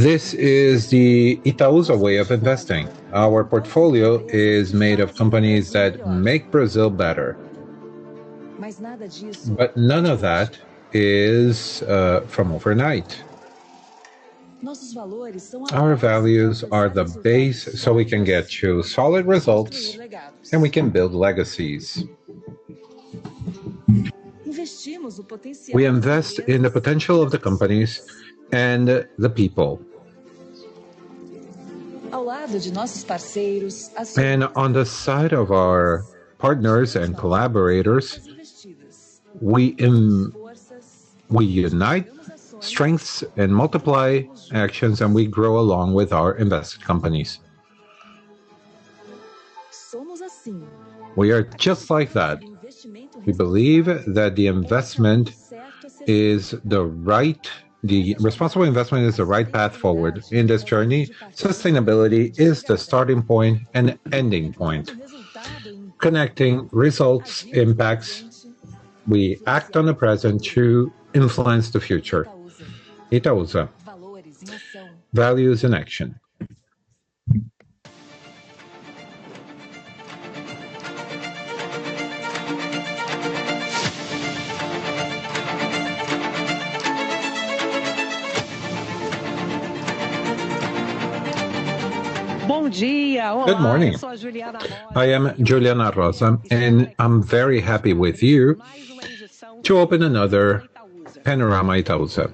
This is the Itaúsa's way of investing. Our portfolio is made of companies that make Brazil better. None of that is from overnight. Our values are the base, so we can get to solid results, and we can build legacies. We invest in the potential of the companies and the people. On the side of our partners and collaborators, we unite strengths and multiply actions, and we grow along with our invest companies. We are just like that. We believe that the responsible investment is the right path forward in this journey. Sustainability is the starting point and ending point. Connecting results, impacts, we act on the present to influence the future. Itaúsa. Values in action. Good morning. I am Juliana Rosa, and I'm very happy with you to open another Panorama Itaúsa.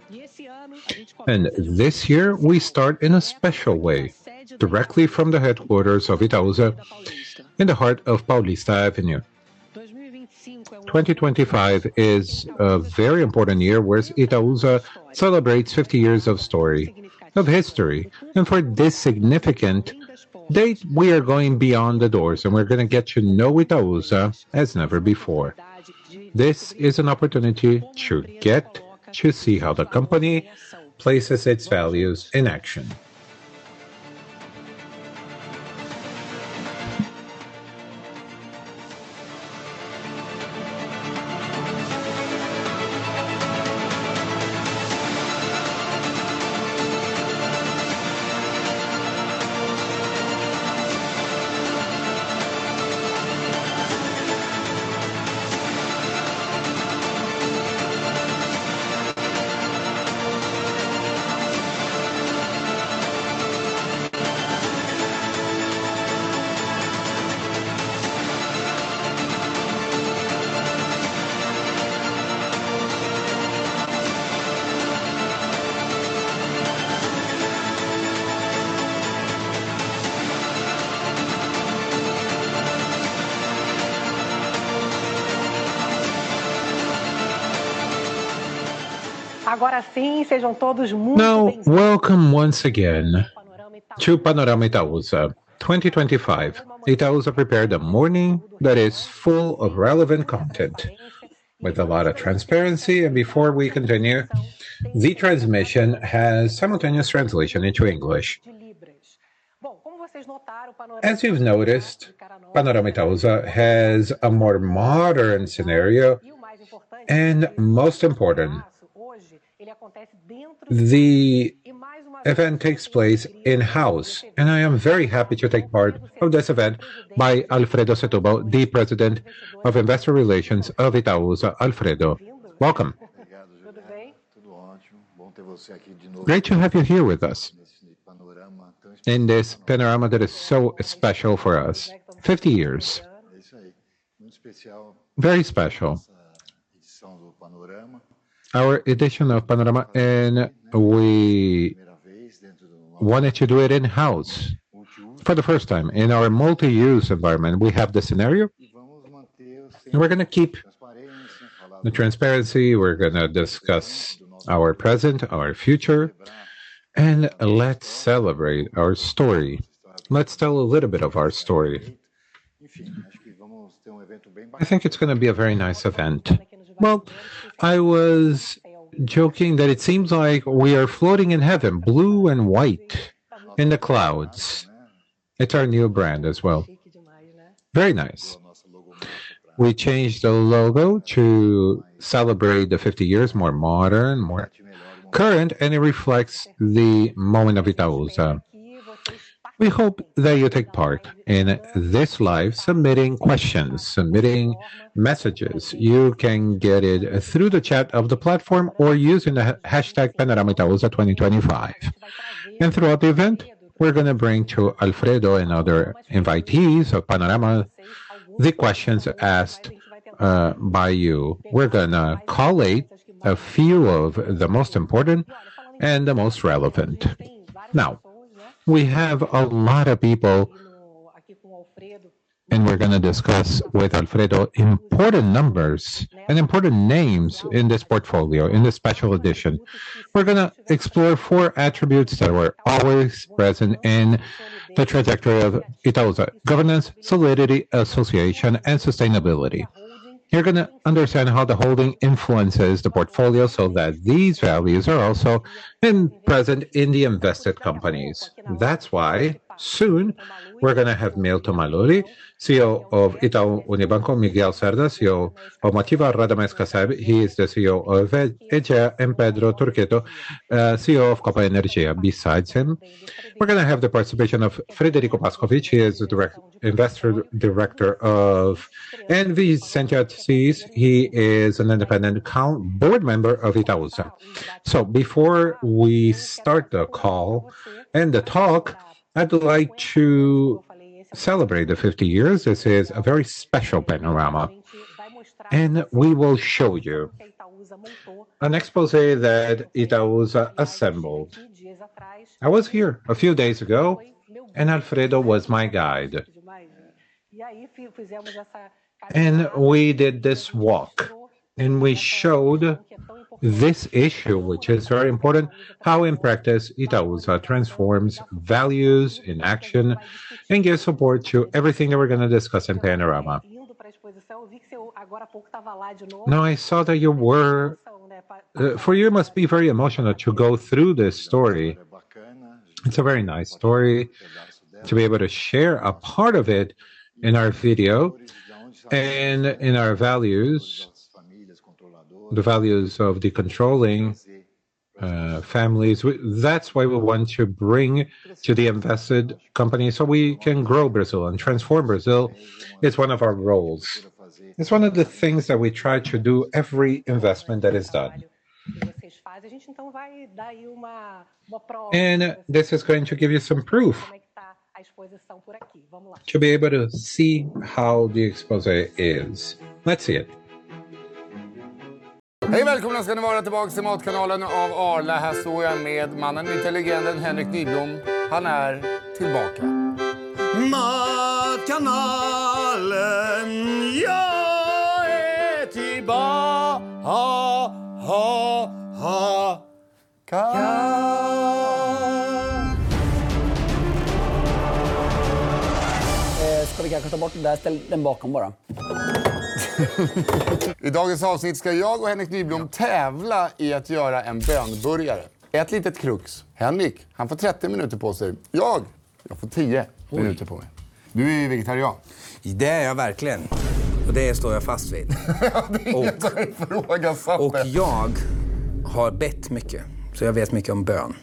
This year, we start in a special way, directly from the headquarters of Itaúsa in the heart of Paulista Avenue. 2025 is a very important year, whereas Itaúsa celebrates 50 years of story, of history. For this significant date, we are going beyond the doors, and we're gonna get to know Itaúsa as never before. This is an opportunity to get to see how the company places its values in action. Now, welcome once again to Panorama Itaúsa 2025. Itaúsa prepared a morning that is full of relevant content with a lot of transparency. Before we continue, the transmission has simultaneous translation into English. As you've noticed, Panorama Itaúsa has a more modern scenario and most important, the event takes place in-house, and I am very happy to take part of this event by Alfredo Setúbal, the President of Investor Relations of Itaúsa. Alfredo, welcome. Great to have you here with us in this Panorama that is so special for us. 50 years. Very special. Our edition of Panorama, and we wanted to do it in-house for the first time. In our multi-use environment, we have the scenario, and we're gonna keep the transparency. We're gonna discuss our present, our future, and let's celebrate our story. Let's tell a little bit of our story. I think it's gonna be a very nice event. Well, I was joking that it seems like we are floating in heaven, blue and white in the clouds. It's our new brand as well. Very nice. We changed the logo to celebrate the 50 years, more modern, more current, and it reflects the moment of Itaúsa. We hope that you take part in this live, submitting questions, submitting messages. You can get it through the chat of the platform or using the hashtag PanoramaItausa2025. Throughout the event, we're gonna bring to Alfredo and other invitees of Panorama the questions asked by you. We're gonna collate a few of the most important and the most relevant. Now, we have a lot of people, and we're gonna discuss with Alfredo important numbers and important names in this portfolio, in this special edition. We're gonna explore four attributes that were always present in the trajectory of Itaúsa: governance, solidity, association, and sustainability. You're gonna understand how the holding influences the portfolio so that these values are also present in the invested companies. That's why soon we're gonna have Milton Maluhy, CEO of Itaú Unibanco, Miguel Setas, CEO of Motiva, Radamés Casseb, he is the CEO of Aegea, and Pedro Turqueto, CEO of Copa Energia. Besides him, we're gonna have the participation of Frederico Pascowitch. He is the director of investments of NV Investimentos. He is an independent board member of Itaúsa. Before we start the call and the talk, I'd like to celebrate the 50 years. This is a very special panorama. We will show you an exposé that Itaúsa assembled. I was here a few days ago, and Alfredo Setúbal was my guide. We did this walk, and we showed this issue, which is very important, how in practice Itaúsa transforms values in action and gives support to everything that we're gonna discuss in Panorama. Now I saw that you were, for you, it must be very emotional to go through this story. It's a very nice story to be able to share a part of it in our video and in our values, the values of the controlling families. That's why we want to bring to the invested company, so we can grow Brazil, and transform Brazil is one of our roles. It's one of the things that we try to do every investment that is done. This is going to give you some proof to be able to see how the exposé is. Let's see it. Hej och välkomna ska ni vara tillbaka till Matkanalen av Arla. Här står jag med mannen, inte legenden, Henrik Nyblom. Han är tillbaka. Matkanalen, jag är tillbaka. Ska vi kanske ta bort det där? Ställ den bakom bara. I dagens avsnitt ska jag och Henrik Nyblom tävla i att göra en bönburgare. Ett litet krux. Henrik, han får 30 minuter på sig. Jag får 10 minuter på mig. Du är ju vegetarian. Det är jag verkligen och det står jag fast vid. Jag vill inte att du förlorar ganz affären. Jag har bett mycket, så jag vet mycket om bön.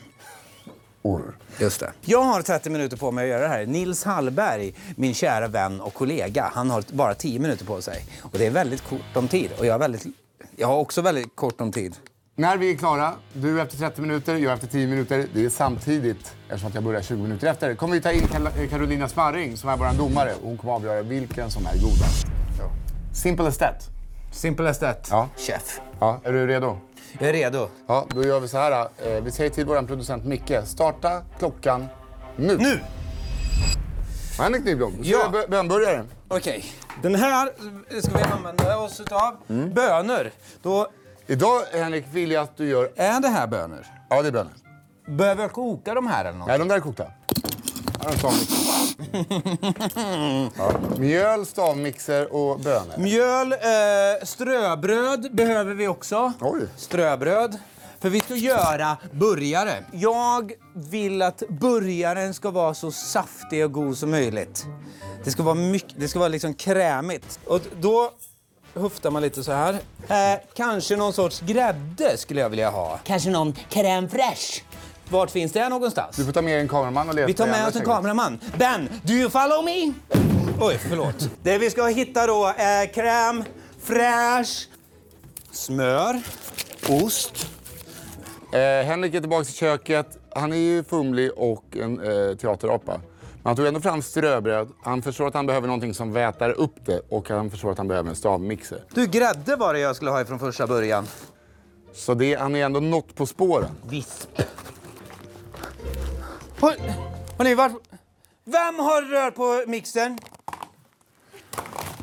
Or. Just det. Jag har 30 minuter på mig att göra det här. Nils Hallberg, min kära vän och kollega, han har bara 10 minuter på sig och det är väldigt kort om tid och jag har också väldigt kort om tid. När vi är klara, du efter 30 minuter, jag efter 10 minuter, det är samtidigt eftersom jag börjar 20 minuter efter. Kommer vi ta in Karolina Sparring som är våran domare och hon kommer avgöra vilken som är godast. Simple as that. Simple as that, chef. Ja, är du redo? Jag är redo. Ja, då gör vi såhär. Vi säger till våran producent Micke: starta klockan nu. Nu. Henrik Nyblom, du ska göra bönburgare. Okej, den här ska vi använda oss utav. Bönor. Då. Idag, Henrik, vill jag att du gör. Är det här bönor? Ja, det är bönor. Behöver jag koka de här eller något? Nej, de där är kokta. Mjöl, stavmixer och bönor. Mjöl, ströbröd behöver vi också. Oj. Ströbröd. För vi ska göra burgare. Jag vill att burgaren ska vara så saftig och god som möjligt. Det ska vara liksom krämigt. Då huftar man lite såhär. Kanske någon sorts grädde skulle jag vilja ha. Kanske någon crème fraîche. Vart finns det någonstans? Du får ta med dig en kameraman och leta. Vi tar med oss en kameraman. Ben, do you follow me? Oj, förlåt. Det vi ska hitta då är crème fraîche, smör, ost. Henrik är tillbaka i köket. Han är fumlig och en teaterapa. Han tog ändå fram ströbröd. Han förstår att han behöver någonting som väter upp det och han förstår att han behöver en stavmixer. Du, grädde var det jag skulle ha ifrån första början. det, han är ändå nåt på spåren. Visp. Oj, hörni, vart? Vem har rör på mixern?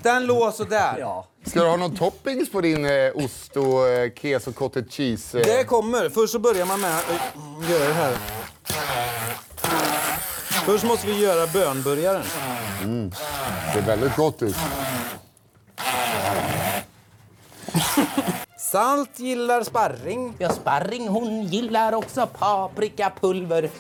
Den låg sådär. Ska du ha någon toppings på din ost och keso, cottage cheese? Det kommer. Först så börjar man med att göra det här. Först måste vi göra bönburgaren. Ser väldigt gott ut. Salt gillar Sparring. Ja, Sparring hon gillar också paprikapulver.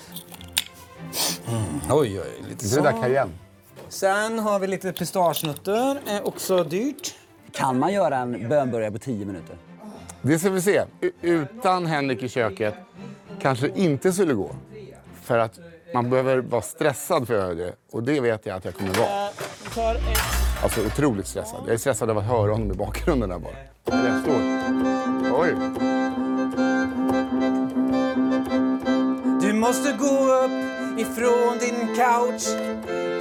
Oj, oj. Det är rätt cayenne. Har vi lite pistagenötter, är också dyrt. Kan man göra en bönburgare på 10 minuter? Det ska vi se. Utan Henrik i köket kanske inte skulle gå. För att man behöver vara stressad för att göra det och det vet jag att jag kommer vara. Alltså otroligt stressad. Jag är stressad av att höra honom i bakgrunden där borta. Oj. Du måste gå upp ifrån din couch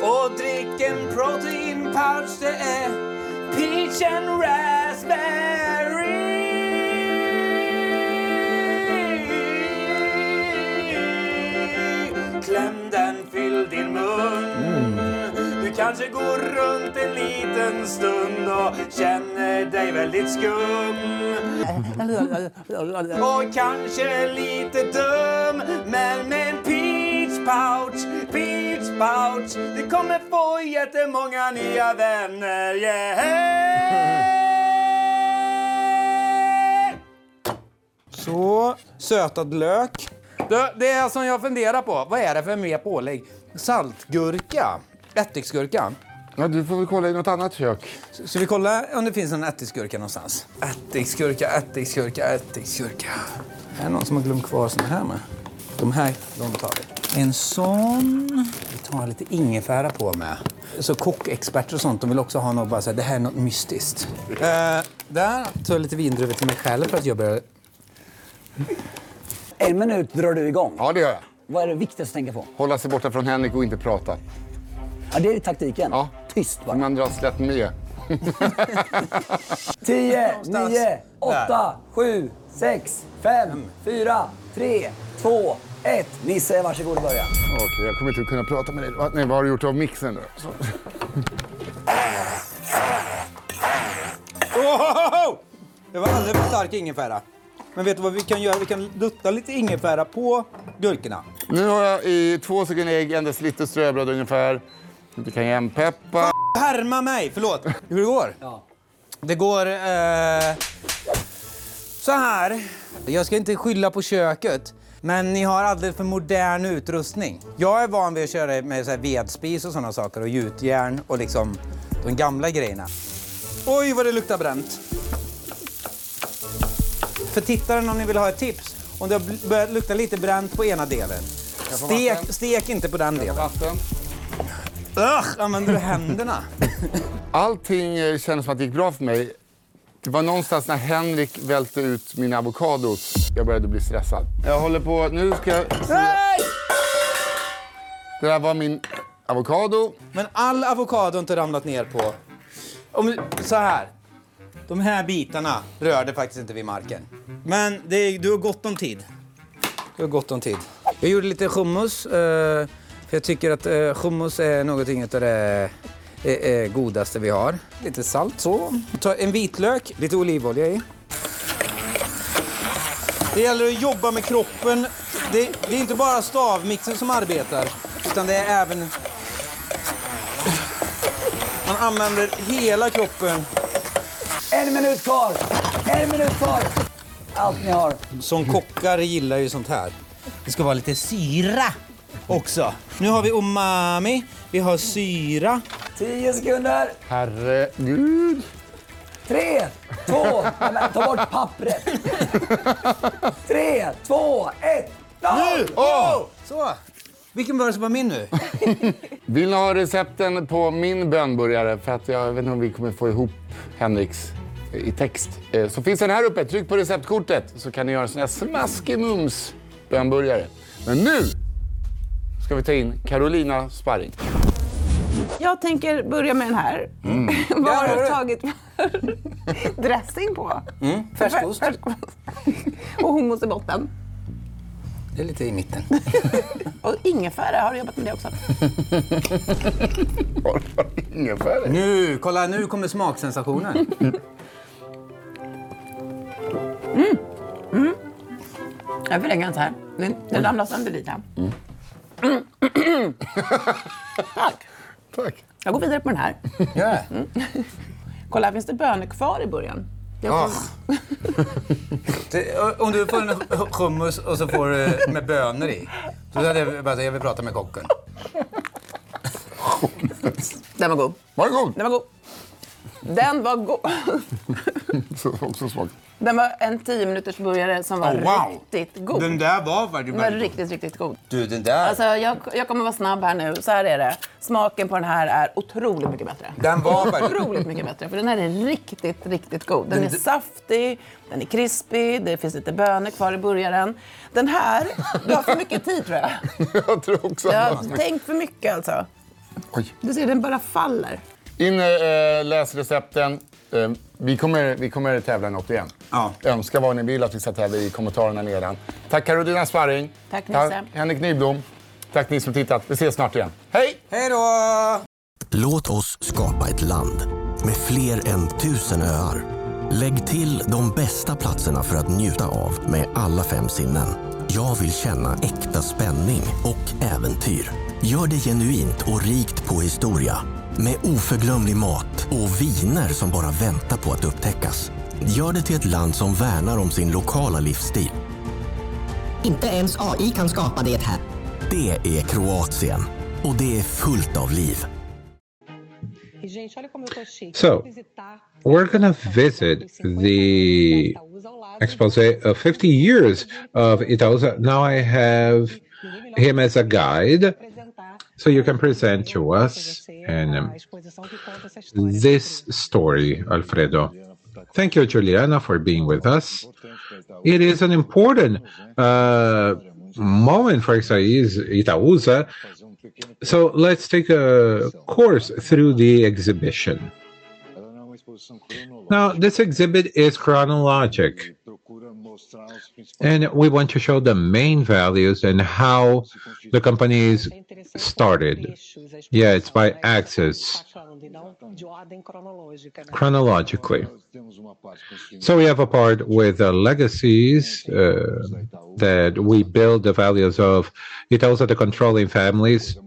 och drick en proteinpouch. Det är peach and raspberry. Kläm den, fyll din mun. Du kanske går runt en liten stund och känner dig väldigt skum. Och kanske lite dum, men med en peach pouch. Ni kommer få jättemånga nya vänner, yeah. Så, sötad lök. Du, det är alltså jag funderar på. Vad är det för mer pålägg? Saltgurka, ättiksgurka? Ja, du får väl kolla i något annat kök. Ska vi kolla om det finns en ättiksgurka någonstans? Ättiksgurka. Här är någon som har glömt kvar sån här med. De här, de tar vi. En sån. Vi tar lite ingefära på med. Alltså kockexperter och sånt, de vill också ha nåt, bara såhär, det här är något mystiskt. Där tar jag lite vindruvor till mig själv för att jobba. En minut drar du i gång. Ja, det gör jag. Vad är det viktigaste att tänka på? Hålla sig borta från Henrik och inte prata. Ja, det är taktiken. Ja. Tyst bara. Men dra slätt med. 10, 9, 8, 7, 6, 5, 4, 3, 2, 1. Nisse, varsågod och börja. Okej, jag kommer inte kunna prata med dig då. Nej, var har du gjort av mixern då? Woah. Det var alldeles för stark ingefära. Men vet du vad vi kan göra? Vi kan dutta lite ingefära på gurkorna. Nu har jag i 2 stycken ägg, 1 deciliter ströbröd ungefär. Lite cayennepeppar. Du härmar mig. Förlåt. Hur det går? Ja. Det går såhär. Jag ska inte skylla på köket, men ni har alldeles för modern utrustning. Jag är van vid att köra med såhär vedspis och sådana saker och gjutjärn och liksom de gamla grejerna. Oj, vad det luktar bränt. För tittaren, om ni vill ha ett tips. Om det har börjat lukta lite bränt på ena delen. Stek inte på den delen. Jag får vatten. Usch, använder du händerna? Allt kändes som att det gick bra för mig. Det var någonstans när Henrik välte ut min avokado. Jag började bli stressad. Jag håller på, nu ska jag. Nej! Det där var min avokado. All avokado har inte ramlat ner på. Om vi, såhär. De här bitarna rörde faktiskt inte vid marken. Du har gott om tid. Jag gjorde lite hummus, för jag tycker att hummus är någonting utav det godaste vi har. Lite salt, så. Tar en vitlök, lite olivolja i. Det gäller att jobba med kroppen. Det är inte bara stavmixern som arbetar, utan det är även. Man använder hela kroppen. En minut kvar. Allt ni har. Som kockar gillar ju sånt här. Det ska vara lite syra också. Nu har vi umami, vi har syra. Tio sekunder. Herre Gud. 3, 2. Nej, men ta bort pappret. 3, 2, 1. Go. Nu! Åh! Vilken burgare var min nu? Vill ni ha recepten på min bönburgare för att jag vet inte om vi kommer få ihop Henriks i text. Så finns den här uppe. Tryck på receptkortet så kan ni göra sådana här smaskemums bönburgare. Men nu. Ska vi ta in Karolina Sparring. Jag tänker börja med den här. Mm. Var du tagit dressing på. Färskost. Färskost. Hummus i botten. Det är lite i mitten. Ingefära. Har du jobbat med det också? Varför ingefära? Nu, kolla, nu kommer smaksensationen. Jag vill äta den såhär. Den ramlade sönder lite. Mm. Tack. Tack. Jag går vidare på den här. Gör det. Kolla, här finns det böner kvar i burgaren. Ja. Om du får hummus och så får du med bönor i. Då är det bara att säga att jag vill prata med kocken. Den var god. Var den god? Den var god. Den var också god. Den var en 10-minutersburgare som var riktigt god. Oh wow. Den där var värdig. Den var riktigt god. Du, den där. Alltså, jag kommer vara snabb här nu. Såhär är det. Smaken på den här är otroligt mycket bättre. Den var värdig. Otroligt mycket bättre. För den här är riktigt god. Den är saftig, den är krispig. Det finns lite bönor kvar i burgaren. Den här, du har för mycket tid tror jag. Jag tror också det. Du har tänkt för mycket alltså. Oj. Du ser, den bara faller. In och, läs recepten. Vi kommer tävla något igen. Ja. Önska vad ni vill att vi ska tävla i kommentarerna nere. Tack, Karolina Sparring. Tack Nisse. Tack Henrik Nyblom. Tack till er som tittat. Vi ses snart igen. Hej. Hejdå! Låt oss skapa ett land med fler än 1,000 öar. Lägg till de bästa platserna för att njuta av med alla fem sinnen. Jag vill känna äkta spänning och äventyr. Gör det genuint och rikt på historia. Med oförglömlig mat och viner som bara väntar på att upptäckas. Gör det till ett land som värnar om sin lokala livsstil. Inte ens AI kan skapa det här. Det är Kroatien och det är fullt av liv. We're gonna visit the exposition of 50 years of Itaúsa. Now I have him as a guide. You can present to us this story, Alfredo. Thank you, Juliana, for being with us. It is an important moment for Itaúsa. Let's take a tour through the exhibition. Now, this exhibit is chronological. We want to show the main values and how the company is started. It's by axes chronologically. We have a part with legacies that we build the values of. It tells that the controlling families,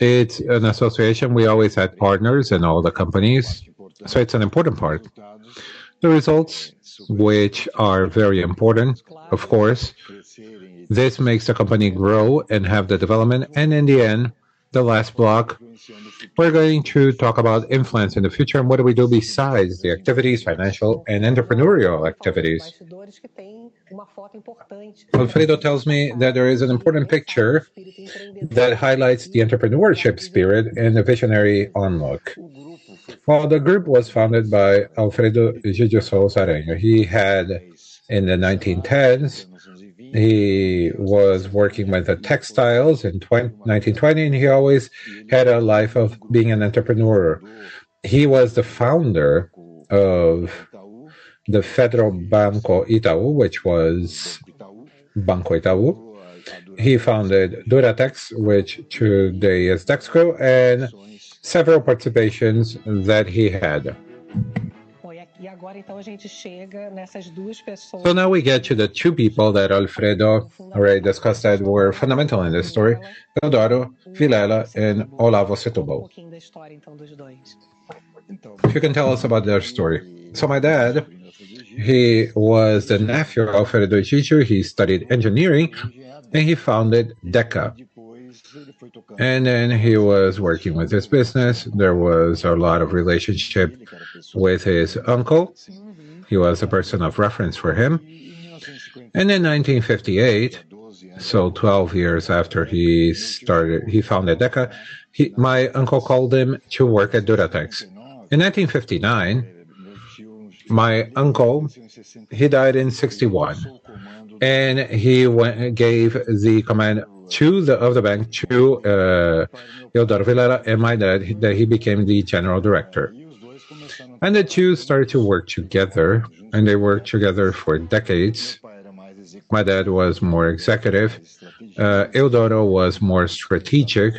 it's an association. We always had partners in all the companies, so it's an important part. The results which are very important, of course, this makes the company grow and have the development and in the end, the last block, we're going to talk about influence in the future and what do we do besides the activities, financial and entrepreneurial activities. Alfredo tells me that there is an important picture that highlights the entrepreneurial spirit and the visionary outlook. Well, the group was founded by Alfredo Egydio de Souza Aranha. In the 1910s, he was working with the textiles. In 1920 and he always had a life of being an entrepreneur. He was the founder of the Banco Federal Itaú, which was Banco Itaú. He founded Duratex, which today is Dexco, and several participations that he had. Now we get to the two people that Alfredo already discussed that were fundamental in this story, Eudoro Villela and Olavo Setúbal. If you can tell us about their story. My dad, he was the nephew of Alfredo Egydio de Souza Aranha. He studied engineering, and he founded Deca. Then he was working with this business. There was a lot of relationship with his uncle. He was a person of reference for him. In 1958, 12 years after he founded Deca, my uncle called him to work at Duratex. In 1959, my uncle, he died in 1961, and he went and gave the command of the bank to Eudoro Villela and my dad. He became the general director. The two started to work together, and they worked together for decades. My dad was more executive. Eudoro was more strategic.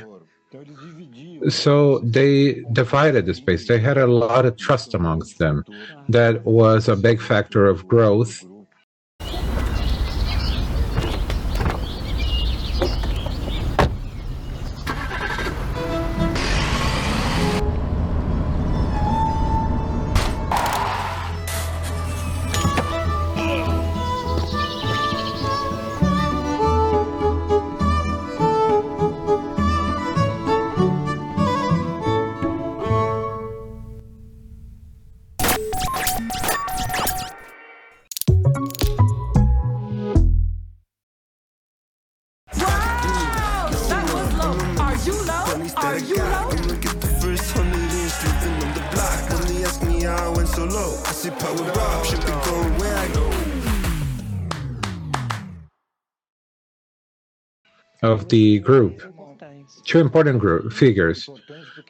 They divided the space. They had a lot of trust among them. That was a big factor of growth. Of the group. Two important figures.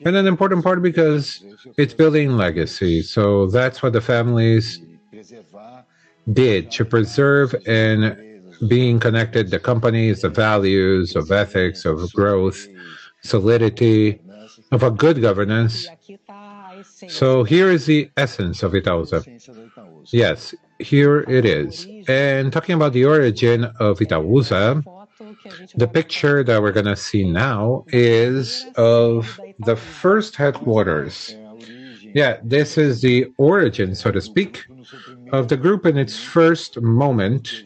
An important part because it's building legacy. That's what the families did, to preserve and being connected the companies, the values of ethics, of growth, solidity, of a good governance. Here is the essence of Itaúsa. Yes, here it is. Talking about the origin of Itaúsa, the picture that we're gonna see now is of the first headquarters. Yeah. This is the origin, so to speak, of the group in its first moment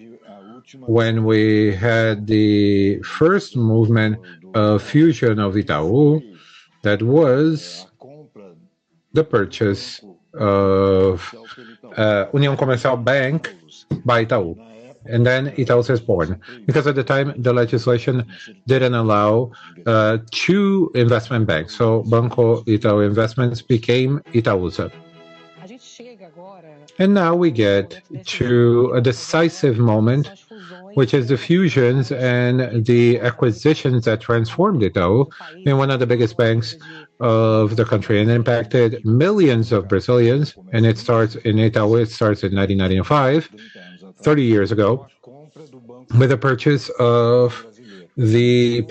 when we had the first movement of fusion of Itaú that was the purchase of Banco União Comercial by Itaú. Then Itaúsa was born. Because at the time, the legislation didn't allow two investment banks. Banco Itaú de Investimentos became Itaúsa. Now we get to a decisive moment, which is the mergers and the acquisitions that transformed Itaú into one of the biggest banks of the country and impacted millions of Brazilians. It starts in Itaú, it starts in 1995, thirty years ago, with the purchase of the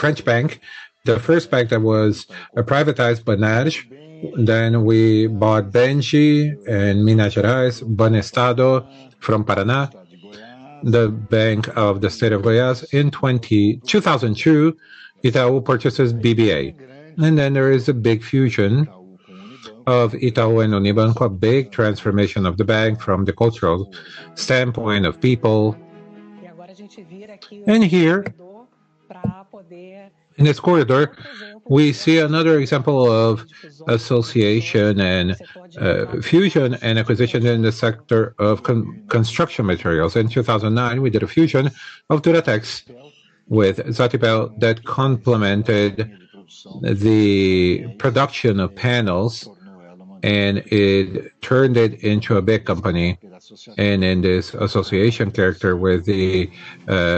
French bank. The first bank that was privatized Banerj. Then we bought Bemge and Minas Gerais, Banestado from Paraná, the Bank of the State of Goiás. In 2002, Itaú purchases BBA. Then there is a big merger of Itaú and Unibanco, a big transformation of the bank from the cultural standpoint of people. Here, in this corridor, we see another example of association and merger and acquisition in the sector of construction materials. In 2009, we did a fusion of Duratex with Satipel that complemented the production of panels, and it turned it into a big company, and then this association character with the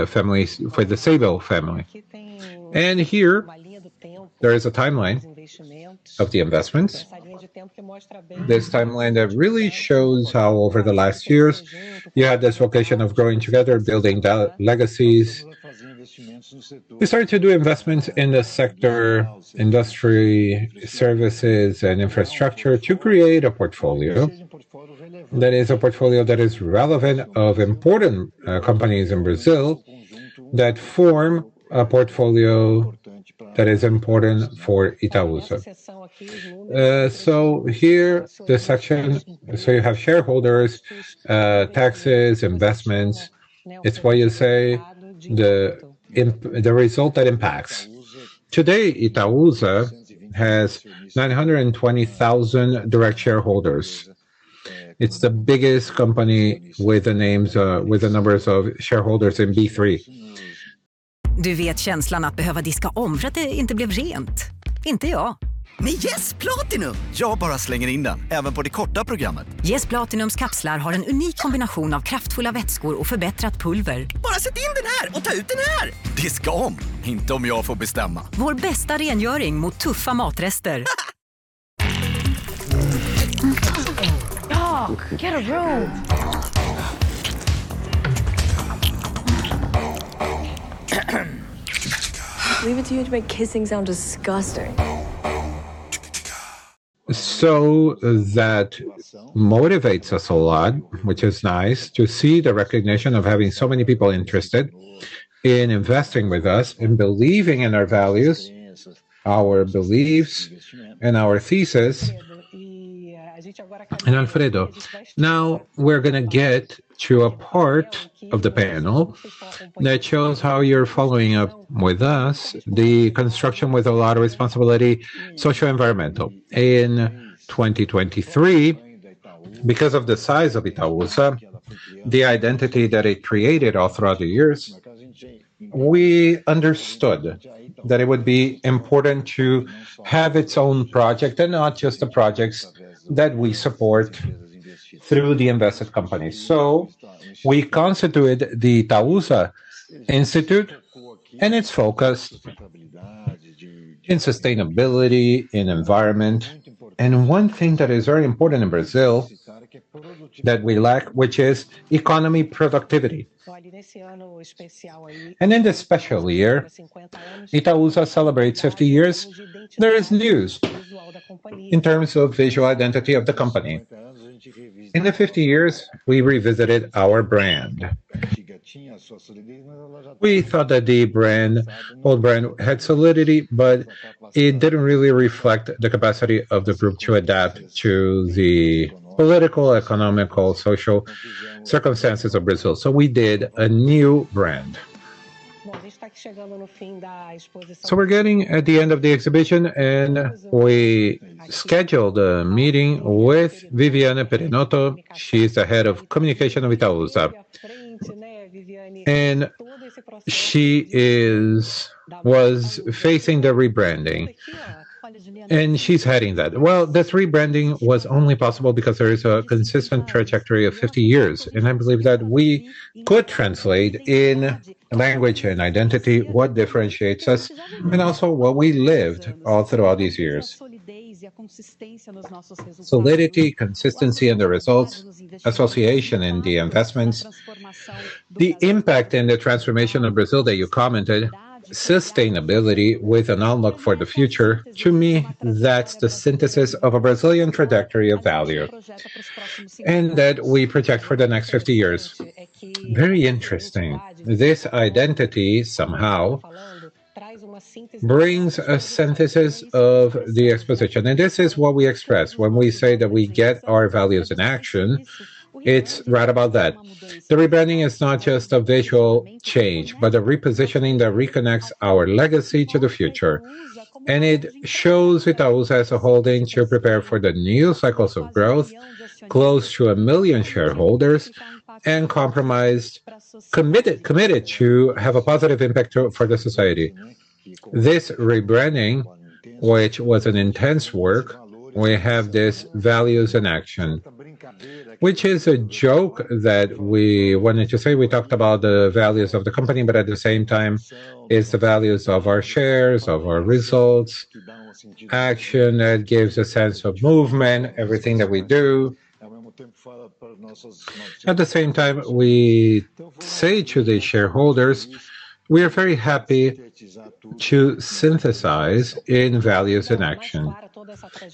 families for the Seibel family. Here, there is a timeline of the investments. This timeline that really shows how over the last years you had this vocation of growing together, building the legacies. We started to do investments in the sector, industry, services, and infrastructure to create a portfolio that is a portfolio that is relevant of important companies in Brazil that form a portfolio that is important for Itaúsa. Here the section. You have shareholders, taxes, investments. It's why you say the result that impacts. Today, Itaúsa has 920,000 direct shareholders. It's the biggest company with the names, with the numbers of shareholders in B3. That motivates us a lot, which is nice to see the recognition of having so many people interested in investing with us and believing in our values, our beliefs, and our thesis. Alfredo, now we're gonna get to a part of the panel that shows how you're following up with us, the construction with a lot of responsibility, social, environmental. In 2023, because of the size of Itaúsa, the identity that it created all throughout the years, we understood that it would be important to have its own project and not just the projects that we support through the invested companies. We constituted the Itaúsa Institute, and it's focused in sustainability, in environment, and one thing that is very important in Brazil that we lack, which is economic productivity. In this special year, Itaúsa celebrates 50 years. There is news in terms of visual identity of the company. In the 50 years, we revisited our brand. We thought that the brand, old brand had solidity, but it didn't really reflect the capacity of the group to adapt to the political, economic, social circumstances of Brazil. We did a new brand. We're getting at the end of the exhibition, and we scheduled a meeting with Viviane Perinotto. She's the head of communication of Itaúsa. She was facing the rebranding, and she's heading that. Well, this rebranding was only possible because there is a consistent trajectory of 50 years, and I believe that we could translate in language and identity what differentiates us and also what we lived all throughout these years. Solidity, consistency in the results, association in the investments. The impact and the transformation of Brazil that you commented, sustainability with an outlook for the future, to me, that's the synthesis of a Brazilian trajectory of value and that we project for the next 50 years. Very interesting. This identity somehow brings a synthesis of the exposition. This is what we express when we say that we get our values in action. It's right about that. The rebranding is not just a visual change, but a repositioning that reconnects our legacy to the future. It shows Itaúsa as a holding to prepare for the new cycles of growth, close to 1 million shareholders and committed to have a positive impact for the society. This rebranding, which was an intense work, we have this values in action, which is a joke that we wanted to say. We talked about the values of the company, but at the same time, it's the values of our shares, of our results. Action, it gives a sense of movement, everything that we do. At the same time, we say to the shareholders, we are very happy to synthesize in values in action.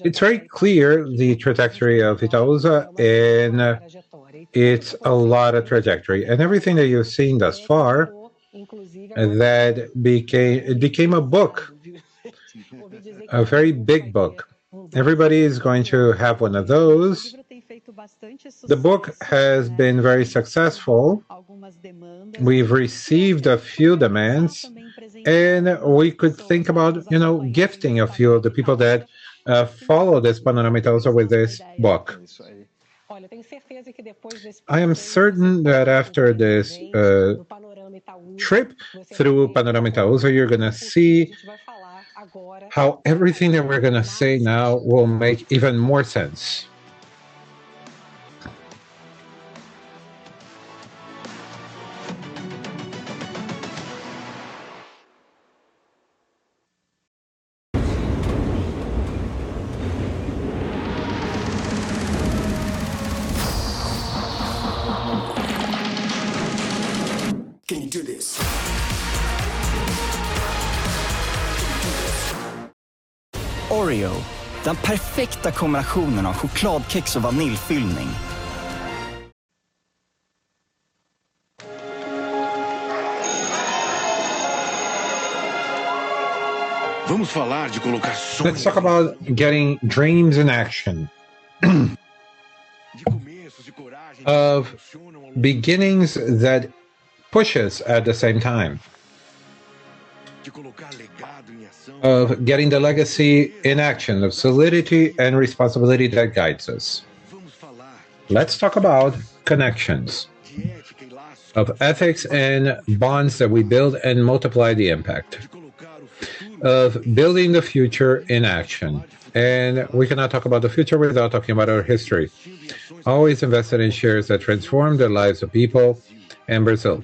It's very clear the trajectory of Itaúsa, and it's a lot of trajectory. Everything that you're seeing thus far, that became a book. A very big book. Everybody is going to have one of those. The book has been very successful. We've received a few demands, and we could think about, you know, gifting a few of the people that follow this Panorama Itaúsa with this book. I am certain that after this trip through Panorama Itaúsa, you're gonna see how everything that we're gonna say now will make even more sense. Oreo. Let's talk about getting dreams in action. Of beginnings that pushes at the same time. Of getting the legacy in action, of solidity and responsibility that guides us. Let's talk about connections. Of ethics and bonds that we build and multiply the impact. Of building the future in action, and we cannot talk about the future without talking about our history. Always invested in shares that transform the lives of people in Brazil.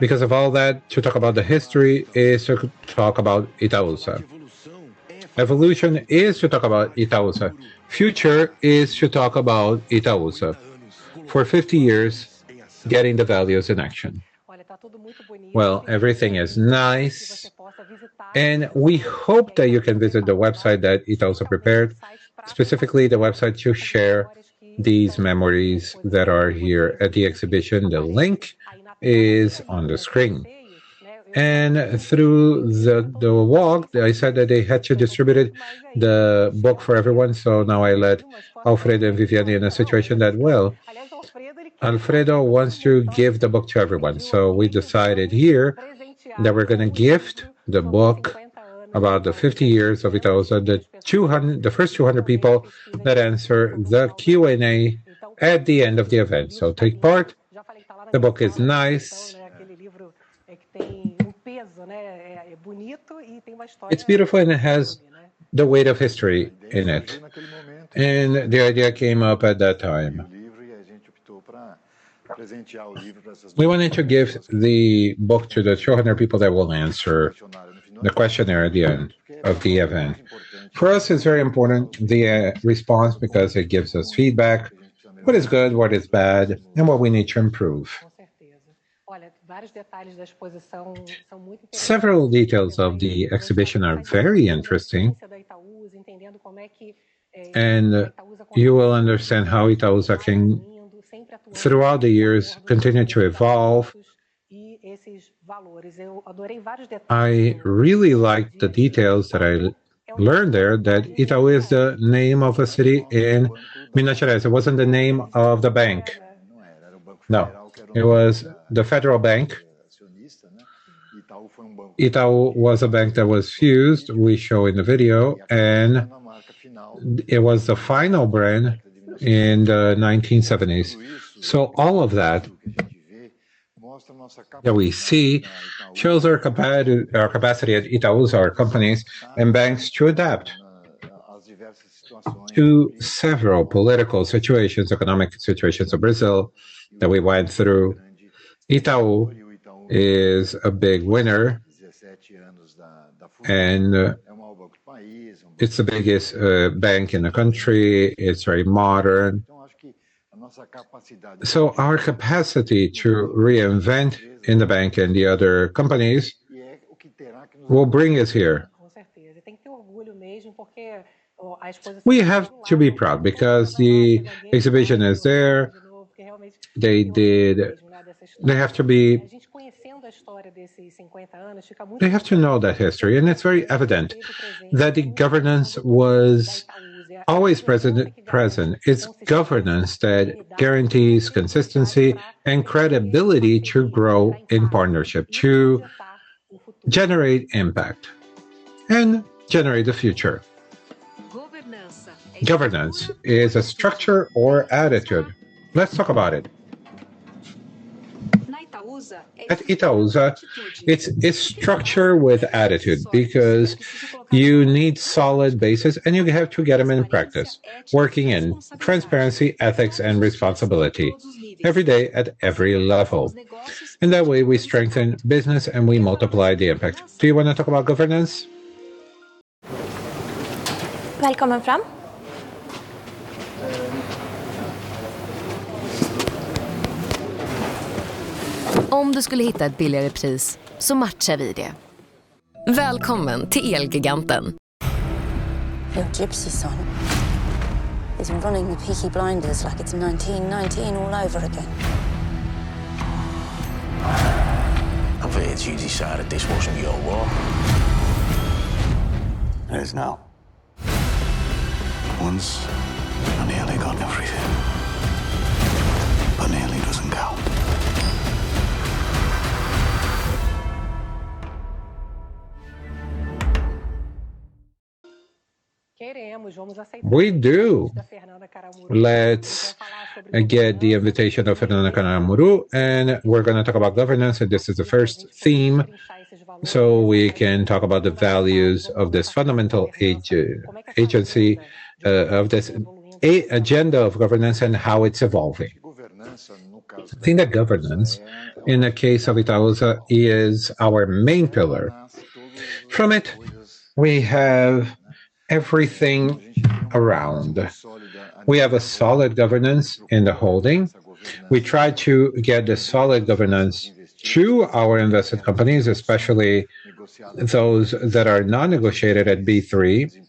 Because of all that, to talk about the history is to talk about Itaúsa. Evolution is to talk about Itaúsa. Future is to talk about Itaúsa. For 50 years, getting the values in action. Well, everything is nice, and we hope that you can visit the website that Itaúsa prepared, specifically the website to share these memories that are here at the exhibition. The link is on the screen. Through the walk, I said that they had to distribute it, the book for everyone, so now I let Alfredo and Viviane in a situation that well, Alfredo wants to give the book to everyone. We decided here that we're gonna gift the book about the 50 years of Itaúsa, the first 200 people that answer the Q&A at the end of the event. Take part. The book is nice. It's beautiful, and it has the weight of history in it. The idea came up at that time. We wanted to give the book to the 200 people that will answer the questionnaire at the end of the event. For us, it's very important, the response because it gives us feedback, what is good, what is bad, and what we need to improve. Several details of the exhibition are very interesting. You will understand how Itaúsa can, throughout the years, continue to evolve. I really like the details that I learned there, that Itaú is the name of a city in Minas Gerais. It wasn't the name of the bank. No. It was the federal bank. Itaú was a bank that was fused, we show in the video, and it was the final brand in the 1970s. All of that we see shows our capacity at Itaúsa, our companies and banks to adapt to several political situations, economic situations of Brazil that we went through. Itaú is a big winner, and it's the biggest bank in the country. It's very modern. Our capacity to reinvent in the bank and the other companies will bring us here. We have to be proud because the exhibition is there. They have to know their history, and it's very evident that the governance was always present. It's governance that guarantees consistency and credibility to grow in partnership, to generate impact and generate the future. Governance is a structure or attitude. Let's talk about it. At Itaúsa, it's structure with attitude because you need solid basis, and you have to get them in practice, working in transparency, ethics, and responsibility every day at every level. In that way, we strengthen business, and we multiply the impact. Do you wanna talk about governance? Your gypsy son is running the Peaky Blinders like it's 1919 all over again. I bet you decided this wasn't your war. It is now. Once, I nearly got everything. Nearly doesn't count. We do. Let's get the invitation of Fernanda Caramuru, and we're gonna talk about governance. This is the first theme, so we can talk about the values of this fundamental agenda of governance and how it's evolving. I think that governance in the case of Itaúsa is our main pillar. From it, we have everything around. We have a solid governance in the holding. We try to get a solid governance to our invested companies, especially those that are non-negotiated at B3.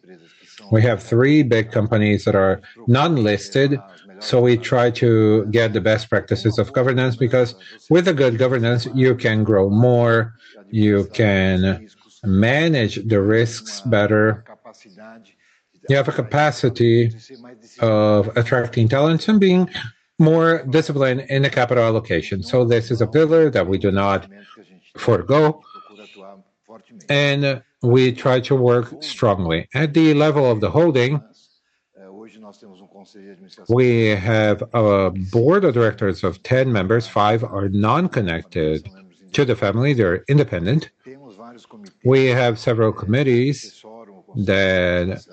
We have three big companies that are non-listed, so we try to get the best practices of governance because with a good governance, you can grow more, you can manage the risks better. You have a capacity of attracting talents and being more disciplined in the capital allocation. This is a pillar that we do not forego, and we try to work strongly. At the level of the holding, we have a board of directors of 10 members. 5 are non-connected to the family. They're independent. We have several committees that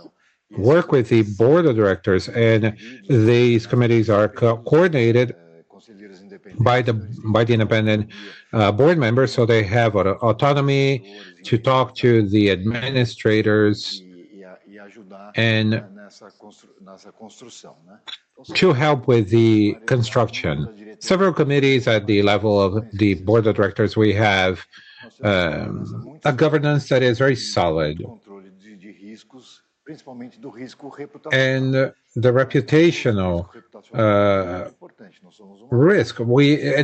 work with the board of directors, and these committees are coordinated by the independent board members, so they have autonomy to talk to the administrators and to help with the construction. Several committees at the level of the board of directors, we have a governance that is very solid. The reputational risk.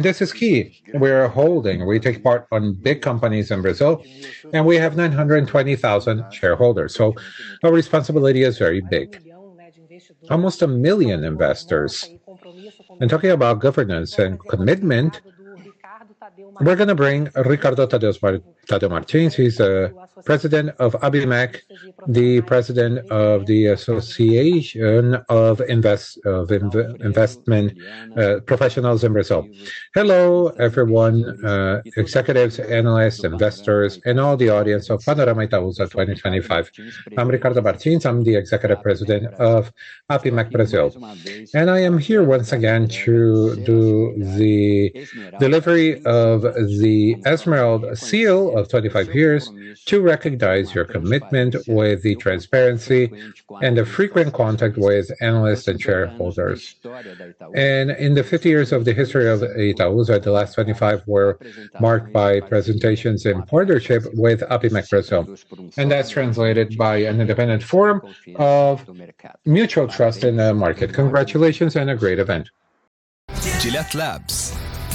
This is key. We're a holding. We take part in big companies in Brazil, and we have 920,000 shareholders. Our responsibility is very big. Almost a million investors. Talking about governance and commitment, we're gonna bring Ricardo Tadeu Martins, who is president of APIMEC, the president of the Association of Investment Professionals in Brazil. Hello, everyone, executives, analysts, investors, and all the audience of Panorama Itaúsa 2025. I'm Ricardo Martins. I'm the executive president of APIMEC Brazil. I am here once again to do the delivery of the Emerald Seal of 25 years to recognize your commitment with the transparency and the frequent contact with analysts and shareholders. In the 50 years of the history of Itaúsa, the last 25 were marked by presentations in partnership with APIMEC Brazil. That's translated by an independent form of mutual trust in the market. Congratulations on a great event. GilletteLabs.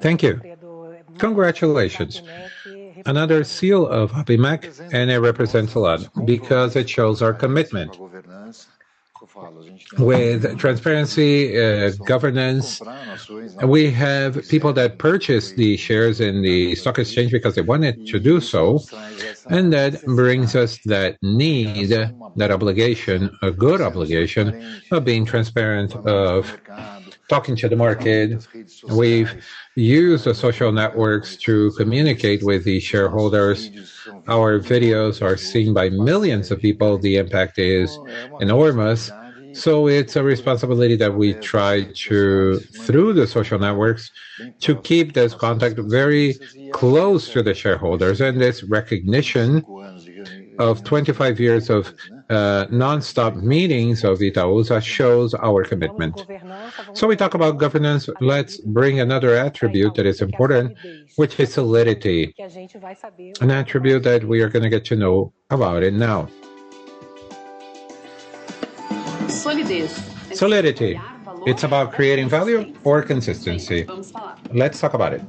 Thank you. Congratulations. Another seal of APIMEC, and it represents a lot because it shows our commitment with transparency, governance. We have people that purchase the shares in the stock exchange because they wanted to do so, and that brings us that need, that obligation, a good obligation of being transparent, of talking to the market. We've used the social networks to communicate with the shareholders. Our videos are seen by millions of people. The impact is enormous. It's a responsibility that we try to, through the social networks, to keep this contact very close to the shareholders. This recognition of 25 years of nonstop meetings of Itaúsa shows our commitment. We talk about governance. Let's bring another attribute that is important, which is solidity, an attribute that we are gonna get to know about it now. Solidez. Solidity. It's about creating value or consistency. Let's talk about it.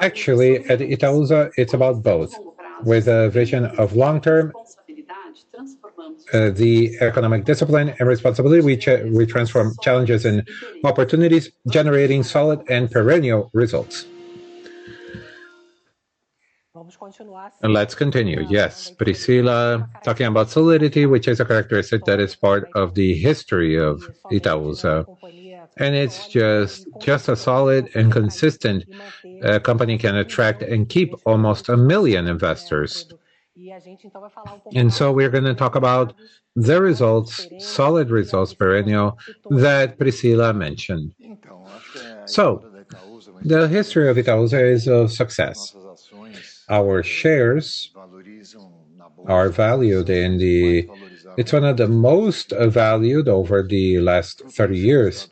Actually, at Itaúsa, it's about both. With a vision of long-term the economic discipline and responsibility, we transform challenges and opportunities, generating solid and perennial results. Let's continue. Yes. Priscila talking about solidity, which is a characteristic that is part of the history of Itaúsa. It's just a solid and consistent company can attract and keep almost a million investors. We're gonna talk about the results, solid results, perennial, that Priscila mentioned. The history of Itaúsa is a success. Our shares are valued and it's one of the most valued over the last 30 years.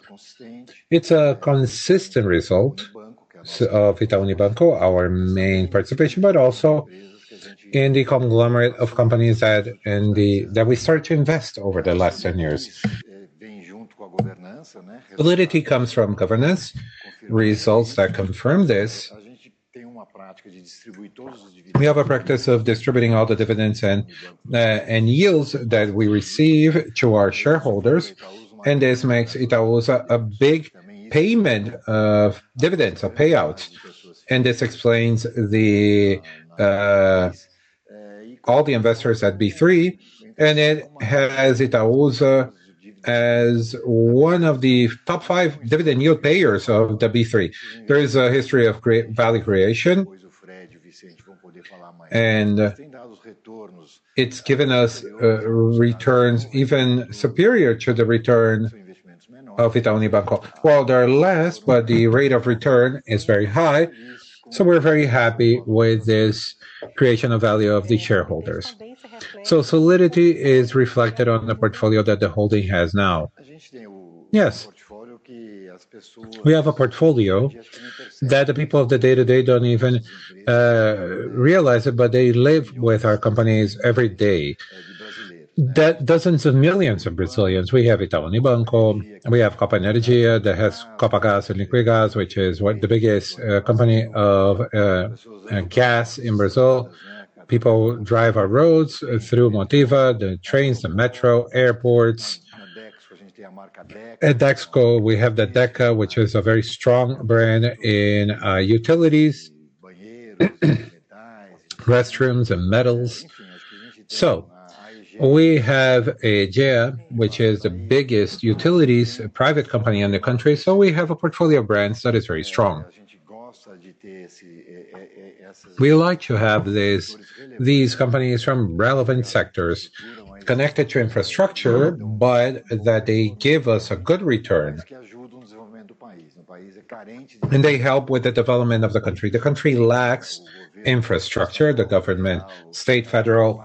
It's a consistent result of Itaú Unibanco, our main participation, but also in the conglomerate of companies that we started to invest over the last 10 years. Solidity comes from governance. Results that confirm this. We have a practice of distributing all the dividends and yields that we receive to our shareholders, and this makes Itaúsa a big payer of dividends or payouts. This explains. All the investors at B3, and it has Itaúsa as one of the top five dividend yield payers of the B3. There is a history of value creation. It's given us returns even superior to the return of Itaú Unibanco. Well, they're less, but the rate of return is very high, so we're very happy with this creation of value of the shareholders. Solidity is reflected on the portfolio that the holding has now. Yes. We have a portfolio that the people of the day-to-day don't even realize it, but they live with our companies every day. Dozens of millions of Brazilians, we have Itaú Unibanco, and we have Copa Energia that has Copagaz and Liquigás, which is one of the biggest company of gas in Brazil. People drive our roads through Motiva, the trains, the metro, airports. At Dexco, we have the Deca, which is a very strong brand in utilities, restrooms and metals. We have Aegea, which is the biggest utilities private company in the country, so we have a portfolio of brands that is very strong. We like to have these companies from relevant sectors connected to infrastructure, but that they give us a good return. They help with the development of the country. The country lacks infrastructure. The government, state, federal,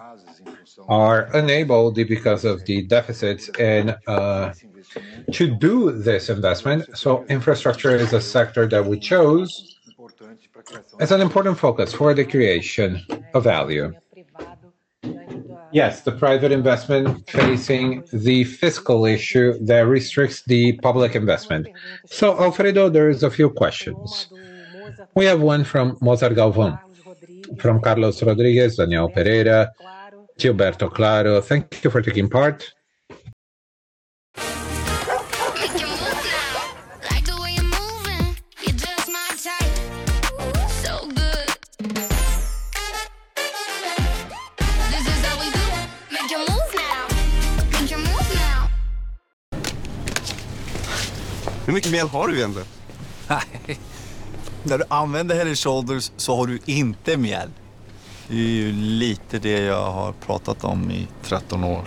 are enabled because of the deficits and to do this investment. Infrastructure is a sector that we chose as an important focus for the creation of value. Yes, the private investment facing the fiscal issue that restricts the public investment. Alfredo, there is a few questions. We have one from Mozart Galvão, from Carlos Rodrigues, Daniel Pereira, Gilberto Claro. Thank you for taking part. Make your move now. I like the way you're moving. You're just my type. So good. This is how we do it. Make your move now. Make your move now.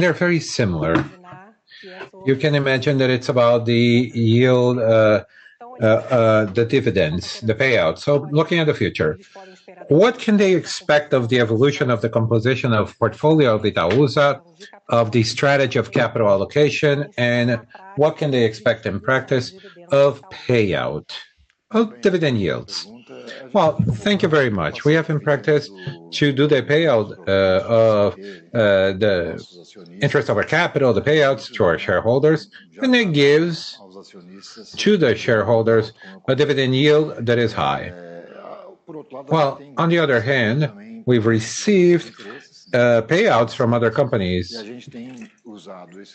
They're very similar. You can imagine that it's about the yield, the dividends, the payout. Looking at the future, what can they expect of the evolution of the composition of portfolio of Itaúsa, of the strategy of capital allocation, and what can they expect in practice of payout, of dividend yields? Well, thank you very much. We have in practice to do the payout, of, the interest of our capital, the payouts to our shareholders, and it gives to the shareholders a dividend yield that is high. Well, on the other hand, we've received, payouts from other companies,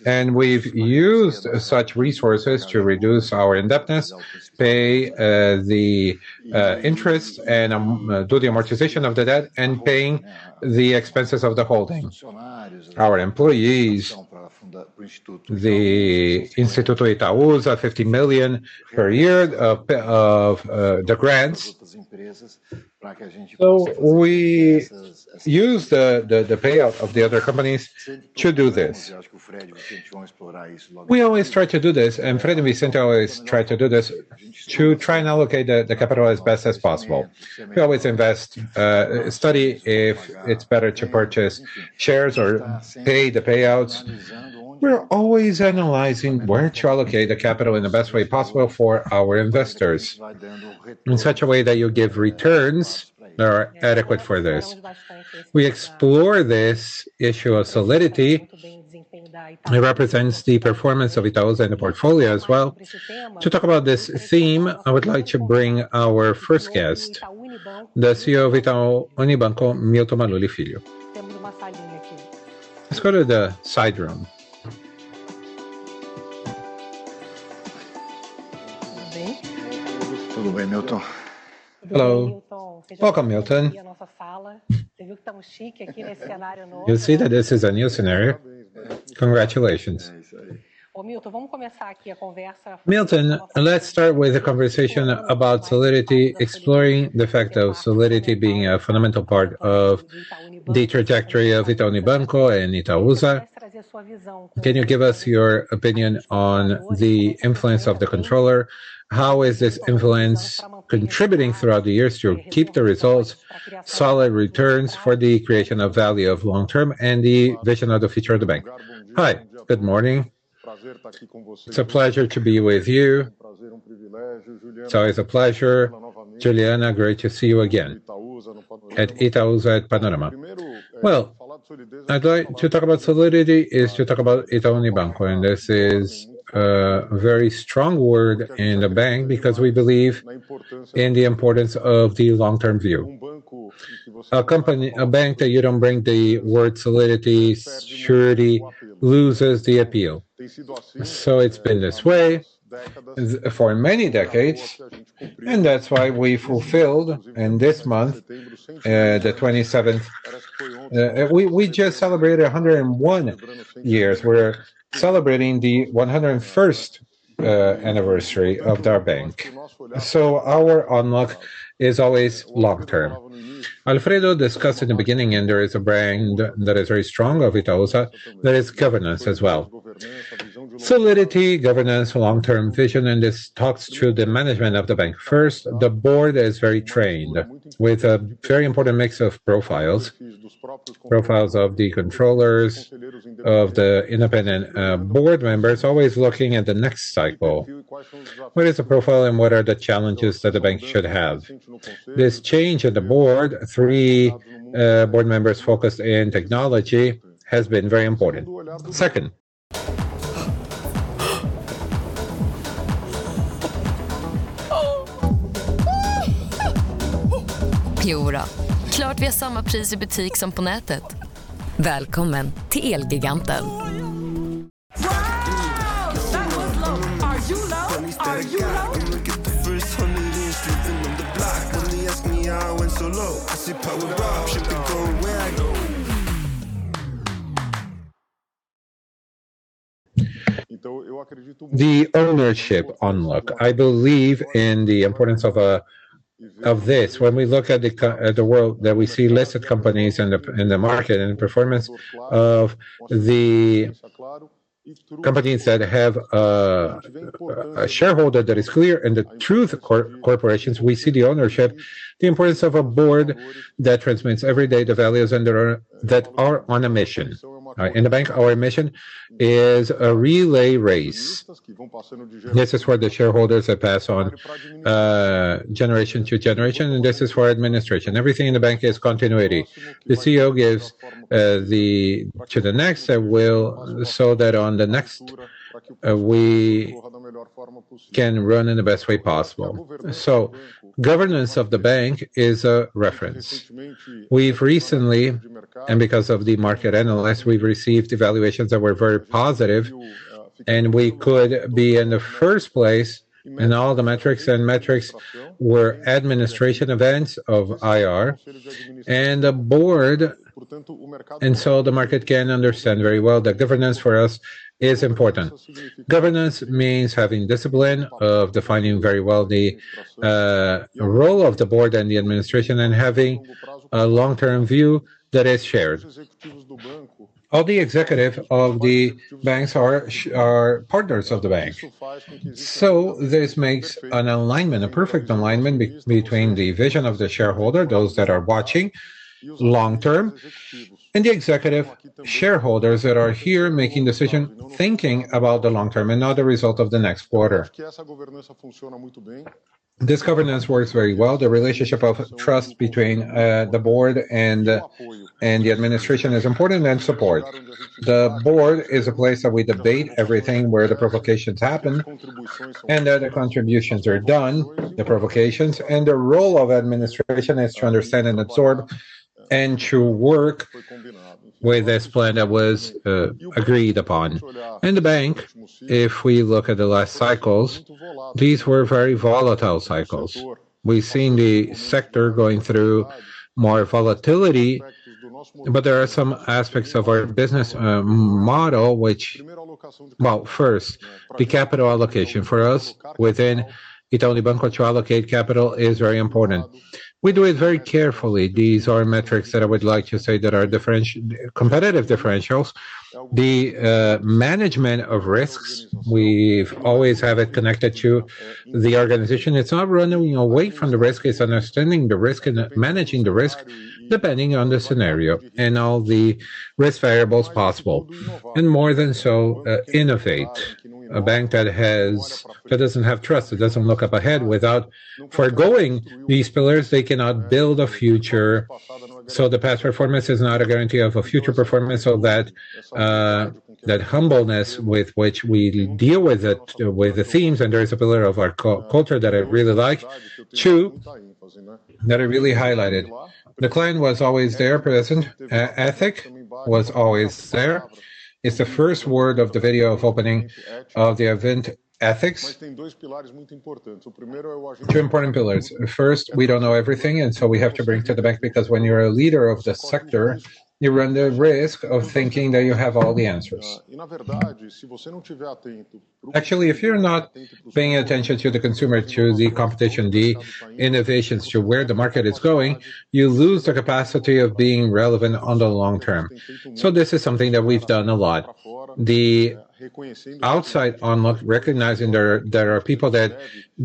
and we've used such resources to reduce our indebtedness, pay, the, interest and, do the amortization of the debt and paying the expenses of the holding. Our employees from the Instituto Itaúsa, 50 million per year of the grants. We use the payout of the other companies to do this. We always try to do this, and Fred and Vicente always try to do this to try and allocate the capital as best as possible. We always invest, study if it's better to purchase shares or pay the payouts. We're always analyzing where to allocate the capital in the best way possible for our investors in such a way that you give returns that are adequate for this. We explore this issue of solidity. It represents the performance of Itaúsa and the portfolio as well. To talk about this theme, I would like to bring our first guest, the CEO of Itaú Unibanco, Milton Maluhy Filho. Let's go to the side room. Hello. Welcome, Milton. You'll see that this is a new scenario. Congratulations. Milton, let's start with a conversation about solidity, exploring the fact of solidity being a fundamental part of the trajectory of Itaú Unibanco and Itaúsa. Can you give us your opinion on the influence of the controller? How is this influence contributing throughout the years to keep the results, solid returns for the creation of value of long-term and the vision of the future of the bank? Hi, good morning. It's a pleasure to be with you. It's always a pleasure. Juliana, great to see you again at Itaúsa at Panorama. Well, I'd like to talk about solidity is to talk about Itaú Unibanco, and this is a very strong word in the bank because we believe in the importance of the long-term view. A company, a bank that you don't bring the word solidity, surety, loses the appeal. It's been this way for many decades, and that's why we built, and this month, the 27th, we just celebrated 101 years. We're celebrating the 101st anniversary of our bank. Our outlook is always long-term. Alfredo discussed in the beginning, and there is a brand that is very strong of Itaúsa, that is governance as well. Solidity, governance, long-term vision, and this talks to the management of the bank. First, the board is very trained with a very important mix of profiles. Profiles of the controllers, of the independent board members, always looking at the next cycle. What is the profile and what are the challenges that the bank should have? This change in the board, 3 board members focused in technology, has been very important. Second, the ownership outlook. I believe in the importance of this. When we look at the world, that we see listed companies in the market and performance of the companies that have a shareholder that is clear and the true corporations, we see the ownership, the importance of a board that transmits every day the values that are on a mission. In the bank, our mission is a relay race. This is where the shareholders have passed on generation to generation, and this is for administration. Everything in the bank is continuity. The CEO gives to the next a will so that on the next we can run in the best way possible. Governance of the bank is a reference. We've recently, because of the market analysts, we've received evaluations that were very positive, and we could be in the first place in all the metrics. Metrics were administration events of IR and the board, so the market can understand very well that governance for us is important. Governance means having discipline of defining very well the role of the board and the administration, and having a long-term view that is shared. All the executives of the banks are partners of the bank. This makes an alignment, a perfect alignment between the vision of the shareholder, those that are watching long-term, and the executives shareholders that are here making decisions, thinking about the long-term and not the result of the next quarter. This governance works very well. The relationship of trust between the board and the administration is important and support. The board is a place that we debate everything, where the provocations happen and the contributions are done, the provocations. The role of administration is to understand and absorb and to work with this plan that was agreed upon. In the bank, if we look at the last cycles, these were very volatile cycles. We've seen the sector going through more volatility, but there are some aspects of our business model which. Well, first, the capital allocation. For us, within Banco Itaú, to allocate capital is very important. We do it very carefully. These are metrics that I would like to say that are competitive differentials. The management of risks, we've always have it connected to the organization. It's not running away from the risk, it's understanding the risk and managing the risk depending on the scenario and all the risk variables possible. More than so, innovate. A bank that doesn't have trust, it doesn't look up ahead. Without foregoing these pillars, they cannot build a future, so the past performance is not a guarantee of a future performance. That humbleness with which we deal with it, with the themes, and there is a pillar of our culture that I really like. Too, that I really highlighted. The client was always present. Ethic was always there. It's the first word of the video of opening of the event, ethics. Two important pillars. First, we don't know everything, and so we have to bring to the bank, because when you're a leader of the sector, you run the risk of thinking that you have all the answers. Actually, if you're not paying attention to the consumer, to the competition, the innovations, to where the market is going, you lose the capacity of being relevant on the long term. This is something that we've done a lot. The outside unlock, recognizing there are people that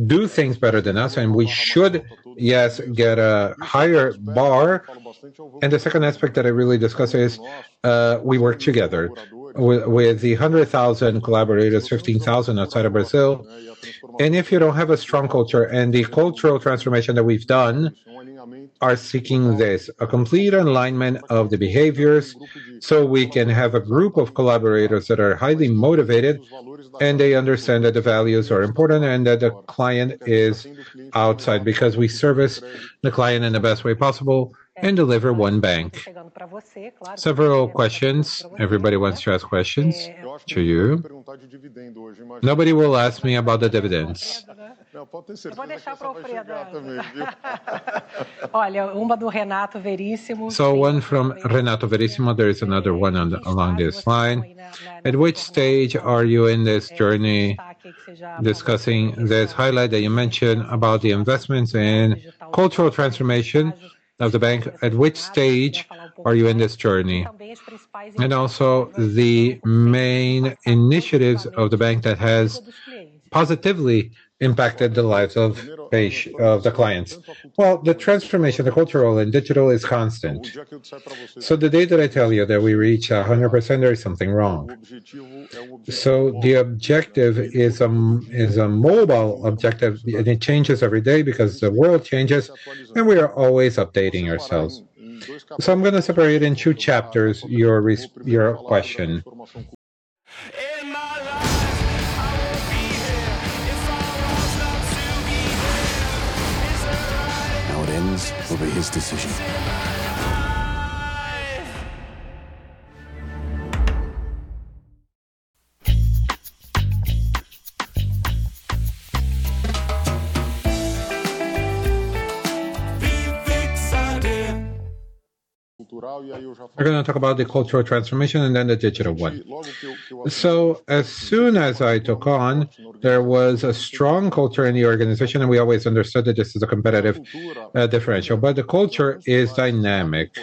do things better than us, and we should, yes, get a higher bar. The second aspect that I really discuss is we work together with the 100,000 collaborators, 15,000 outside of Brazil. If you don't have a strong culture, and the cultural transformation that we've done are seeking this: a complete alignment of the behaviors, so we can have a group of collaborators that are highly motivated and they understand that the values are important and that the client is outside, because we service the client in the best way possible and deliver one bank. Several questions. Everybody wants to ask questions to you. Nobody will ask me about the dividends. One from Renato Verissimo. There is another one along this line. At which stage are you in this journey discussing this highlight that you mentioned about the investments and cultural transformation of the bank? At which stage are you in this journey? And also the main initiatives of the bank that has positively impacted the lives of the clients. Well, the transformation, the cultural and digital is constant. The day that I tell you that we reach 100%, there is something wrong. The objective is a mobile objective. It changes every day because the world changes, and we are always updating ourselves. I'm gonna separate it in two chapters, your question. How it ends will be his decision. We're gonna talk about the cultural transformation and then the digital one. As soon as I took on, there was a strong culture in the organization, and we always understood that this is a competitive differential. The culture is dynamic.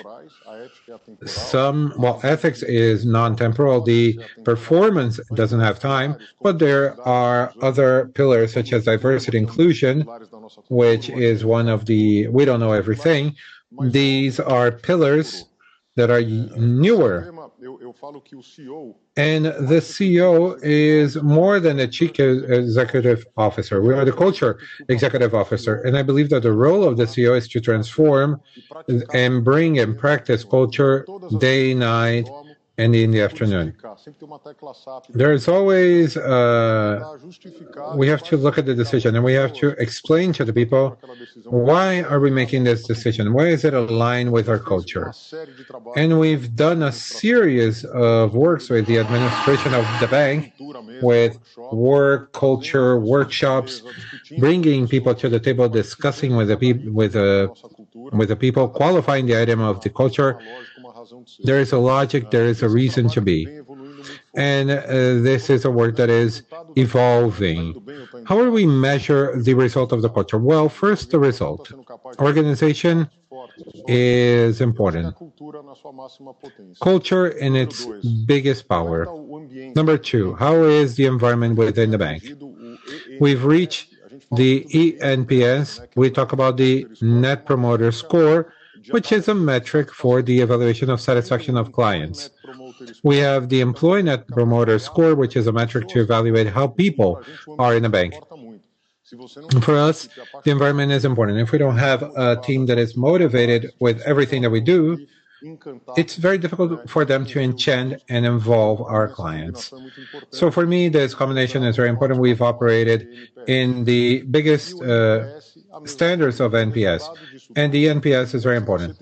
While ethics is non-temporal, the performance doesn't have time. There are other pillars such as diversity inclusion, which is one of the we don't know everything. These are pillars that are newer. The CEO is more than a chief executive officer, we are the culture executive officer. I believe that the role of the CEO is to transform and bring and practice culture day, night, and in the afternoon. There is always we have to look at the decision, and we have to explain to the people, why are we making this decision? Why is it aligned with our culture? We've done a series of works with the administration of the bank, with work, culture, workshops, bringing people to the table, discussing with the people, qualifying the item of the culture. There is a logic, there is a reason to be. This is a work that is evolving. How do we measure the result of the culture? Well, first, the result. Organization is important. Culture in its biggest power. Number two, how is the environment within the bank? We've reached the eNPS. We talk about the Net Promoter Score, which is a metric for the evaluation of satisfaction of clients. We have the Employee Net Promoter Score, which is a metric to evaluate how people are in the bank. For us, the environment is important. If we don't have a team that is motivated with everything that we do, it's very difficult for them to enchant and involve our clients. For me, this combination is very important. We've operated in the biggest standards of NPS, and the NPS is very important.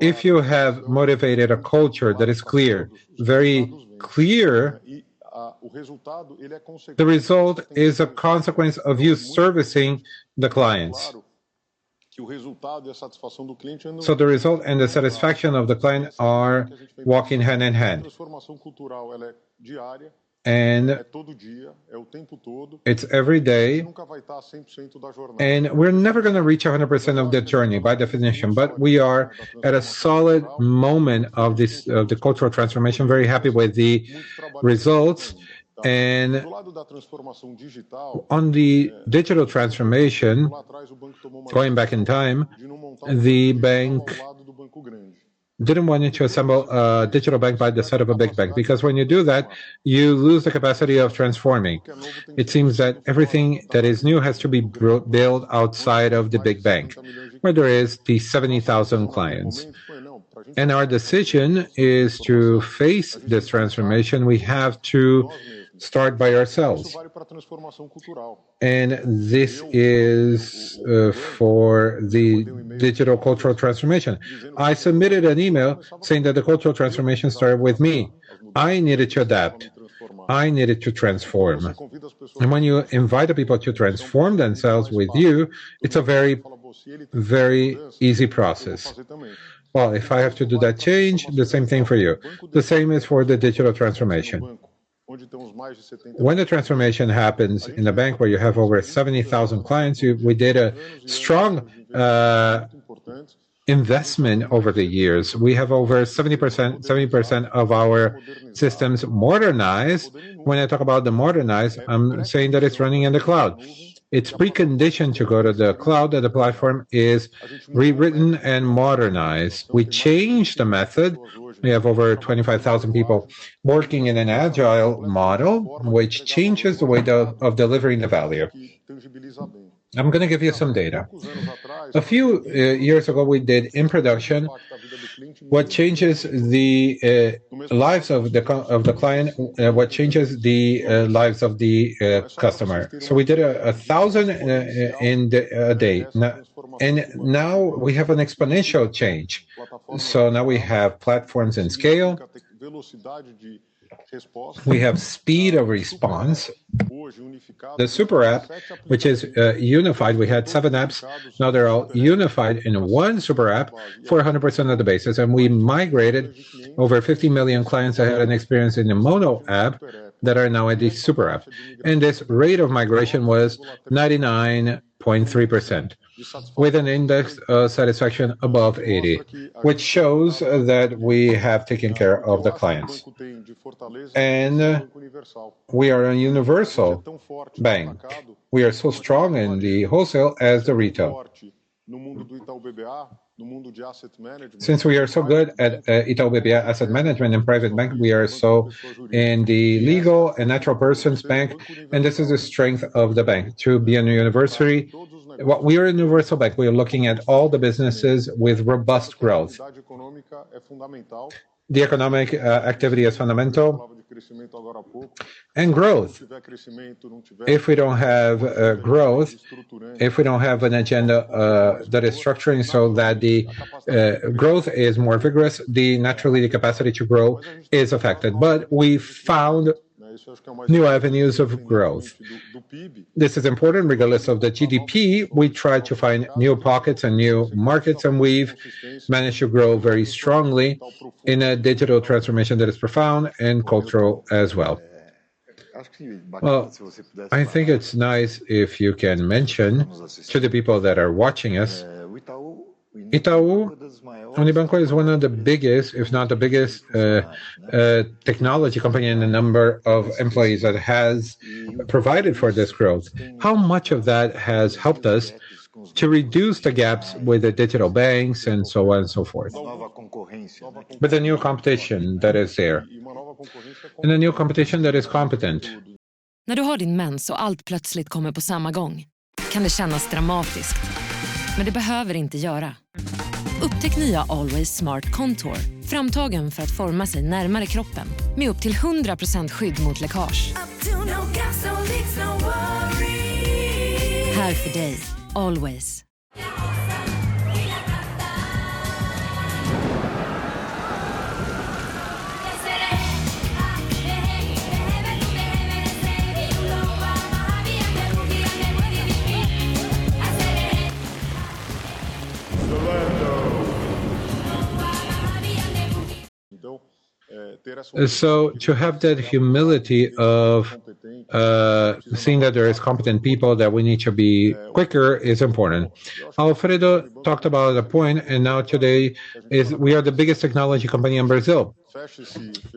If you have motivated a culture that is clear, very clear, the result is a consequence of you servicing the clients. The result and the satisfaction of the client are walking hand in hand. It's every day, and we're never gonna reach 100% of the journey, by definition. We are at a solid moment of this, the cultural transformation, very happy with the results. On the digital transformation, going back in time, the bank didn't want to assemble a digital bank by the side of a big bank, because when you do that, you lose the capacity of transforming. It seems that everything that is new has to be built outside of the big bank, where there are the 70,000 clients. Our decision is to face this transformation, we have to start by ourselves. This is for the digital cultural transformation. I submitted an email saying that the cultural transformation started with me. I needed to adapt. I needed to transform. When you invite the people to transform themselves with you, it's a very, very easy process. Well, if I have to do that change, the same thing for you. The same is for the digital transformation. When the transformation happens in a bank where you have over 70,000 clients, we did a strong investment over the years. We have over 70% of our systems modernized. When I talk about the modernized, I'm saying that it's running in the cloud. It's preconditioned to go to the cloud, that the platform is rewritten and modernized. We changed the method. We have over 25,000 people working in an agile model, which changes the way of delivering the value. I'm gonna give you some data. A few years ago, we did in production what changes the lives of the client, the customer. We did a thousand in a day. Now we have an exponential change. Now we have platforms and scale. We have speed of response. The super app, which is unified, we had seven apps, now they're all unified in one super app for 100% of the bases, and we migrated over 50 million clients that had an experience in the mono app that are now at the super app. This rate of migration was 99.3% with a satisfaction index above 80, which shows that we have taken care of the clients. We are a universal bank. We are so strong in the wholesale as the retail. Since we are so good at Itaú Asset Management and private bank, we are so in the legal and natural persons bank, and this is the strength of the bank, to be a universal. We are a universal bank. We are looking at all the businesses with robust growth. The economic activity is fundamental, and growth. If we don't have growth, if we don't have an agenda that is structuring so that the growth is more vigorous, then naturally the capacity to grow is affected. We found new avenues of growth. This is important regardless of the GDP. We try to find new pockets and new markets, and we've managed to grow very strongly in a digital transformation that is profound and cultural as well. Well, I think it's nice if you can mention to the people that are watching us, Itaú Unibanco is one of the biggest, if not the biggest, technology company in the number of employees that has provided for this growth. How much of that has helped us to reduce the gaps with the digital banks and so on and so forth? With the new competition that is there, and the new competition that is competent. To have that humility of seeing that there is competent people that we need to be quicker is important. Alfredo talked about a point, and now, today, we are the biggest technology company in Brazil.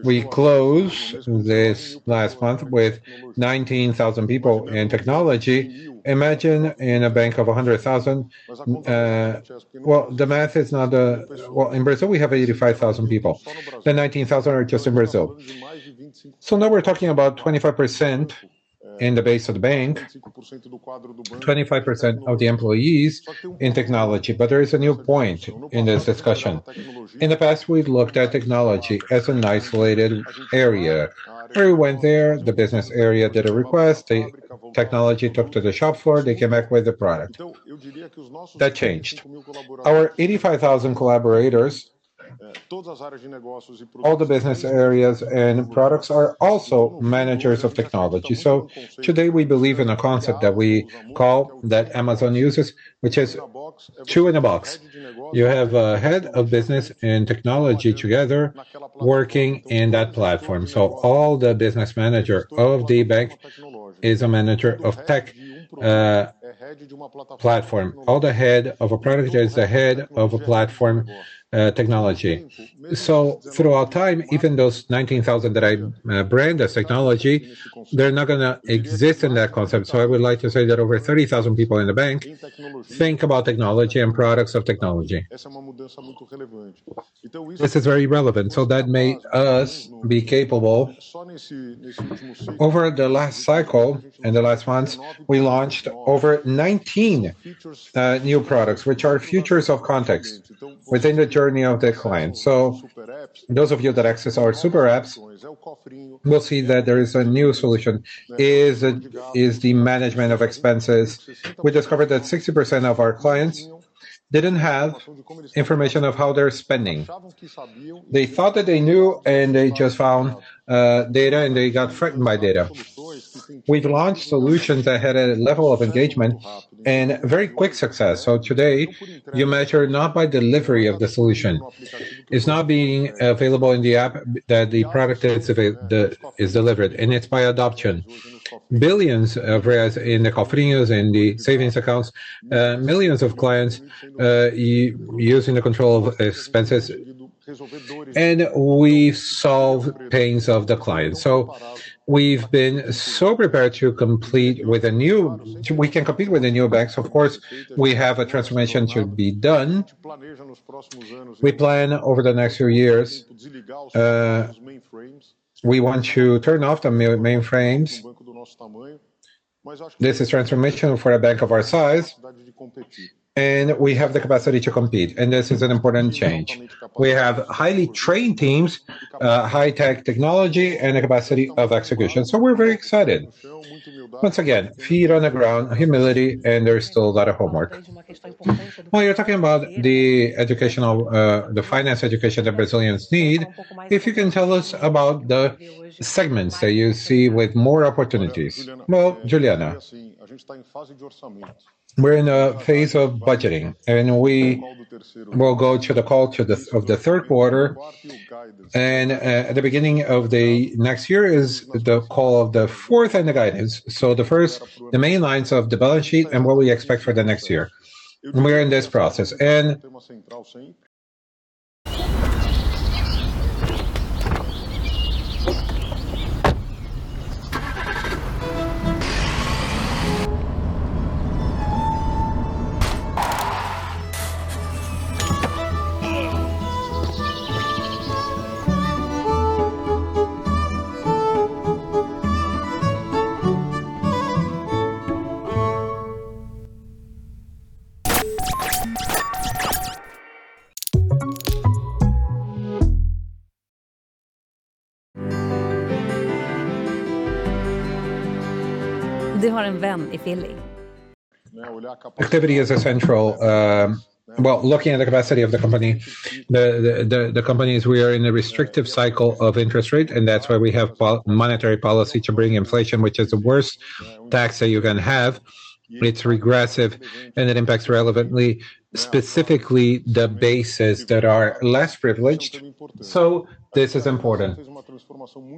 We closed this last month with 19,000 people in technology. Imagine in a bank of 100,000, in Brazil, we have 85,000 people. The 19,000 are just in Brazil. Now we're talking about 25% in the base of the bank, 25% of the employees in technology. There is a new point in this discussion. In the past, we've looked at technology as an isolated area. Harry went there, the business area did a request, they. Technology took to the shop floor, they came back with a product. That changed. Our 85,000 collaborators, all the business areas and products are also managers of technology. Today, we believe in a concept that we call, that Amazon uses, which is two in a box. You have a head of business and technology together working in that platform. All the business manager of the bank is a manager of tech platform. All the head of a product is the head of a platform technology. Throughout time, even those 19,000 that I brand as technology, they're not gonna exist in that concept, so I would like to say that over 30,000 people in the bank think about technology and products of technology. This is very relevant. That made us be capable. Over the last cycle, in the last months, we launched over 19 new products which are features of context within the journey of the client. Those of you that access our super apps will see that there is a new solution. It is the management of expenses. We discovered that 60% of our clients didn't have information of how they're spending. They thought that they knew, and they just found data and they got frightened by data. We've launched solutions that had a level of engagement and very quick success. Today, you measure not by delivery of the solution. It's now by being available in the app that the product is delivered, and it's by adoption. Billions of BRL in the savings accounts, millions of clients using the control of expenses, and we solve pains of the clients. We've been so prepared to compete with the new banks. Of course, we have a transformation to be done. We plan over the next few years, we want to turn off the mainframes. This is transformation for a bank of our size, and we have the capacity to compete, and this is an important change. We have highly trained teams, high-tech technology, and a capacity of execution, so we're very excited. Once again, feet on the ground, humility, and there is still a lot of homework. Well, you're talking about the finance education that Brazilians need. If you can tell us about the segments that you see with more opportunities. Well, Juliana, we're in a phase of budgeting, and we will go to the call of the third quarter. At the beginning of the next year is the call of the fourth and the guidance. The main lines of the balance sheet and what we expect for the next year. We're in this process. Activity is central. Well, looking at the capacity of the company, the company. We are in a restrictive cycle of interest rate, and that's why we have monetary policy to bring inflation, which is the worst tax that you can have. It's regressive, and it impacts relevantly, specifically the bases that are less privileged, so this is important.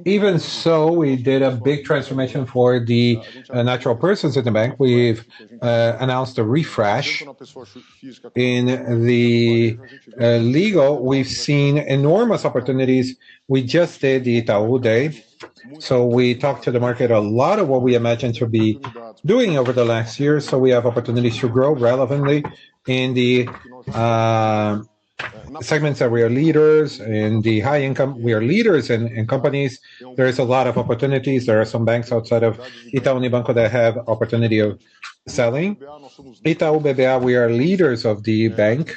Even so, we did a big transformation for the natural persons in the bank. We've announced a refresh. In the legal, we've seen enormous opportunities. We just did the Itaú Day. We talked to the market a lot of what we imagined to be doing over the last year, so we have opportunities to grow relevantly. In the segments that we are leaders, in the high income, we are leaders in companies. There is a lot of opportunities. There are some banks outside of Itaú Unibanco that have opportunity of selling. Itaú BBA, we are leaders of the bank.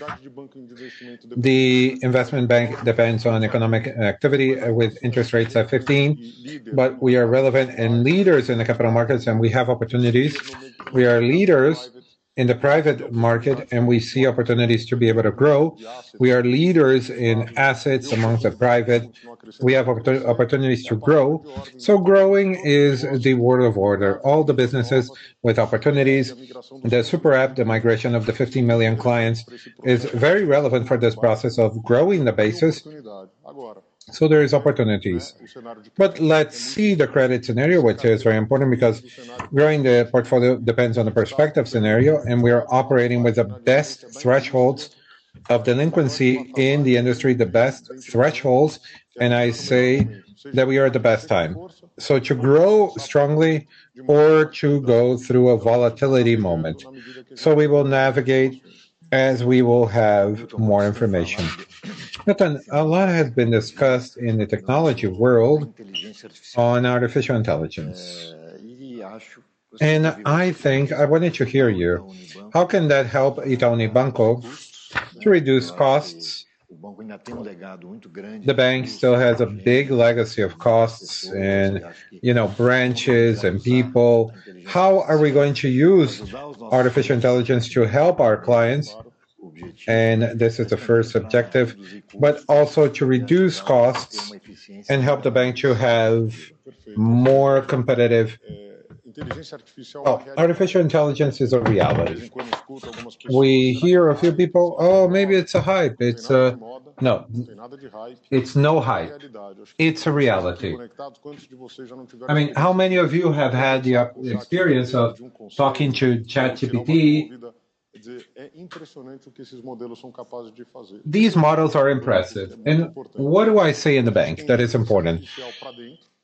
The investment bank depends on economic activity with interest rates at 15%, but we are relevant and leaders in the capital markets, and we have opportunities. We are leaders in the private market, and we see opportunities to be able to grow. We are leaders in assets amongst the private. We have opportunities to grow. Growing is the order of the day. All the businesses with opportunities. The super app, the migration of the 15 million clients is very relevant for this process of growing the bases. There is opportunities. Let's see the credit scenario, which is very important because growing the portfolio depends on the prospective scenario, and we are operating with the best thresholds of delinquency in the industry, the best thresholds, and I say that we are at the best time. To grow strongly or to go through a volatility moment. We will navigate as we will have more information. Natan, a lot has been discussed in the technology world on artificial intelligence. I think I wanted to hear you. How can that help Itaú Unibanco to reduce costs? The bank still has a big legacy of costs and, you know, branches and people. How are we going to use artificial intelligence to help our clients? This is the first objective, but also to reduce costs and help the bank to have more competitive. Oh, artificial intelligence is a reality. We hear a few people, "Oh, maybe it's a hype. It's a..." No, it's no hype. It's a reality. I mean, how many of you have had the experience of talking to ChatGPT? These models are impressive. What do I say in the bank that is important?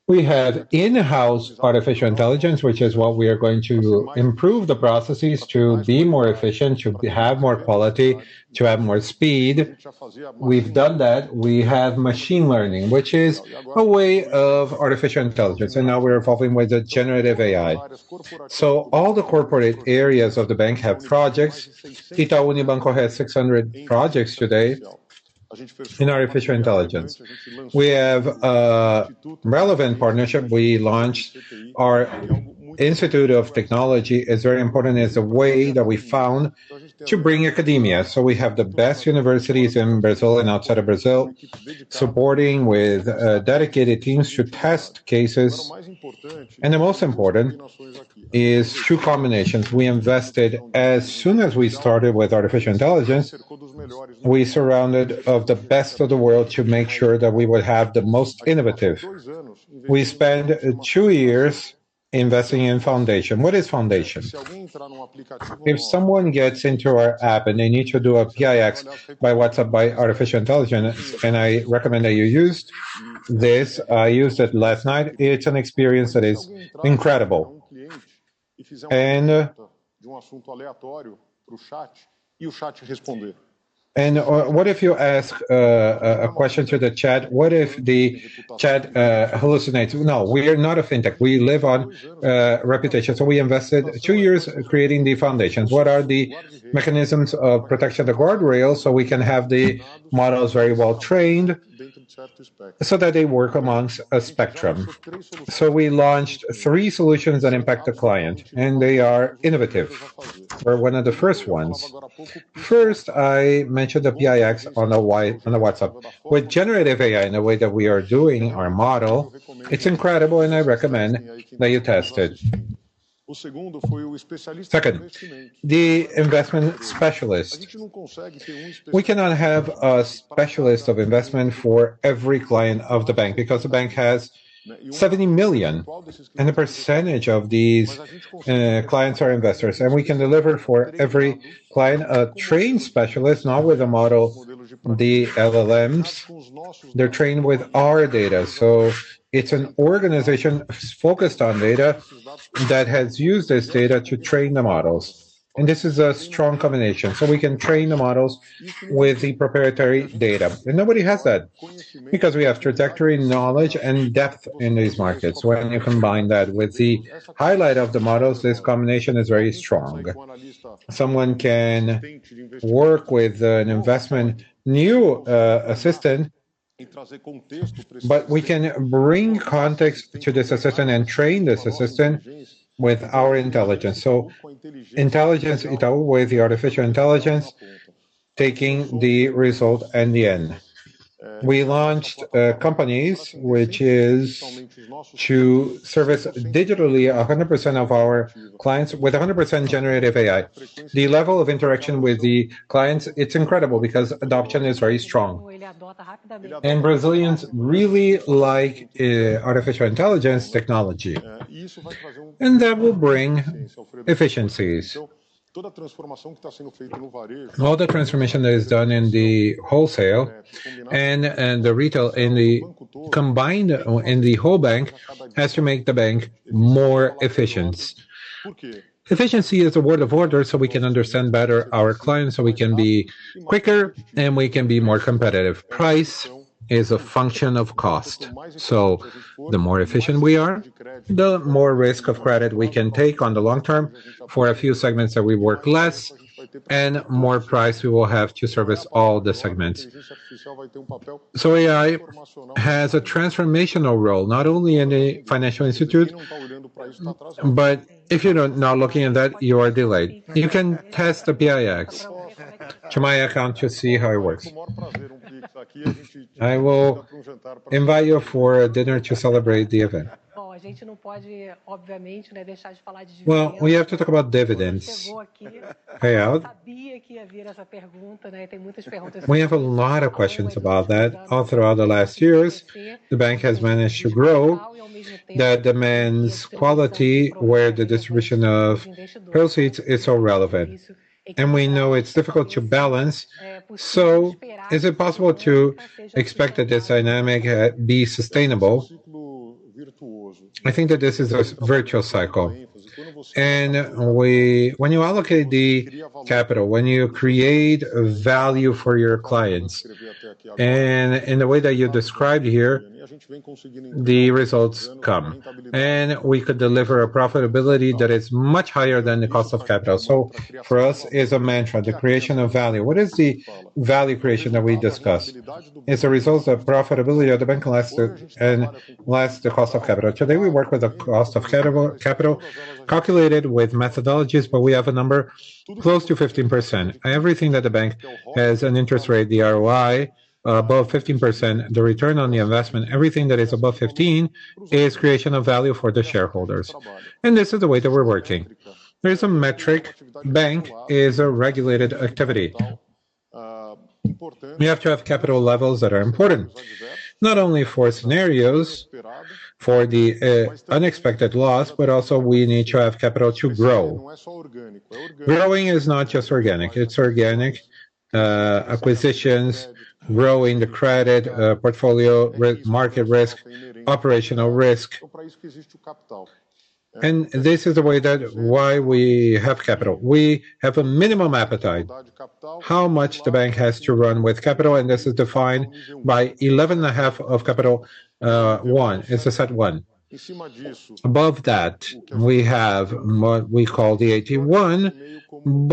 We have in-house artificial intelligence, which is what we are going to improve the processes to be more efficient, to have more quality, to have more speed. We've done that. We have machine learning, which is a way of artificial intelligence, and now we're evolving with the generative AI. So all the corporate areas of the bank have projects. Itaú Unibanco has 600 projects today in artificial intelligence. We have relevant partnership. We launched our Institute of Technology. It's very important. It's a way that we found to bring academia. We have the best universities in Brazil and outside of Brazil supporting with dedicated teams to test cases. The most important is two combinations. We invested as soon as we started with artificial intelligence. We surrounded ourselves with the best in the world to make sure that we would have the most innovative. We spent two years investing in foundation. What is foundation? If someone gets into our app and they need to do a PIX by WhatsApp by artificial intelligence, and I recommend that you use this. I used it last night. It's an experience that is incredible. What if you ask a question to the chat? What if the chat hallucinates? No, we are not a fintech. We live on reputation. We invested two years creating the foundations. What are the mechanisms of protection, the guardrails, so we can have the models very well trained so that they work among a spectrum. We launched three solutions that impact the client, and they are innovative. We're one of the first ones. First, I mentioned the PIX on the WhatsApp. With generative AI in the way that we are doing our model, it's incredible, and I recommend that you test it. Second, the investment specialist. We cannot have a specialist of investment for every client of the bank because the bank has 70 million, and a percentage of these clients are investors. We can deliver for every client a trained specialist, now with a model, the LLMs. They're trained with our data. It's an organization focused on data that has used this data to train the models. This is a strong combination. We can train the models with the proprietary data. Nobody has that because we have trajectory, knowledge, and depth in these markets. When you combine that with the highlight of the models, this combination is very strong. Someone can work with an investment AI assistant, but we can bring context to this assistant and train this assistant with our intelligence. Intelligence, intel, with the artificial intelligence taking the result in the end. We launched companies, which is to service digitally 100% of our clients with 100% generative AI. The level of interaction with the clients, it's incredible because adoption is very strong. Brazilians really like artificial intelligence technology. That will bring efficiencies. All the transformation that is done in the wholesale and the retail and the combined and the whole bank has to make the bank more efficient. Efficiency is a word of order, so we can understand better our clients, so we can be quicker, and we can be more competitive. Price is a function of cost. The more efficient we are, the more risk of credit we can take on the long term for a few segments that we work less and more price we will have to service all the segments. AI has a transformational role, not only in a financial institute, but if you're not looking at that, you are delayed. You can test the PIX to my account to see how it works. I will invite you for a dinner to celebrate the event. Oh, we can't obviously stop talking about dividends. Well, we have to talk about dividends payout. I knew this question was coming. There are a lot of questions about that. We have a lot of questions about that. All throughout the last years, the bank has managed to grow. That demands quality where the distribution of proceeds is so relevant. We know it's difficult to balance. Is it possible to expect that this dynamic be su stainable? I think that this is a virtuous cycle. When you allocate the capital, when you create value for your clients, and in the way that you described here, the results come. We could deliver a profitability that is much higher than the cost of capital. For us, it's a mantra, the creation of value. What is the value creation that we discussed? It's the results of profitability of the bank less the cost of capital. Today, we work with the cost of capital calculated with methodologies, but we have a number close to 15%. Everything that the bank has an interest rate, the ROI above 15%, the return on the investment, everything that is above 15 is creation of value for the shareholders. This is the way that we're working. There is a metric. Bank is a regulated activity. We have to have capital levels that are important, not only for scenarios for the, unexpected loss, but also we need to have capital to grow. Growing is not just organic. It's organic, acquisitions, growing the credit, portfolio, market risk, operational risk. This is the way that why we have capital. We have a minimum appetite, how much the bank has to run with capital, and this is defined by 11.5 CET1. It's a CET1. Above that, we have what we call the AT1,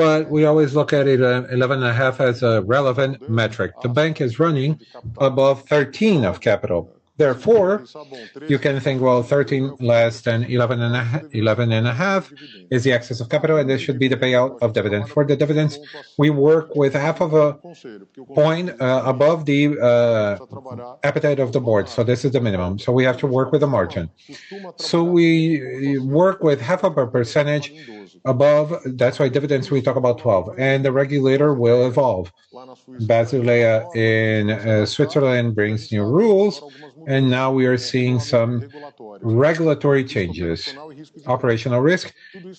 but we always look at it 11.5 as a relevant metric. The bank is running above 13 of capital. Therefore, you can think, well, 13 less than 11.5 is the excess of capital, and this should be the payout of dividend. For the dividends, we work with half of a point above the appetite of the board. This is the minimum. We have to work with a margin. We work with half of a percentage above. That's why dividends, we talk about 12, and the regulator will evolve. Basel in Switzerland brings new rules, and now we are seeing some regulatory changes in operational risk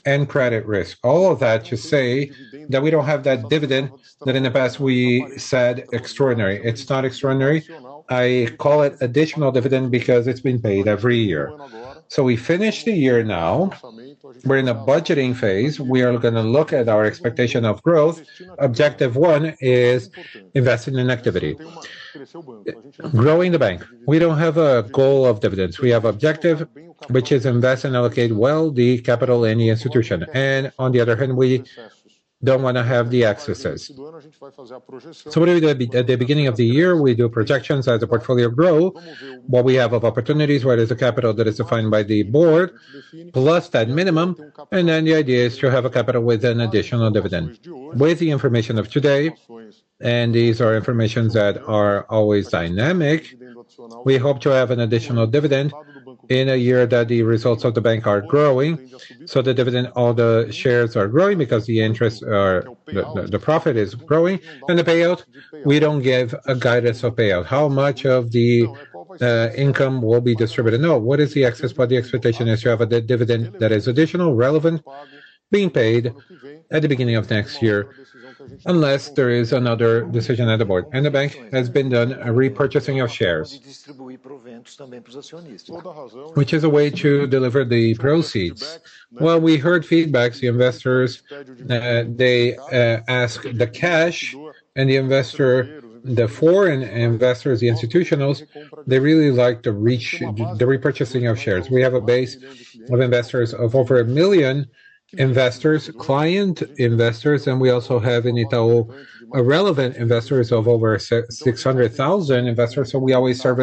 and credit risk. All of that to say that we don't have that dividend that in the past we said extraordinary. It's not extraordinary. I call it additional dividend because it's been paid every year. We finish the year now. We're in a budgeting phase. We are gonna look at our expectation of growth. Objective one is investing in activity, growing the bank. We don't have a goal of dividends. We have objective, which is invest and allocate well the capital in the institution. On the other hand, we don't wanna have the excesses. What do we do? At the beginning of the year, we do projections as the portfolio grow, what we have of opportunities, where there's a capital that is defined by the board, plus that minimum, and then the idea is to have a capital with an additional dividend. With the information of today, and these are information that are always dynamic, we hope to have an additional dividend in a year that the results of the bank are growing. The dividend, all the shares are growing because the interests are. The profit is growing. The payout, we don't give a guidance of payout. How much of the income will be distributed? No. What is the excess? The expectation is to have a dividend that is additional, relevant, being paid at the beginning of next year, unless there is another decision at the board. The bank has been doing a repurchasing of shares, which is a way to deliver the proceeds. Well, we heard feedbacks. The investors, they ask for the cash and the investors, the foreign investors, the institutionals, they really like the repurchasing of shares. We have a base of investors of over 1 million investors, client investors, and we also have in Itaú relevant investors of over 600,000 investors, so we always serve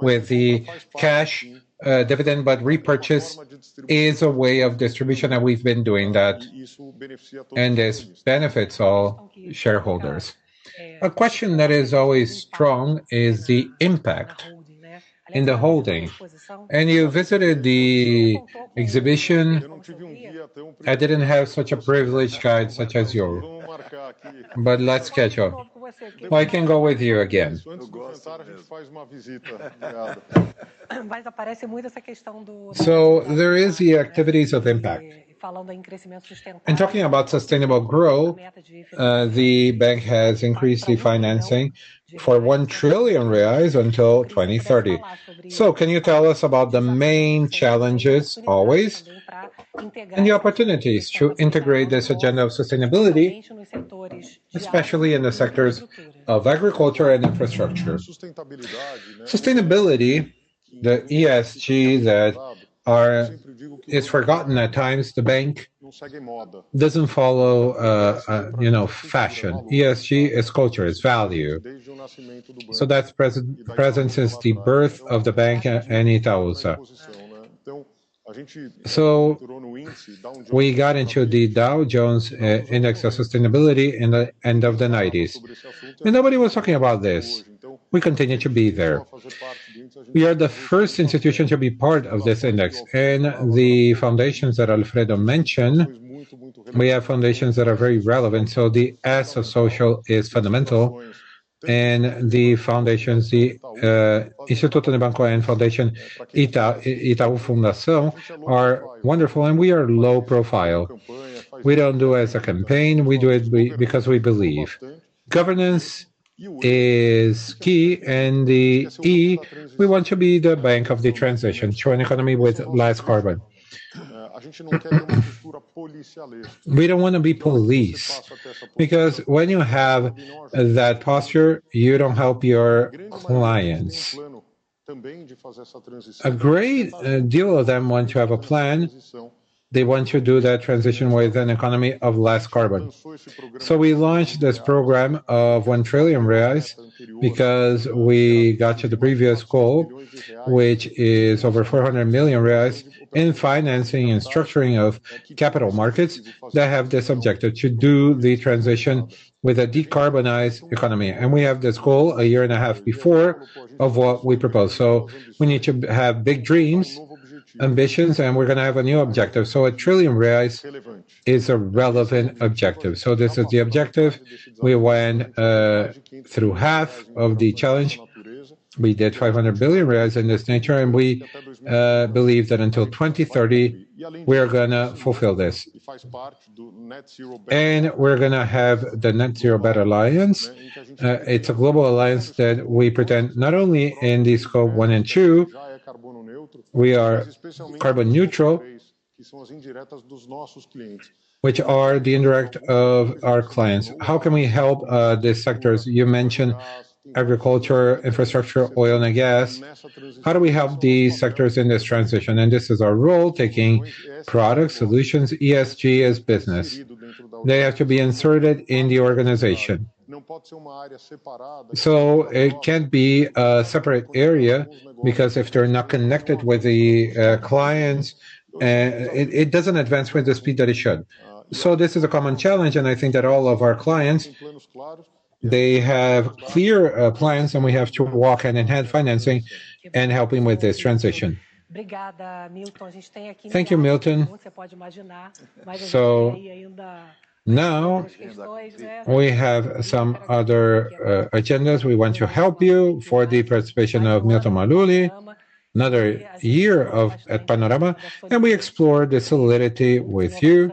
with the cash dividend, but repurchase is a way of distribution, and we've been doing that, and this benefits all shareholders. A question that is always strong is the impact in the holding. You visited the exhibition. I didn't have such a privileged guide such as you, but let's catch up. I can go with you again. There is the activities of impact. Talking about sustainable growth, the bank has increased the financing for 1 trillion reais until 2030. Can you tell us about the main challenges always and the opportunities to integrate this agenda of sustainability, especially in the sectors of agriculture and infrastructure? Sustainability, the ESG that are. It's forgotten at times the bank doesn't follow, you know, fashion. ESG is culture, it's value. That's present since the birth of the bank and Itaúsa. We got into the Dow Jones Sustainability Index at the end of the 1990s, and nobody was talking about this. We continue to be there. We are the first institution to be part of this index. The foundations that Alfredo mentioned, we have foundations that are very relevant, so the S of social is fundamental. The foundations, the Instituto Itaú and Fundação Itaú are wonderful, and we are low profile. We don't do it as a campaign, we do it because we believe. Governance is key, and ESG, we want to be the bank of the transition toward an economy with less carbon. We don't wanna be police, because when you have that posture, you don't help your clients. A great deal of them want to have a plan. They want to do that transition with an economy of less carbon. We launched this program of 1 trillion reais because we got to the previous goal, which is over 400 million reais in financing and structuring of capital markets that have this objective to do the transition with a decarbonized economy. We have this goal a year and a half before of what we propose. We need to have big dreams, ambitions, and we're gonna have a new objective. A trillion reais is a relevant objective. This is the objective. We went through half of the challenge. We did 500 billion reais in this nature, and we believe that until 2030, we are gonna fulfill this. We're gonna have the Net-Zero Banking Alliance. It's a global alliance that we intend not only in the scope one and two, we are carbon neutral, which are the indirect of our clients. How can we help the sectors? You mentioned agriculture, infrastructure, oil and gas. How do we help these sectors in this transition? This is our role, taking products, solutions, ESG as business. They have to be inserted in the organization. It can't be a separate area, because if they're not connected with the clients, it doesn't advance with the speed that it should. This is a common challenge, and I think that all of our clients, they have clear plans and we have to work and enhance financing and helping with this transition. Thank you, Milton Maluhy. Now we have some other agendas. Thank you for the participation of Milton Maluhy, another year at Panorama Itaúsa, and we explore the solidity with you,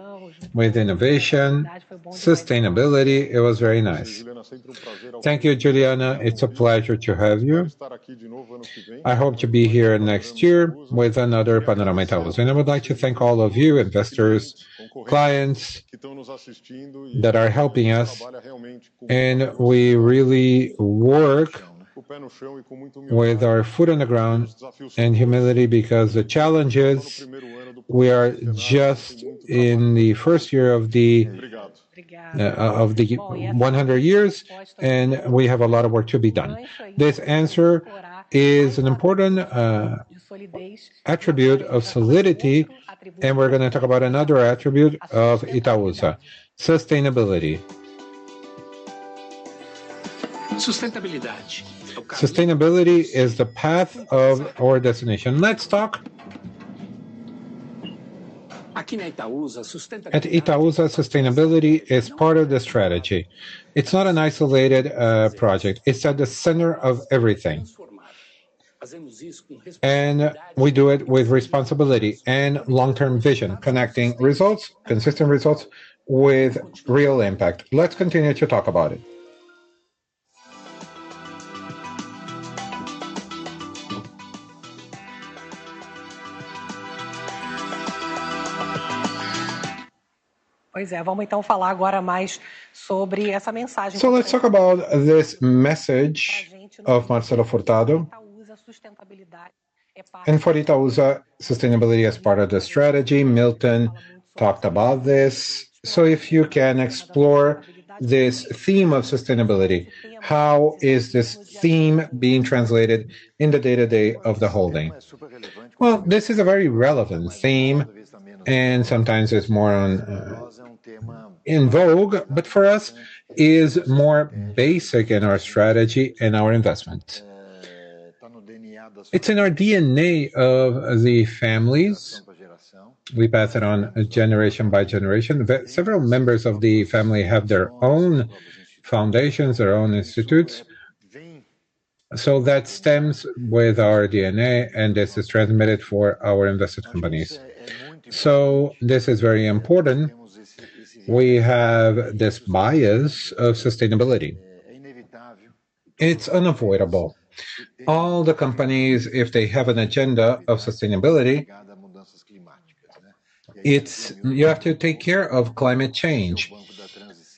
with innovation, sustainability. It was very nice. Thank you, Juliana. It's a pleasure to have you. I hope to be here next year with another Panorama Itaúsa. I would like to thank all of you investors, clients that are helping us, and we really work with our foot on the ground and humility because the challenge is we are just in the first year of the 100 years, and we have a lot of work to be done. This is an important attribute of solidity, and we're gonna talk about another attribute of Itaú, sustainability. Sustainability is the path of our destination. Let's talk. At Itaú, sustainability is part of the strategy. It's not an isolated project. It's at the center of everything. We do it with responsibility and long-term vision, connecting results, consistent results, with real impact. Let's continue to talk about it. Let's talk about this message of Marcelo Furtado. For Itaú, sustainability as part of the strategy, Milton talked about this. If you can explore this theme of sustainability, how is this theme being translated in the day-to-day of the holding? Well, this is a very relevant theme, and sometimes it's more in vogue, but for us, is more basic in our strategy and our investment. It's in our DNA of the families. We pass it on generation by generation. Several members of the family have their own foundations, their own institutes. That stems with our DNA, and this is transmitted for our invested companies. This is very important. We have this bias of sustainability. It's unavoidable. All the companies, if they have an agenda of sustainability, it's you have to take care of climate change.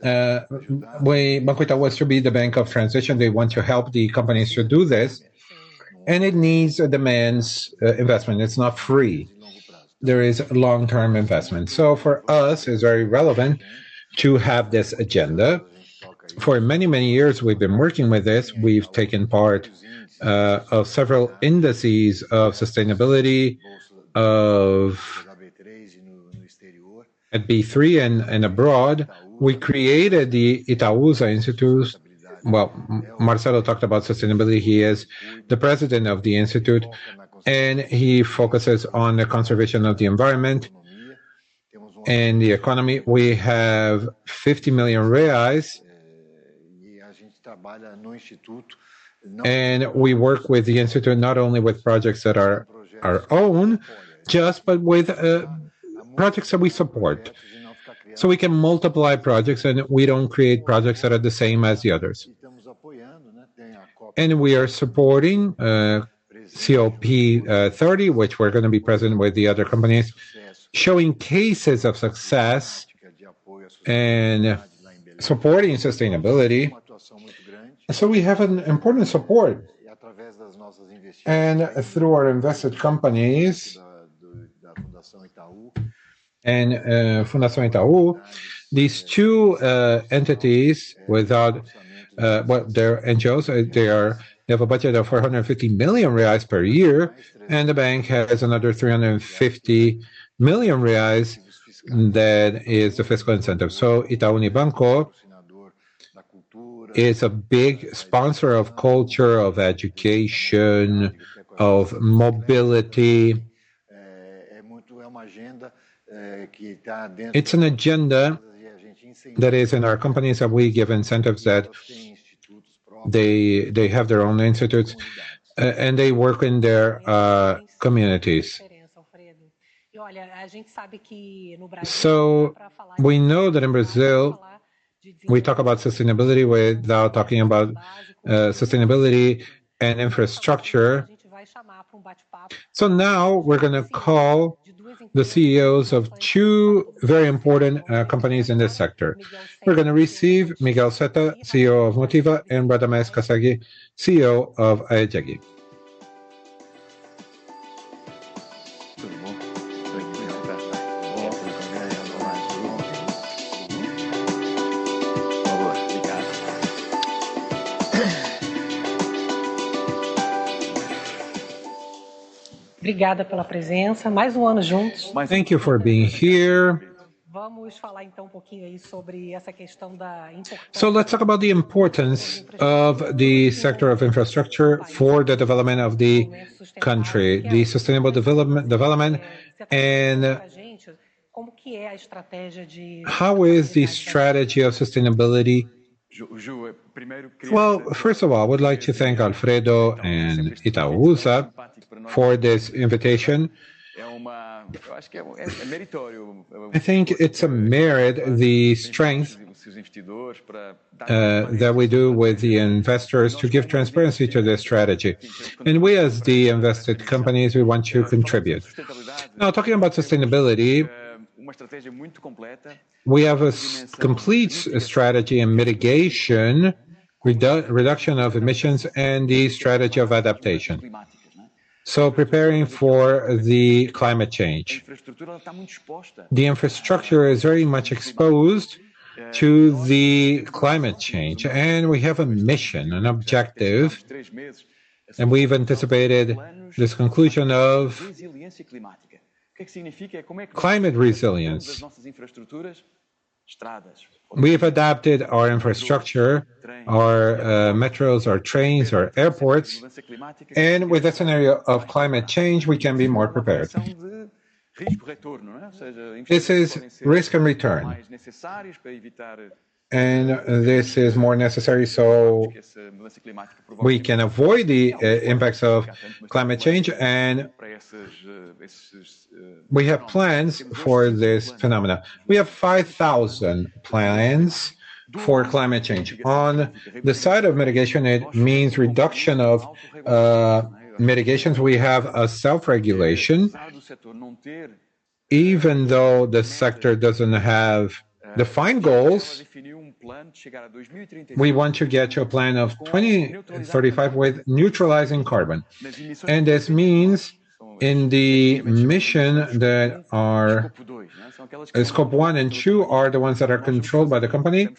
Banco Itaú wants to be the bank of transition. They want to help the companies to do this, and it needs or demands investment. It's not free. There is long-term investment. For us, it's very relevant to have this agenda. For many, many years, we've been working with this. We've taken part of several indices of sustainability at B3 and abroad. We created the Itaúsa Institute. Marcelo talked about sustainability. He is the president of the institute, and he focuses on the conservation of the environment and the economy. We have 50 million reais. We work with the institute not only with projects that are our own just, but with projects that we support. We can multiply projects, and we don't create projects that are the same as the others. We are supporting COP-30, which we're gonna be present with the other companies, showing cases of success and supporting sustainability. We have an important support. Through our invested companies and Fundação Itaú, these two entities with our. Well, they're NGOs. They have a budget of 450 million reais per year, and the bank has another 350 million reais that is the fiscal incentive. Itaú Unibanco is a big sponsor of culture, of education, of mobility. It's an agenda that is in our companies, and we give incentives that they have their own institutes and they work in their communities. We know that in Brazil, we talk about sustainability without talking about sustainability and infrastructure. Now we're gonna call the CEOs of two very important companies in this sector. We're gonna receive Miguel Setas, CEO of Motiva, and Radamés Casseb, CEO of Aegea. Thank you for being here. Let's talk about the importance of the sector of infrastructure for the development of the country, the sustainable development, and how is the strategy of sustainability. Well, first of all, I would like to thank Alfredo and Itaú for this invitation. I think it's a merit, the strength, that we do with the investors to give transparency to their strategy. We as the invested companies, we want to contribute. Now, talking about sustainability, we have a complete strategy in mitigation, reduction of emissions, and the strategy of adaptation. Preparing for the climate change. The infrastructure is very much exposed to the climate change, and we have a mission, an objective, and we've anticipated this conclusion of climate resilience. We've adapted our infrastructure, our metros, our trains, our airports, and with the scenario of climate change, we can be more prepared. This is risk and return. This is more necessary, so we can avoid the impacts of climate change, and we have plans for this phenomenon. We have 5,000 plans for climate change. On the side of mitigation, it means reduction of emissions. We have a self-regulation. Even though the sector doesn't have defined goals, we want to get to a plan of 2035 with neutralizing carbon. This means in the mission that our Scope one and two are the ones that are controlled by the company.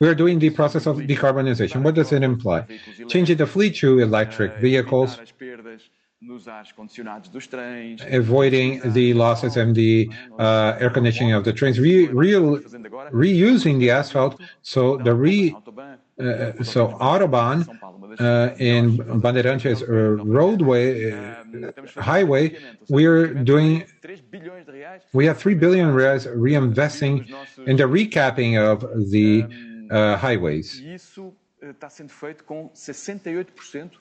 We are doing the process of decarbonization. What does it imply? Changing the fleet to electric vehicles, avoiding the losses and the air conditioning of the trains, reusing the asphalt. So AutoBAn in Bandeirantes or roadway highway, we're doing. We have 3 billion reais reinvesting in the recapping of the highways.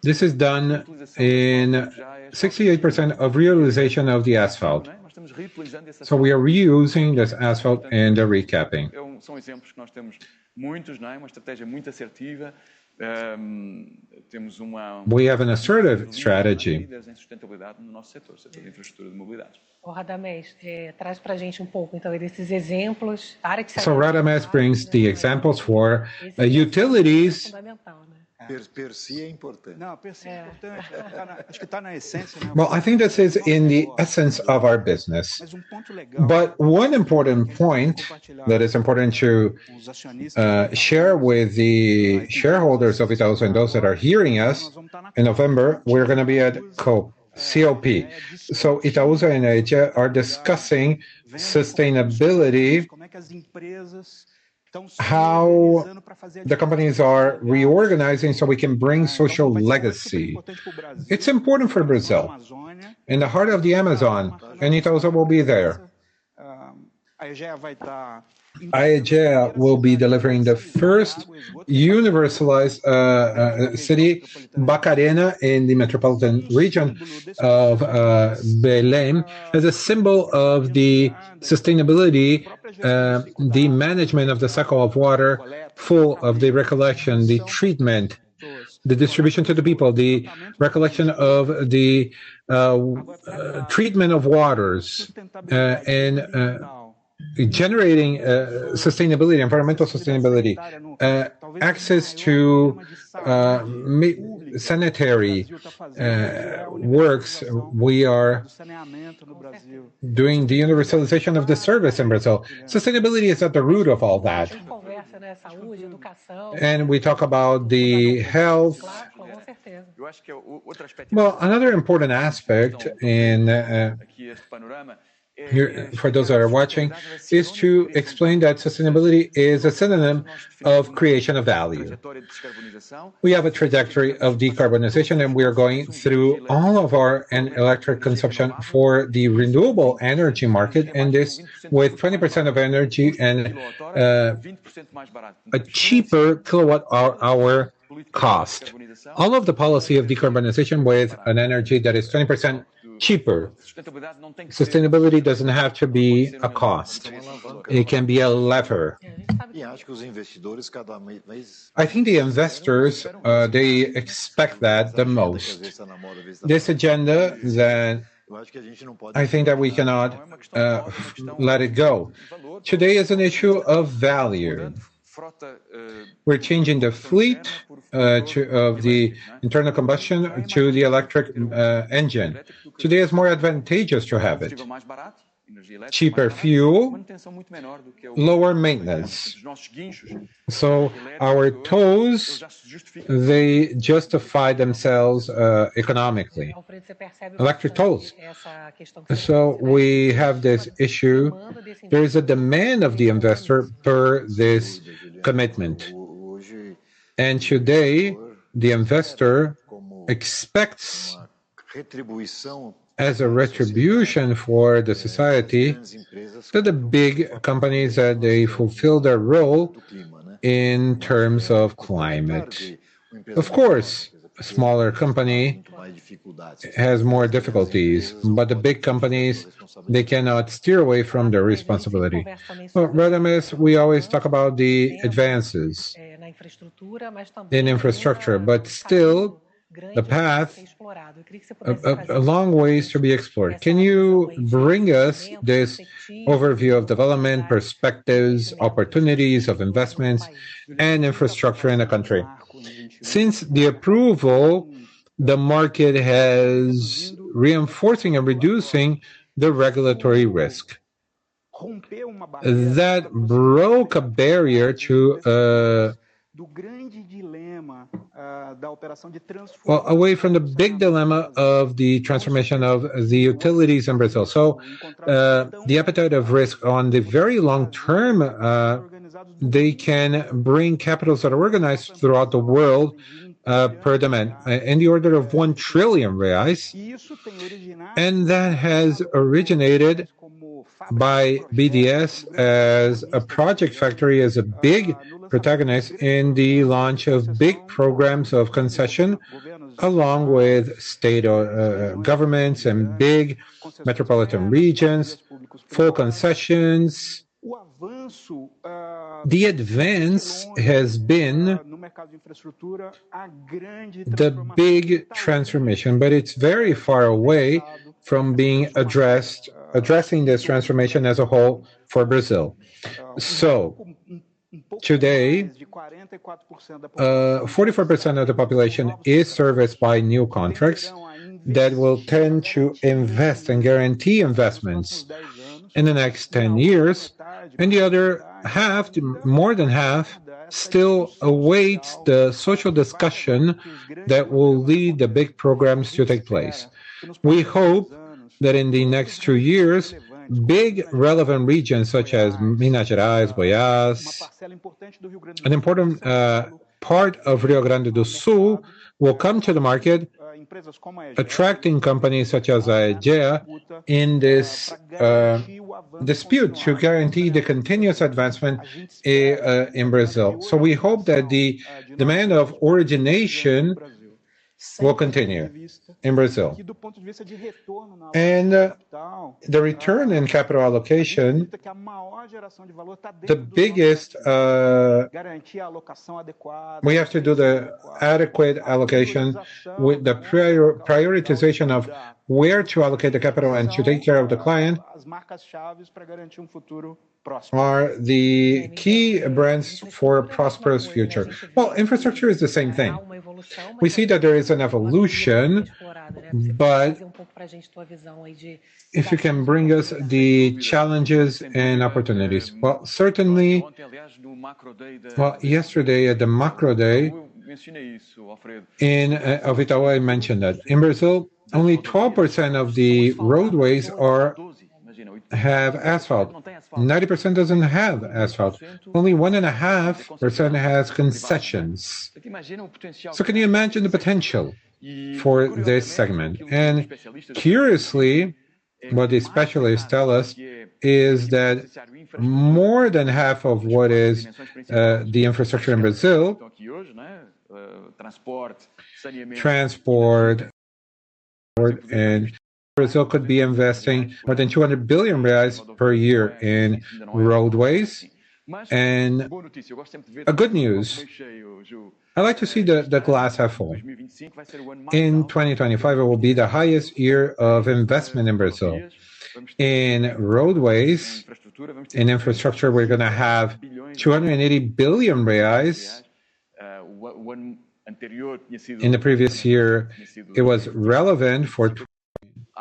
This is done in 68% of realization of the asphalt. We are reusing this asphalt and the recapping. We have an assertive strategy. Radamés brings the examples for utilities. Well, I think this is in the essence of our business. One important point that is important to share with the shareholders of Itaúsa and those that are hearing us, in November, we're gonna be at COP, C-O-P. Itaúsa and Aegea are discussing sustainability, how the companies are reorganizing, so we can bring social legacy. It's important for Brazil. In the heart of the Amazon, Itaúsa also will be there. Aegea will be delivering the first universalized city, Barcarena, in the metropolitan region of Belém, as a symbol of the sustainability, the management of the cycle of water, full of the collection, the treatment, the distribution to the people, the collection of the treatment of waters, and generating environmental sustainability. Access to sanitary works, we are doing the universalization of the service in Brazil. Sustainability is at the root of all that. We talk about the health. Well, another important aspect here for those that are watching is to explain that sustainability is a synonym of creation of value. We have a trajectory of decarbonization, and we are going through all of our electric consumption for the renewable energy market, and this with 20% of energy and a cheaper kilowatt hour cost. All of the policy of decarbonization with an energy that is 20% cheaper. Sustainability doesn't have to be a cost. It can be a lever. I think the investors they expect that the most. This agenda that I think that we cannot let it go. Today is an issue of value. We're changing the fleet from the internal combustion to the electric engine. Today is more advantageous to have it. Cheaper fuel, lower maintenance. Our tows they justify themselves economically. Electric tows. We have this issue. There is a demand of the investor for this commitment. Today, the investor expects, as a contribution to society, that the big companies, that they fulfill their role in terms of climate. Of course, a smaller company has more difficulties, but the big companies, they cannot steer away from their responsibility. Well, Radamés, we always talk about the advances in infrastructure, but still, a long way is to be explored. Can you bring us this overview of development, perspectives, investment opportunities and infrastructure in the country? Since the approval, the market is reinforcing and reducing the regulatory risk. That broke a barrier away from the big dilemma of the transformation of the utilities in Brazil. The risk appetite for the very long term can bring capital that is organized throughout the world to meet the demand in the order of 1 trillion reais. That has originated by BNDES as a project factory, as a big protagonist in the launch of big programs of concession along with state or governments and big metropolitan regions for concessions. The advance has been the big transformation, but it's very far away from addressing this transformation as a whole for Brazil. Today, 44% of the population is serviced by new contracts that will tend to invest and guarantee investments in the next 10 years, and the other half, more than half, still awaits the social discussion that will lead the big programs to take place. We hope that in the next two years, big relevant regions such as Minas Gerais, Goiás, an important part of Rio Grande do Sul will come to the market, attracting companies such as Aegea in this dispute to guarantee the continuous advancement in Brazil. We hope that the demand of origination will continue in Brazil. The return in capital allocation, the biggest. We have to do the adequate allocation with the prioritization of where to allocate the capital and to take care of the client are the key brands for a prosperous future. Well, infrastructure is the same thing. We see that there is an evolution, but if you can bring us the challenges and opportunities. Well, certainly. Well, yesterday at the macro day of Itaú, I mentioned that in Brazil, only 12% of the roadways have asphalt. 90% doesn't have asphalt. Only 1.5% has concessions. Can you imagine the potential for this segment? Curiously, what the specialists tell us is that more than half of what is the infrastructure in Brazil, transport in Brazil could be investing more than 200 billion reais per year in roadways. Good news, I like to see the glass half full. In 2025, it will be the highest year of investment in Brazil. In roadways, in infrastructure, we're gonna have 280 billion reais. In the previous year, it was relevant for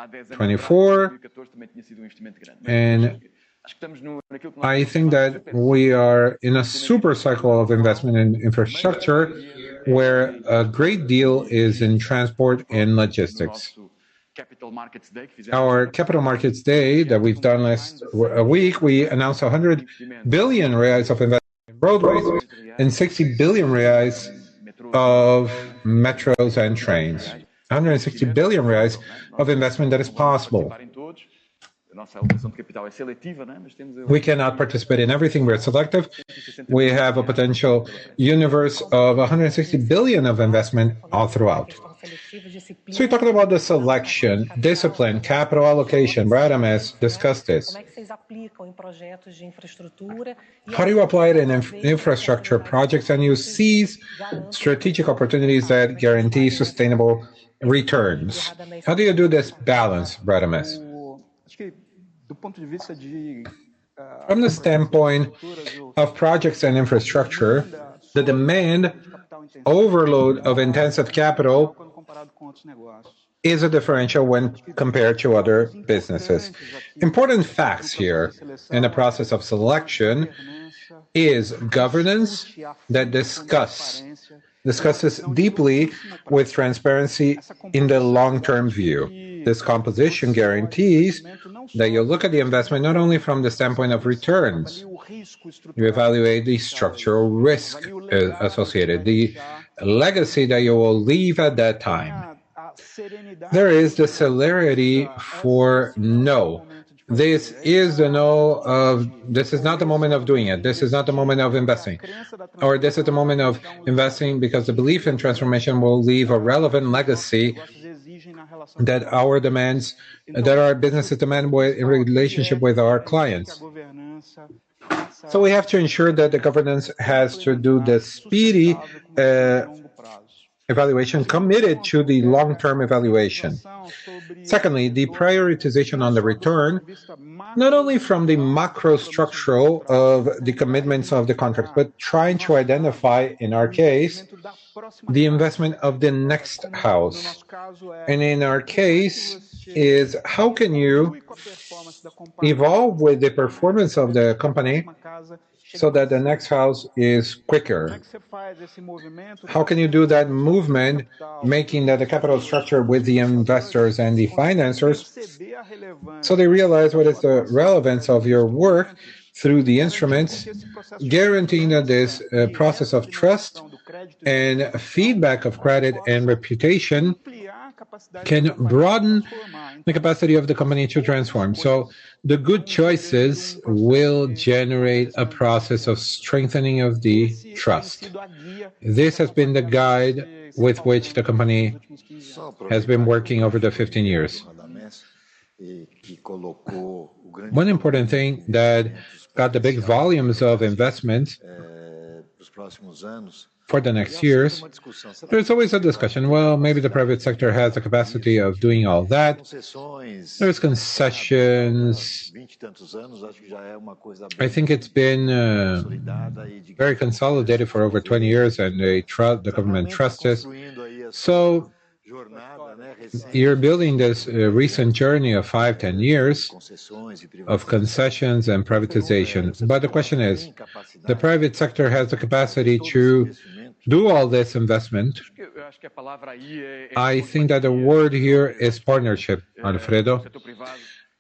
2024. I think that we are in a super cycle of investment in infrastructure where a great deal is in transport and logistics. Our Capital Markets Day that we've done last week, we announced 100 billion reais of investment in roadways and 60 billion reais of metros and trains. 160 billion reais of investment that is possible. We cannot participate in everything. We are selective. We have a potential universe of 160 billion of investment all throughout. We're talking about the selection, discipline, capital allocation. Radamés, discuss this. How do you apply it in infrastructure projects, and you seize strategic opportunities that guarantee sustainable returns? How do you do this balance, Radamés? From the standpoint of projects and infrastructure, the demand overload of intensive capital is a differential when compared to other businesses. Important facts here in the process of selection is governance that discusses deeply with transparency in the long-term view. This composition guarantees that you look at the investment not only from the standpoint of returns. You evaluate the structural risk associated, the legacy that you will leave at that time. There is the certainty for no. This is a no. This is not the moment of doing it. This is not the moment of investing. This is the moment of investing because the belief in transformation will leave a relevant legacy that our demands, that our business demand with a relationship with our clients. We have to ensure that the governance has to do the speedy evaluation committed to the long-term evaluation. Secondly, the prioritization on the return, not only from the macro structural of the commitments of the contract, but trying to identify, in our case, the investment of the next house. In our case is how can you evolve with the performance of the company so that the next phase is quicker? How can you do that movement, making that the capital structure with the investors and the financiers, so they realize what is the relevance of your work through the instruments, guaranteeing that this process of trust and feedback of credit and reputation can broaden the capacity of the company to transform. The good choices will generate a process of strengthening of the trust. This has been the guide with which the company has been working over the 15 years. One important thing that got the big volumes of investments for the next years, there's always a discussion, "Well, maybe the private sector has the capacity of doing all that." There are concessions. I think it's been very consolidated for over 20 years, and they trust. The government trusts us. You're building this recent journey of 5, 10 years of concessions and privatizations. The question is, the private sector has the capacity to do all this investment. I think that the word here is partnership, Alfredo,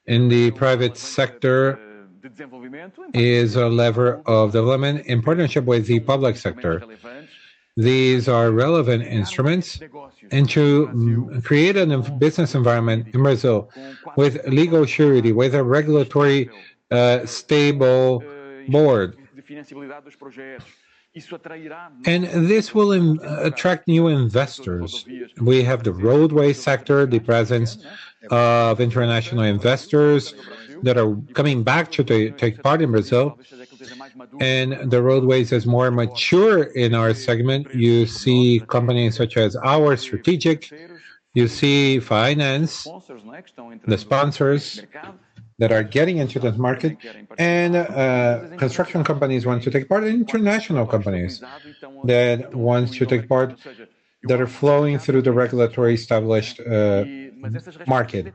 and the private sector is a lever of development in partnership with the public sector. These are relevant instruments. To create a new business environment in Brazil with legal certainty, with a regulatory stable board. This will attract new investors. We have the roadway sector, the presence of international investors that are coming back to take part in Brazil. The roadways is more mature in our segment. You see companies such as CCR, the financial sponsors that are getting into this market. Construction companies want to take part, and international companies that want to take part, that are flowing through the regulatory established market.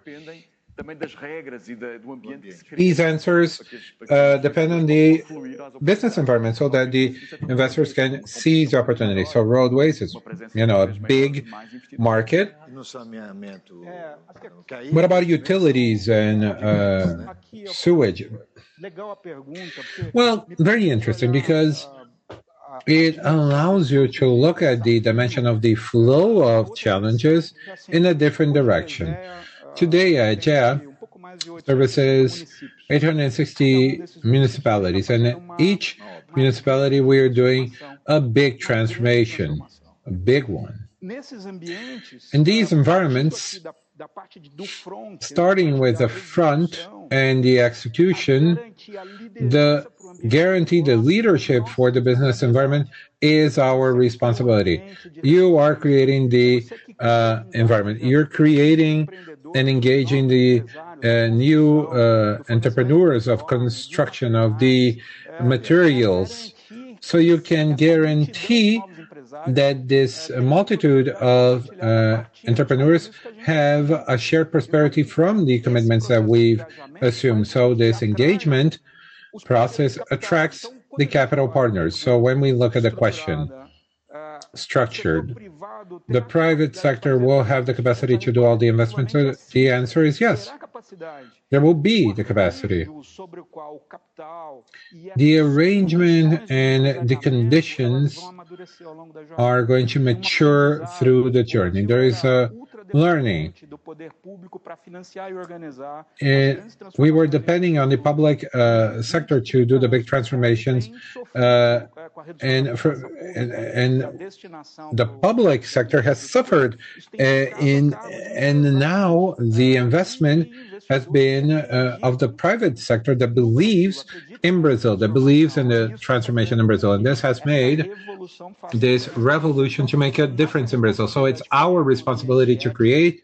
These answers depend on the business environment so that the investors can seize the opportunity. Roadways is, you know, a big market. What about utilities and sewage? Well, very interesting because it allows you to look at the dimension of the flow of challenges in a different direction. Today, Aegea services 860 municipalities, and each municipality we're doing a big transformation, a big one. In these environments, starting with the front and the execution, guarantee the leadership for the business environment is our responsibility. You are creating the environment. You're creating and engaging the new entrepreneurs of construction of the materials. You can guarantee that this multitude of entrepreneurs have a shared prosperity from the commitments that we've assumed. This engagement process attracts the capital partners. When we look at the question structured, the private sector will have the capacity to do all the investments, so the answer is yes. There will be the capacity. The arrangement and the conditions are going to mature through the journey. There is a learning. We were depending on the public sector to do the big transformations, and the public sector has suffered. Now the investment has been of the private sector that believes in Brazil, that believes in the transformation in Brazil. This has made this revolution to make a difference in Brazil. It's our responsibility to create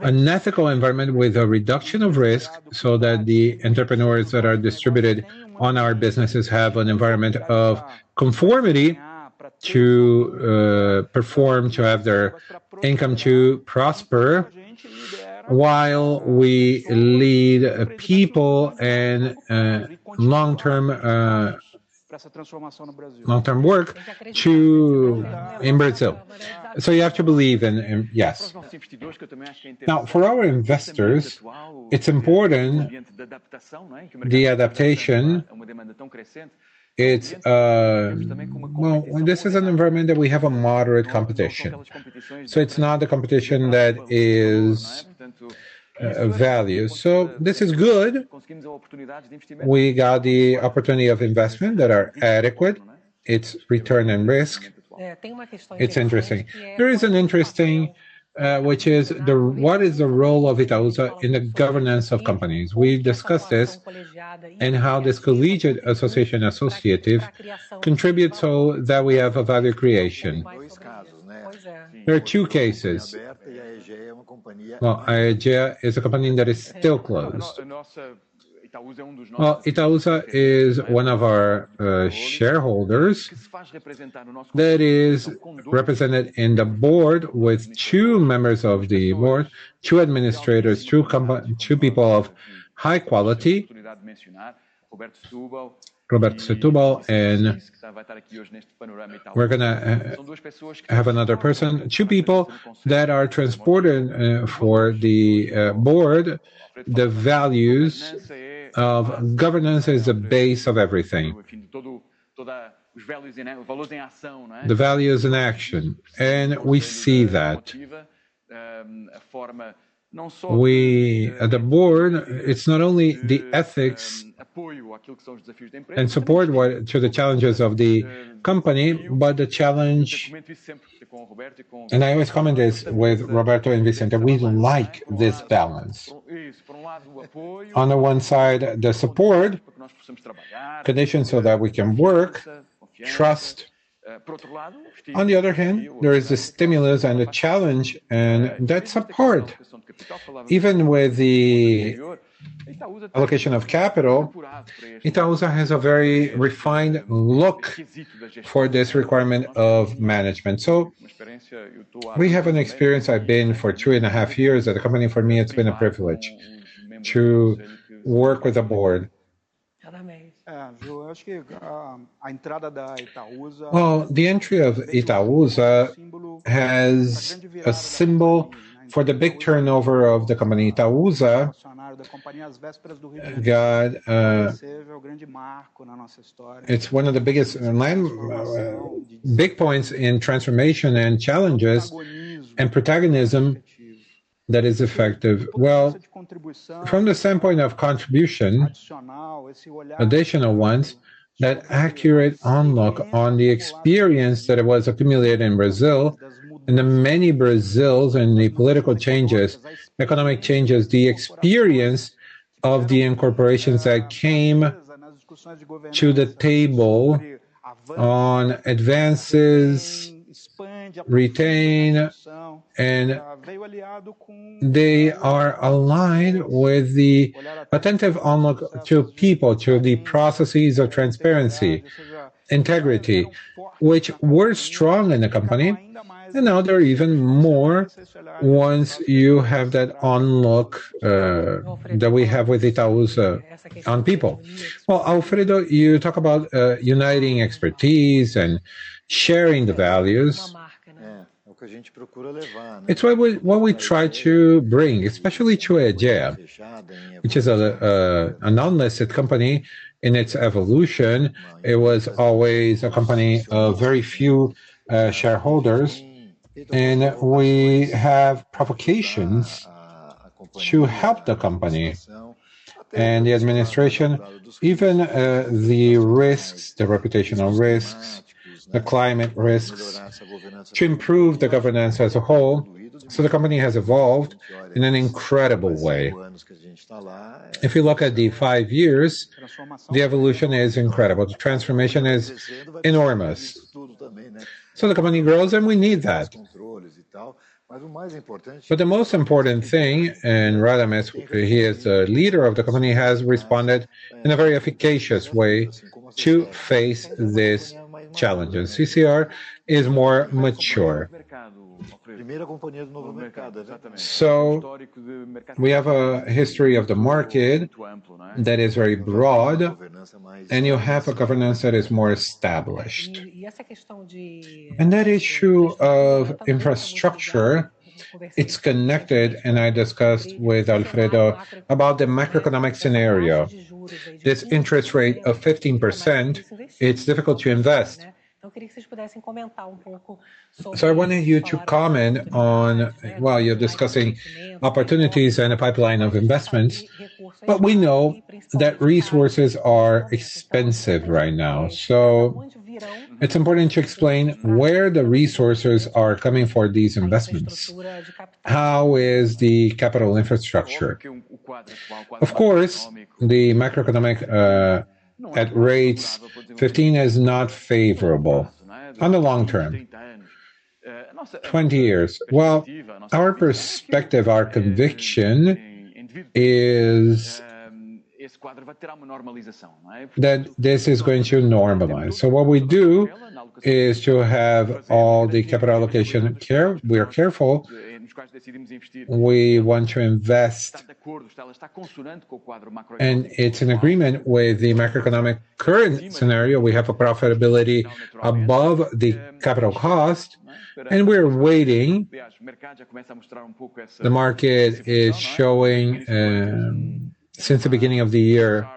an ethical environment with a reduction of risk, so that the entrepreneurs that are distributed on our businesses have an environment of conformity to perform, to have their income, to prosper, while we lead people and long-term work in Brazil. You have to believe in it. Yes. Now, for our investors, it's important the adaptation. It's well, this is an environment that we have a moderate competition. It's not the competition that is value. This is good. We got the opportunity of investment that are adequate. It's return and risk. It's interesting. There is an interesting which is the what is the role of Itaúsa in the governance of companies? We've discussed this and how this collegiate association associative contributes so that we have a value creation. There are two cases. Aegea is a company that is still closed. Itaúsa is one of our shareholders that is represented in the board with two members of the board, two administrators, two people of high quality. Roberto Setúbal and we're gonna have another person. Two people that transport to the board the values of governance as a base of everything. The value is in action, and we see that. At the board, it's not only the ethics and support to the challenges of the company, but the challenge. I always comment this with Roberto and Vicente, we like this balance. On the one side, the support, conditions so that we can work, trust. On the other hand, there is a stimulus and a challenge, and that's a part. Even with the allocation of capital, Itaúsa has a very refined look for this requirement of management. We have an experience. I've been for three and a half years at the company. For me, it's been a privilege to work with the board. Well, the entry of Itaúsa has a symbol for the big turnover of the company. Itaúsa got. It's one of the biggest land big points in transformation and challenges and protagonism that is effective. Well, from the standpoint of contribution, additional ones, that accurate unlock on the experience that it was accumulated in Brazil and the many Brazils and the political changes, economic changes, the experience of the incorporations that came to the table on advances, retain, and they are aligned with the attentive unlock to people, to the processes of transparency, integrity, which were strong in the company. Now they're even more once you have that unlock that we have with Itaúsa on people. Well, Alfredo, you talk about uniting expertise and sharing the values. It's what we try to bring, especially to Aegea, which is a non-listed company in its evolution. It was always a company of very few shareholders. We have provocations to help the company and the administration, even the risks, the reputational risks, the climate risks, to improve the governance as a whole. The company has evolved in an incredible way. If you look at the five years, the evolution is incredible. The transformation is enormous. The company grows, and we need that. The most important thing, and Radamés, he is the leader of the company, has responded in a very efficacious way to face these challenges. CCR is more mature. We have a history of the market that is very broad, and you have a governance that is more established. That issue of infrastructure, it's connected, and I discussed with Alfredo about the macroeconomic scenario. This interest rate of 15%, it's difficult to invest. I wanted you to comment on, while you're discussing opportunities and a pipeline of investments, but we know that resources are expensive right now. It's important to explain where the resources are coming for these investments. How is the capital infrastructure? Of course, the macroeconomic at rates 15% is not favorable on the long term. 20 years. Well, our perspective, our conviction is that this is going to normalize. What we do is to have all the capital allocation care. We are careful. We want to invest. It's an agreement with the macroeconomic current scenario. We have a profitability above the capital cost, and we're waiting. The market is showing, since the beginning of the year,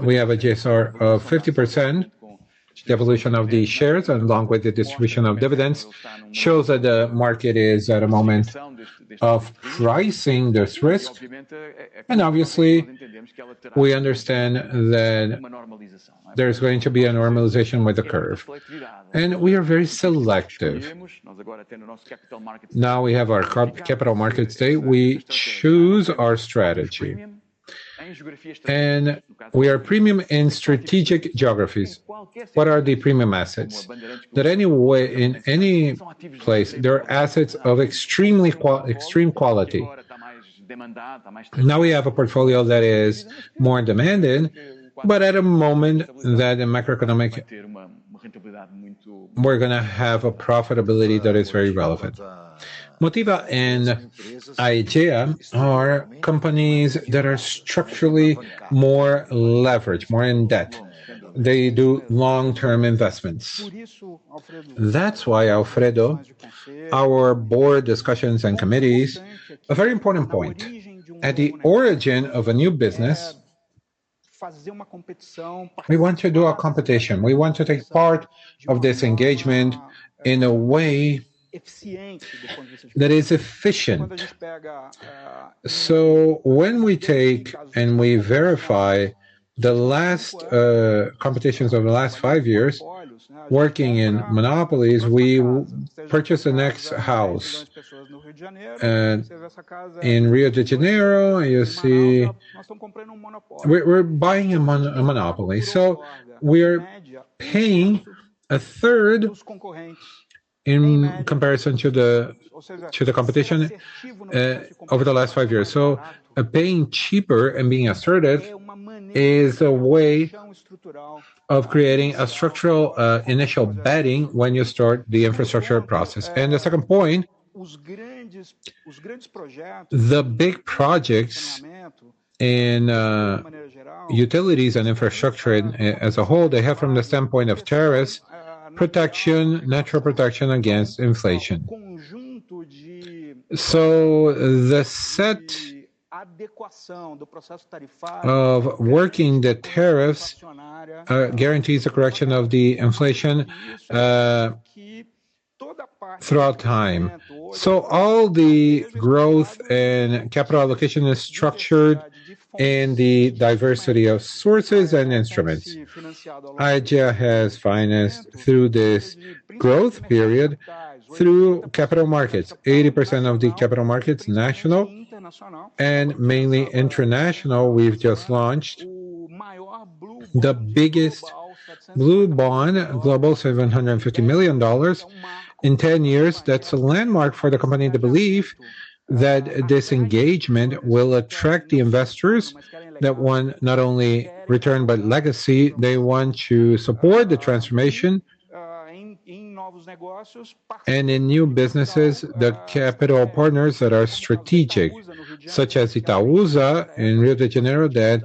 we have a GSR of 50%. The evolution of the shares along with the distribution of dividends shows that the market is at a moment of pricing this risk. Obviously, we understand that there's going to be a normalization with the curve. We are very selective. Now we have our Capital Markets Day. We choose our strategy. We are premium in strategic geographies. What are the premium assets? That any way, in any place, there are assets of extreme quality. Now we have a portfolio that is more in demand in, but at a moment that in macroeconomic, we're gonna have a profitability that is very relevant. Motiva and Aegea are companies that are structurally more leveraged, more in debt. They do long-term investments. That's why, Alfredo, our board discussions and committees, a very important point. At the origin of a new business, we want to do a competition. We want to take part of this engagement in a way that is efficient. When we take and we verify the last competitions over the last five years working in monopolies, we purchase the next house. In Rio de Janeiro, you see we're buying a monopoly. We're paying a third in comparison to the competition over the last five years. Paying cheaper and being assertive is a way of creating a structural initial betting when you start the infrastructure process. The second point, the big projects in utilities and infrastructure as a whole, they have from the standpoint of tariffs, protection, natural protection against inflation. The setting of the tariffs guarantees the correction of the inflation throughout time. All the growth and capital allocation is structured in the diversity of sources and instruments. Aegea has financed through this growth period through capital markets, 80% of the capital markets, national and mainly international. We've just launched the biggest blue bond global, $750 million. In 10 years, that's a landmark for the company to believe that this engagement will attract the investors that want not only return, but legacy. They want to support the transformation and in new businesses, the capital partners that are strategic, such as Itaúsa in Rio de Janeiro, that,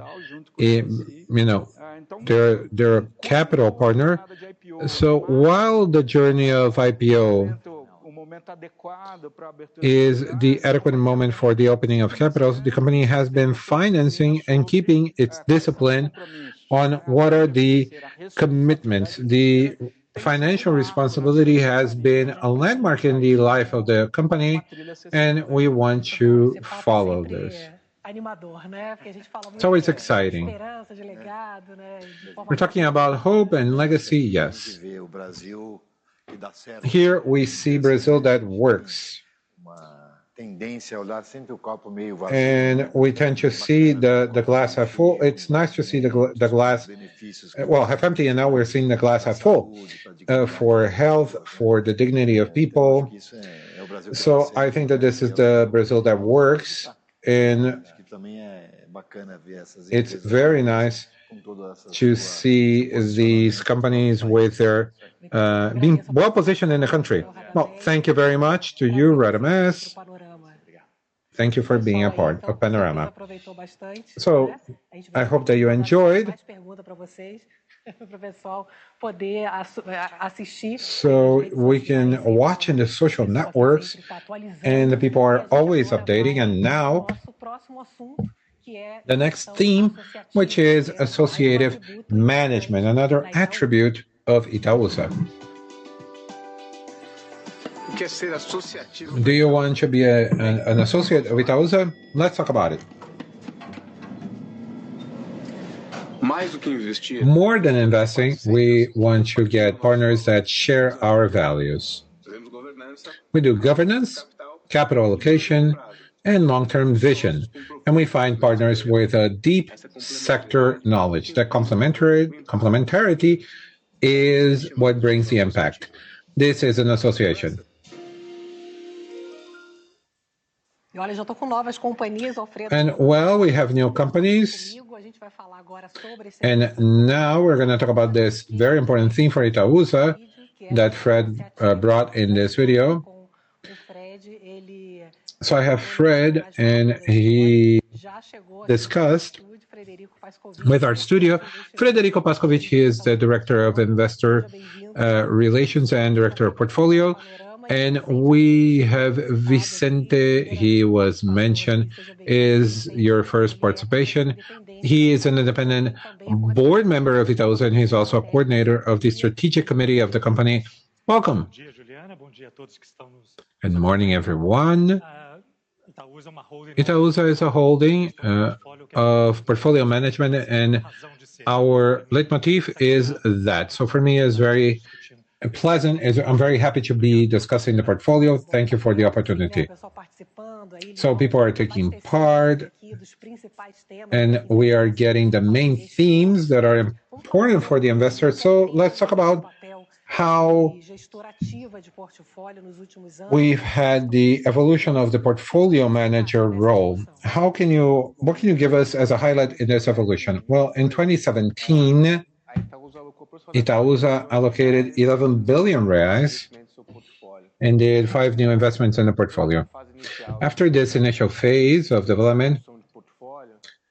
you know, they're a capital partner. While the journey of IPO is the adequate moment for the opening of capitals, the company has been financing and keeping its discipline on what are the commitments. The financial responsibility has been a landmark in the life of the company, and we want to follow this. It's always exciting. We're talking about hope and legacy. Yes. Here we see Brazil that works. We tend to see the glass half full. It's nice to see the glass, well, half empty, and now we're seeing the glass half full for health, for the dignity of people. I think that this is the Brazil that works, and it's very nice to see these companies with their being well-positioned in the country. Well, thank you very much to you, Radamés. Thank you for being a part of Panorama Itaúsa. I hope that you enjoyed. We can watch in the social networks, and the people are always updating. Now, the next theme, which is associative management, another attribute of Itaúsa. Do you want to be an associate of Itaúsa? Let's talk about it. More than investing, we want to get partners that share our values. We do governance, capital allocation, and long-term vision, and we find partners with a deep sector knowledge. The complementarity is what brings the impact. This is an association. Well, we have new companies. Now we're gonna talk about this very important theme for Itaúsa that Fred brought in this video. I have Fred, and he discussed With our studio, Frederico Pascowitch, he is the Director of Investor Relations and Director of Portfolio. We have Vicente, he was mentioned, is your first participation. He is an independent board member of Itaúsa, and he's also a coordinator of the strategic committee of the company. Welcome. Good morning, everyone. Itaúsa is a holding of portfolio management, and our leitmotif is that. For me, it's very pleasant. I'm very happy to be discussing the portfolio. Thank you for the opportunity. People are taking part, and we are getting the main themes that are important for the investor. Let's talk about how we've had the evolution of the portfolio manager role. What can you give us as a highlight in this evolution? Well, in 2017, Itaúsa allocated 11 billion reais and did five new investments in the portfolio. After this initial phase of development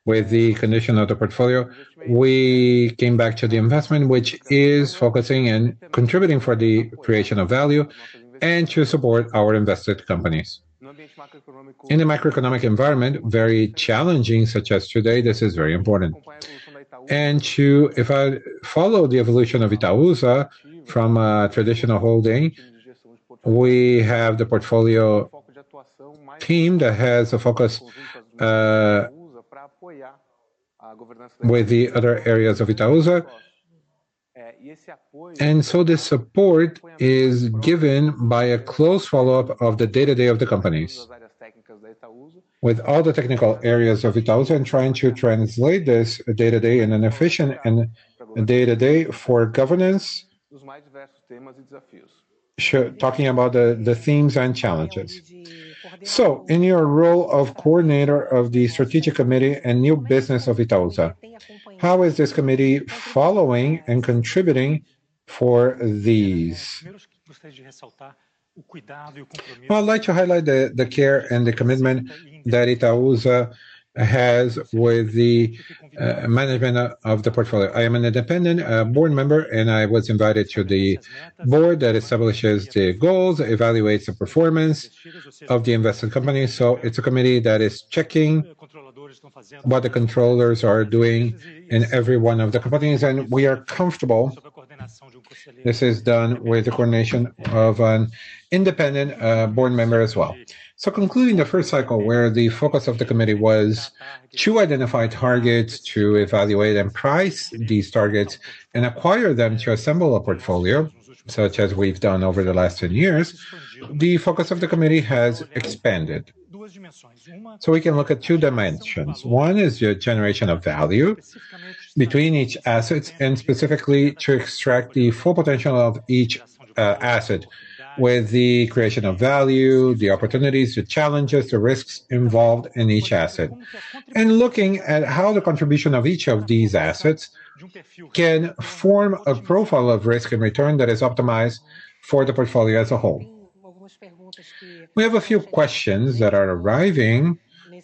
with the condition of the portfolio, we came back to the investment, which is focusing and contributing for the creation of value and to support our invested companies. In the macroeconomic environment, very challenging, such as today, this is very important. If I follow the evolution of Itaúsa from a traditional holding, we have the portfolio team that has a focus with the other areas of Itaúsa. The support is given by a close follow-up of the day-to-day of the companies with all the technical areas of Itaúsa and trying to translate this day-to-day in an efficient and day-to-day for governance. Sure, talking about the themes and challenges. In your role of coordinator of the strategic committee and new business of Itaúsa, how is this committee following and contributing for these? Well, I'd like to highlight the care and the commitment that Itaúsa has with the management of the portfolio. I am an independent board member, and I was invited to the board that establishes the goals, evaluates the performance of the invested company. It's a committee that is checking what the controllers are doing in every one of the companies, and we are comfortable this is done with the coordination of an independent board member as well. Concluding the first cycle where the focus of the committee was to identify targets, to evaluate and price these targets, and acquire them to assemble a portfolio, such as we've done over the last 10 years, the focus of the committee has expanded. We can look at two dimensions. One is your generation of value between each assets, and specifically to extract the full potential of each asset with the creation of value, the opportunities, the challenges, the risks involved in each asset. Looking at how the contribution of each of these assets can form a profile of risk and return that is optimized for the portfolio as a whole. We have a few questions that are arriving,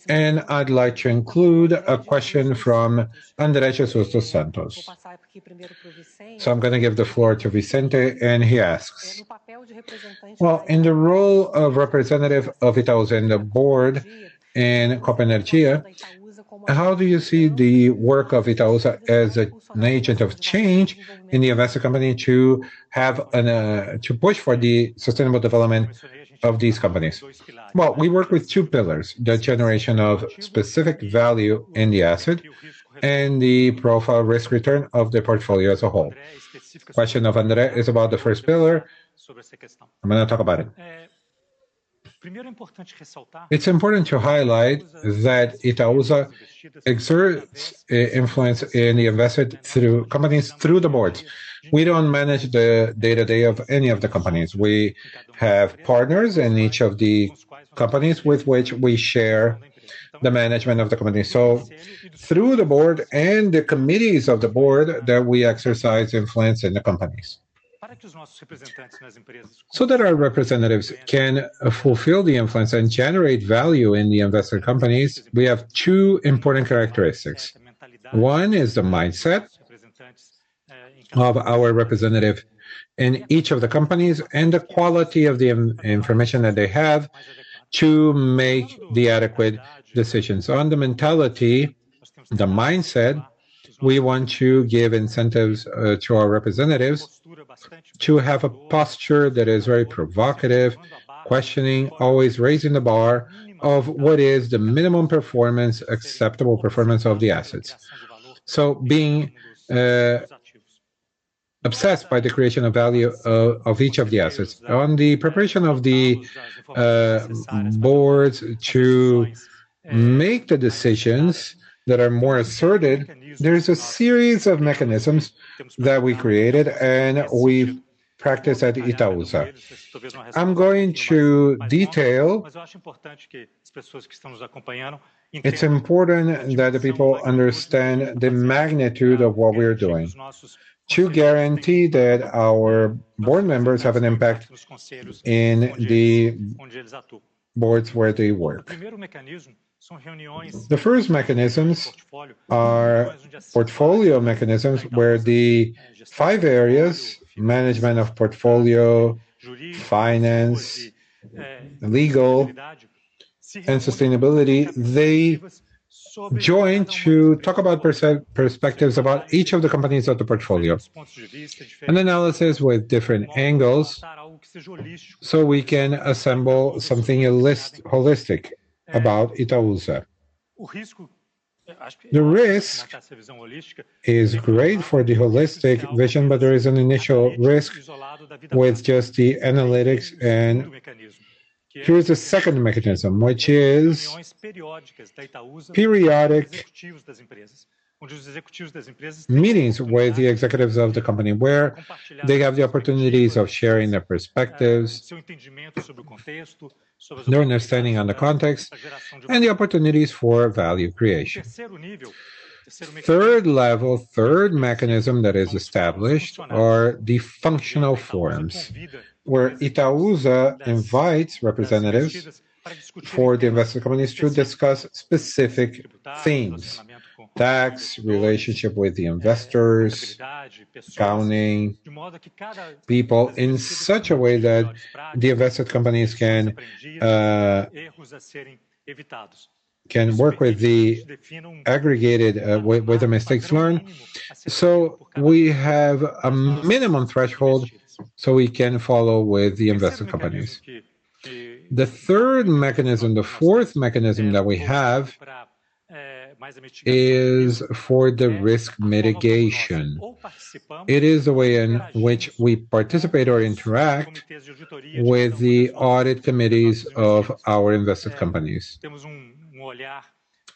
and I'd like to include a question from Andre de Jesus Santos. I'm gonna give the floor to Vicente, and he asks, "Well, in the role of representative of Itaúsa in the board in Copa Energia, how do you see the work of Itaúsa as an agent of change in the investor company to have an to push for the sustainable development of these companies?" Well, we work with two pillars, the generation of specific value in the asset and the profile risk return of the portfolio as a whole. Question of Andre is about the first pillar. I'm gonna talk about it. It's important to highlight that Itaúsa exerts influence in the invested companies through the boards. We don't manage the day-to-day of any of the companies. We have partners in each of the companies with which we share the management of the company. Through the board and the committees of the board that we exercise influence in the companies. That our representatives can fulfill the influence and generate value in the invested companies, we have two important characteristics. One is the mindset of our representative in each of the companies and the quality of the information that they have to make the adequate decisions. On the mentality, the mindset, we want to give incentives to our representatives to have a posture that is very provocative, questioning, always raising the bar of what is the minimum performance, acceptable performance of the assets. Being obsessed by the creation of value of each of the assets. On the preparation of the boards to make the decisions that are more asserted, there is a series of mechanisms that we created and we practice at Itaúsa. I'm going to detail. It's important that the people understand the magnitude of what we're doing to guarantee that our board members have an impact in the boards where they work. The first mechanisms are portfolio mechanisms, where the five areas, management of portfolio, finance, legal and sustainability, they join to talk about perspectives about each of the companies of the portfolio. An analysis with different angles, so we can assemble something holistic about Itaúsa. The risk is great for the holistic vision, but there is an initial risk with just the analytics. Here is the second mechanism, which is periodic meetings where the executives of the company, where they have the opportunities of sharing their perspectives, their understanding on the context, and the opportunities for value creation. Third level, third mechanism that is established are the functional forums, where Itaúsa invites representatives for the invested companies to discuss specific themes, tax, relationship with the investors, accounting, people, in such a way that the invested companies can work with the aggregated, with the lessons learned. We have a minimum threshold, so we can follow with the invested companies. The fourth mechanism that we have is for the risk mitigation. It is a way in which we participate or interact with the audit committees of our invested companies.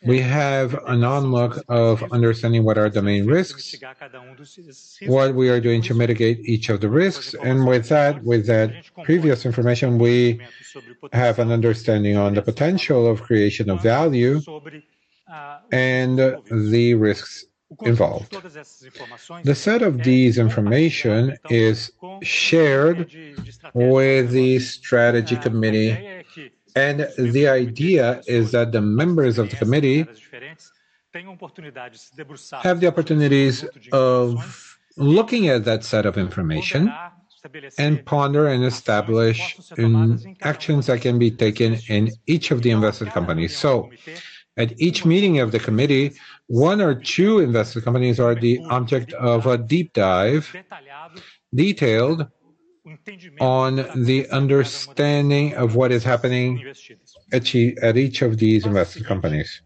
We have an ongoing look of understanding what are the main risks, what we are doing to mitigate each of the risks, and with that previous information, we have an understanding on the potential of creation of value, and the risks involved. The set of these information is shared with the strategy committee, and the idea is that the members of the committee have the opportunities of looking at that set of information and ponder and establish actions that can be taken in each of the invested companies. At each meeting of the committee, one or two invested companies are the object of a deep dive, detailed on the understanding of what is happening at each of these invested companies.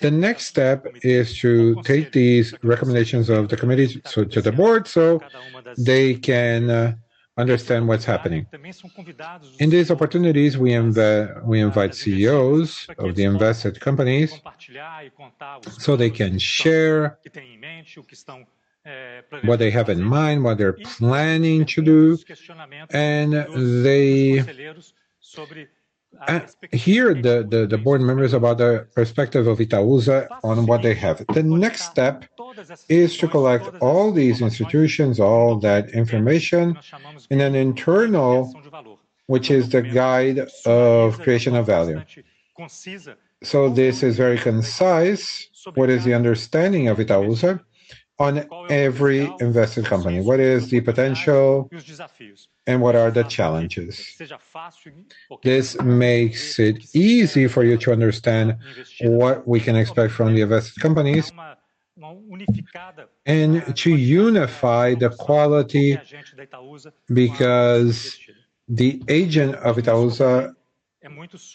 The next step is to take these recommendations of the committees to the board, so they can understand what's happening. In these opportunities, we invite CEOs of the invested companies so they can share what they have in mind, what they're planning to do, and they hear the board members about the perspective of Itaúsa on what they have. The next step is to collect all these institutions, all that information in an internal, which is the guide of creation of value. This is very concise. What is the understanding of Itaúsa on every invested company? What is the potential, and what are the challenges? This makes it easy for you to understand what we can expect from the invested companies and to unify the quality because the agent of Itaúsa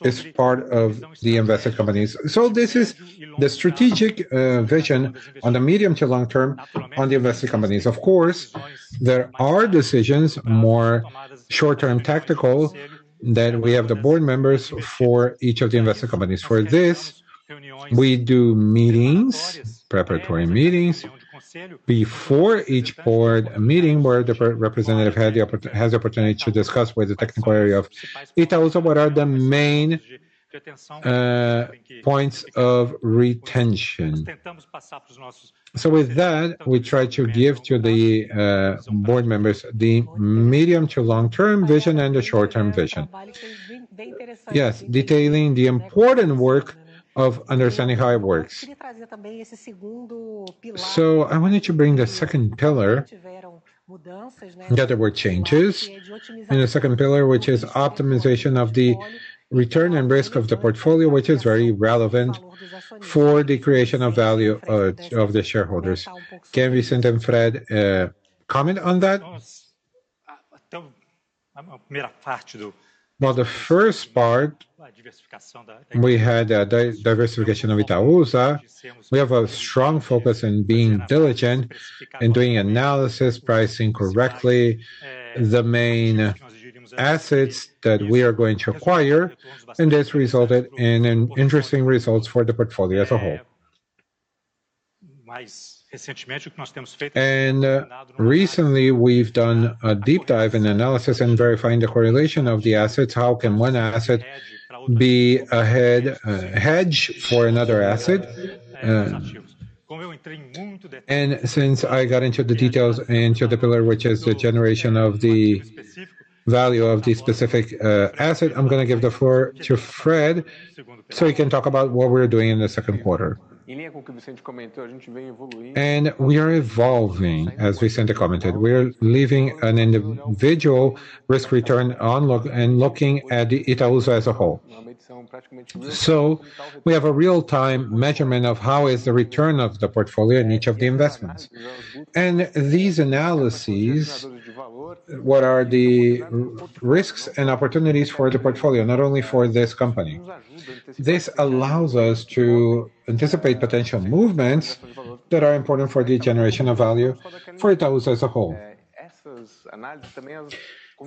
is part of the invested companies. This is the strategic vision on the medium to long term on the invested companies. Of course, there are decisions, more short-term tactical, then we have the board members for each of the invested companies. For this, we do meetings, preparatory meetings before each board meeting, where the representative has the opportunity to discuss with the technical area of Itaúsa what are the main points of retention. With that, we try to give to the board members the medium to long-term vision and the short-term vision. Yes, detailing the important work of understanding how it works. I wanted to bring the second pillar, that there were changes. In the second pillar, which is optimization of the return and risk of the portfolio, which is very relevant for the creation of value of the shareholders. Can Vicente and Fred comment on that? Well, the first part, we had a diversification of Itaúsa. We have a strong focus in being diligent, in doing analysis, pricing correctly the main assets that we are going to acquire, and this resulted in an interesting results for the portfolio as a whole. Recently we've done a deep dive in analysis and verifying the correlation of the assets, how can one asset be a hedge for another asset. Since I got into the details and to the pillar which is the generation of the value of the specific asset, I'm gonna give the floor to Fred, so he can talk about what we're doing in the second quarter. We are evolving, as Vicente commented. We're leaving an individual risk return only and looking at Itaúsa as a whole. We have a real time measurement of how is the return of the portfolio in each of the investments. These analyses, what are the risks and opportunities for the portfolio, not only for this company. This allows us to anticipate potential movements that are important for the generation of value for Itaú as a whole.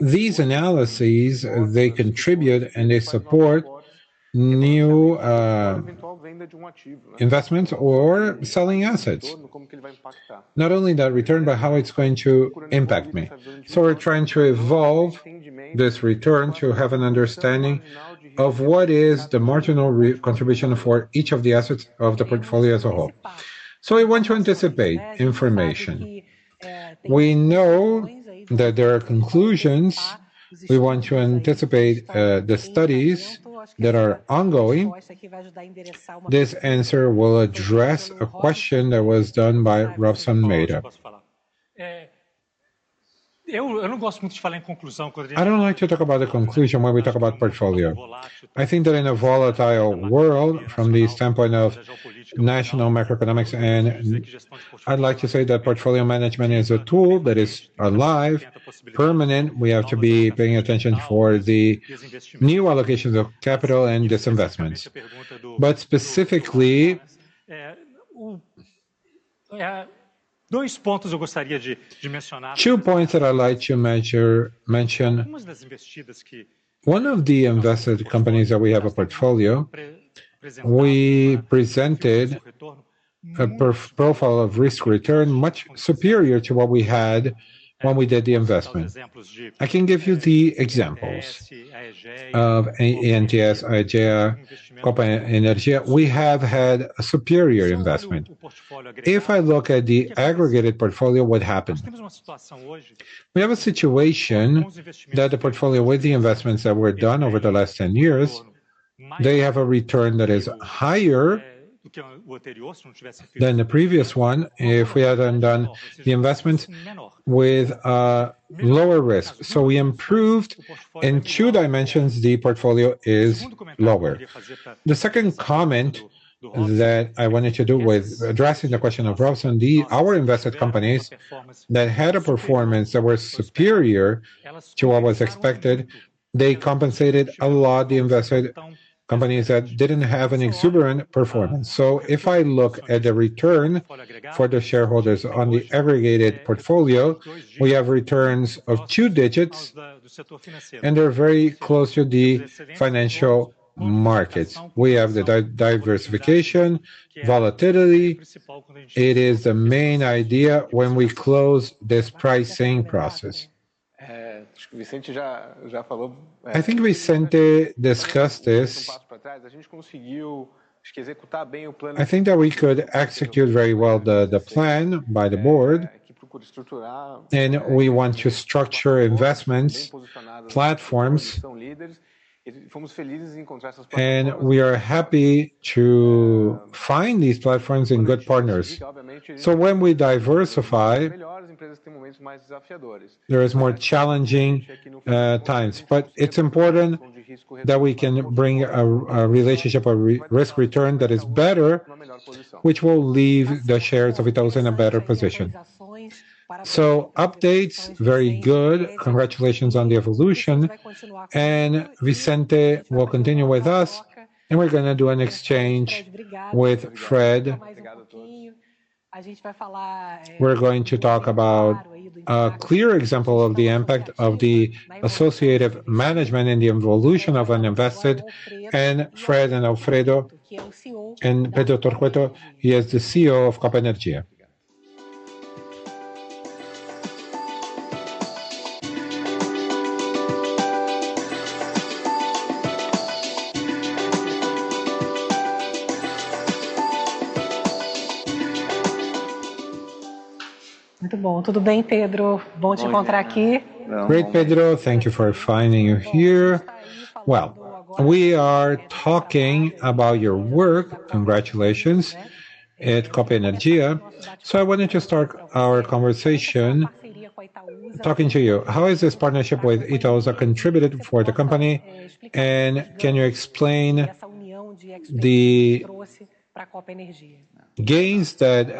These analyses, they contribute and they support new investments or selling assets. Not only the return, but how it's going to impact me. We're trying to evolve this return to have an understanding of what is the marginal contribution for each of the assets of the portfolio as a whole. We want to anticipate information. We know that there are conclusions. We want to anticipate the studies that are ongoing. This answer will address a question that was done by Robson Maeda. I don't like to talk about the conclusion when we talk about portfolio. I think that in a volatile world, from the standpoint of national macroeconomics, and I'd like to say that portfolio management is a tool that is alive, permanent. We have to be paying attention for the new allocations of capital and disinvestments. Specifically, two points that I'd like to mention. One of the invested companies that we have a portfolio, we presented a risk-return profile much superior to what we had when we did the investment. I can give you the examples of NTS, Aegea, Copa Energia. We have had a superior investment. If I look at the aggregated portfolio, what happens? We have a situation that the portfolio with the investments that were done over the last 10 years, they have a return that is higher than the previous one if we hadn't done the investments with lower risk. We improved. In two dimensions, the portfolio is lower. The second comment that I wanted to do with addressing the question of Robson, our invested companies that had a performance that were superior to what was expected, they compensated a lot the invested companies that didn't have an exuberant performance. If I look at the return for the shareholders on the aggregated portfolio, we have returns of two digits, and they're very close to the financial markets. We have the diversification, volatility. It is the main idea when we close this pricing process. I think Vicente discussed this. I think that we could execute very well the plan by the board, and we want to structure investments, platforms. We are happy to find these platforms in good partners. When we diversify, there is more challenging times. It's important that we can bring a relationship, a risk-return that is better, which will leave the shares of Itaú in a better position. Updates, very good. Congratulations on the evolution. Vicente will continue with us, and we're gonna do an exchange with Fred. We're going to talk about a clear example of the impact of the associative management and the evolution of an investment. Fred and Alfredo and Pedro Turqueto, he is the CEO of Copa Energia. Great, Pedro. Thank you for joining us here. We are talking about your work, congratulations, at Copa Energia. I wanted to start our conversation talking to you. How has this partnership with Itaú contributed for the company? Can you explain the gains that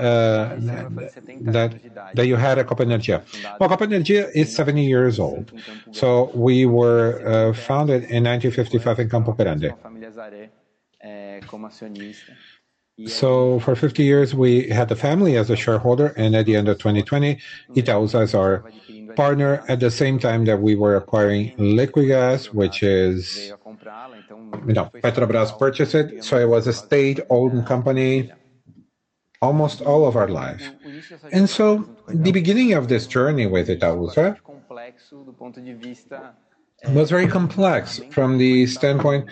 you had at Copa Energia? Well, Copa Energia is 70 years old. We were founded in 1955 in Campo Grande. For 50 years, we had the family as a shareholder, and at the end of 2020, Itaú as our partner. At the same time that we were acquiring Liquigás, which is, you know, Petrobras purchased it, so it was a state-owned company almost all of our lives. The beginning of this journey with Itaúsa was very complex from the standpoint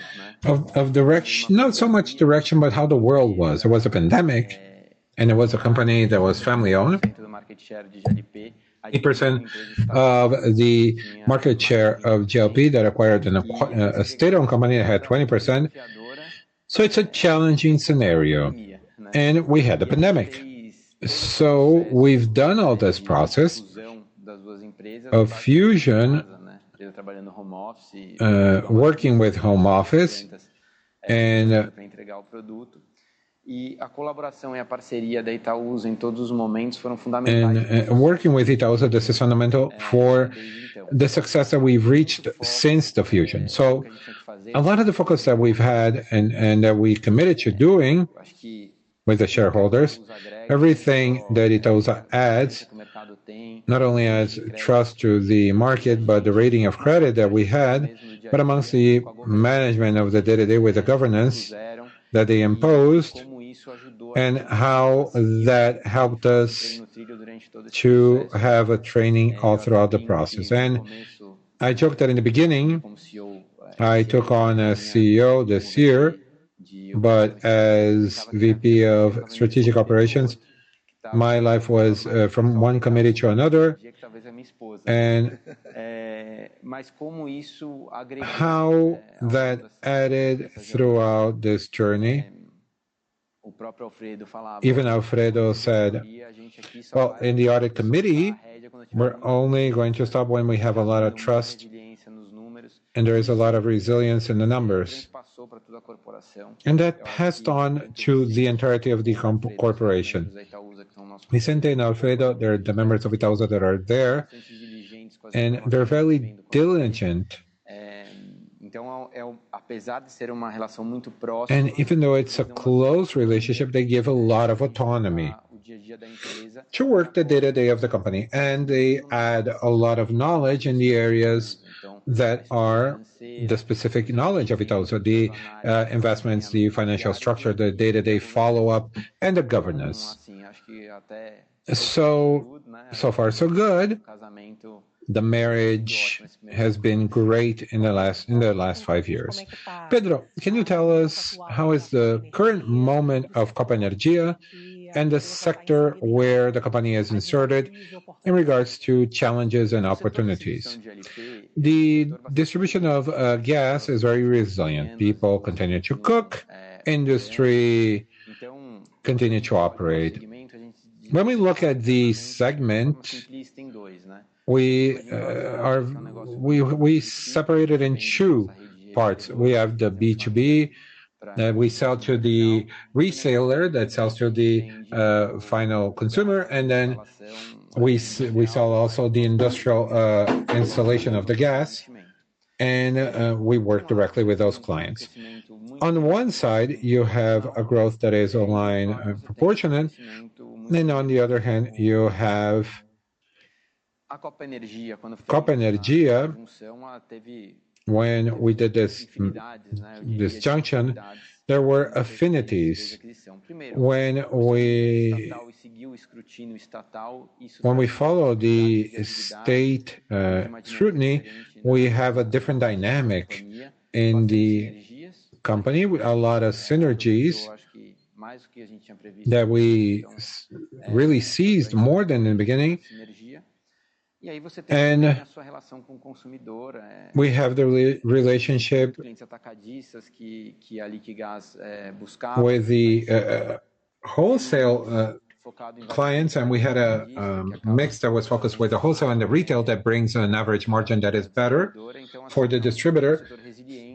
of not so much direction, but how the world was. There was a pandemic, and there was a company that was family-owned. 8% of the market share of GLP that acquired a state-owned company that had 20%. It's a challenging scenario. We had the pandemic. We've done all this process of fusion working with home office and. Working with Itaúsa, this is fundamental for the success that we've reached since the fusion. A lot of the focus that we've had and that we've committed to doing with the shareholders, everything that Itaúsa adds not only adds trust to the market, but the credit rating that we had, but amongst the management of the day-to-day with the governance that they imposed and how that helped us to have training all throughout the process. I joked that in the beginning, I took on as CEO this year, but as VP of Strategic Operations, my life was from one committee to another. How that added throughout this journey, even Alfredo said, "Well, in the audit committee, we're only going to stop when we have a lot of trust and there is a lot of resilience in the numbers." That passed on to the entirety of the corporation. Vicente and Alfredo, they're the members of Itaúsa that are there, and they're very diligent. Even though it's a close relationship, they give a lot of autonomy to work the day-to-day of the company, and they add a lot of knowledge in the areas that are the specific knowledge of Itaúsa, the investments, the financial structure, the day-to-day follow-up, and the governance. So far so good. The marriage has been great in the last five years. Pedro, can you tell us how is the current moment of Copa Energia and the sector where the company is inserted in regards to challenges and opportunities? The distribution of gas is very resilient. People continue to cook, industry continue to operate. When we look at the segment, we separate it in two parts. We have the B2B that we sell to the reseller that sells to the final consumer, and then we sell also the industrial installation of the gas, and we work directly with those clients. On one side, you have a growth that is ongoing and proportionate. Then on the other hand, you have Copa Energia. When we did this junction, there were affinities. When we follow the state scrutiny, we have a different dynamic in the company with a lot of synergies that we really seized more than in the beginning. We have the relationship with the wholesale clients, and we had a mix that was focused with the wholesale and the retail that brings in an average margin that is better for the distributor.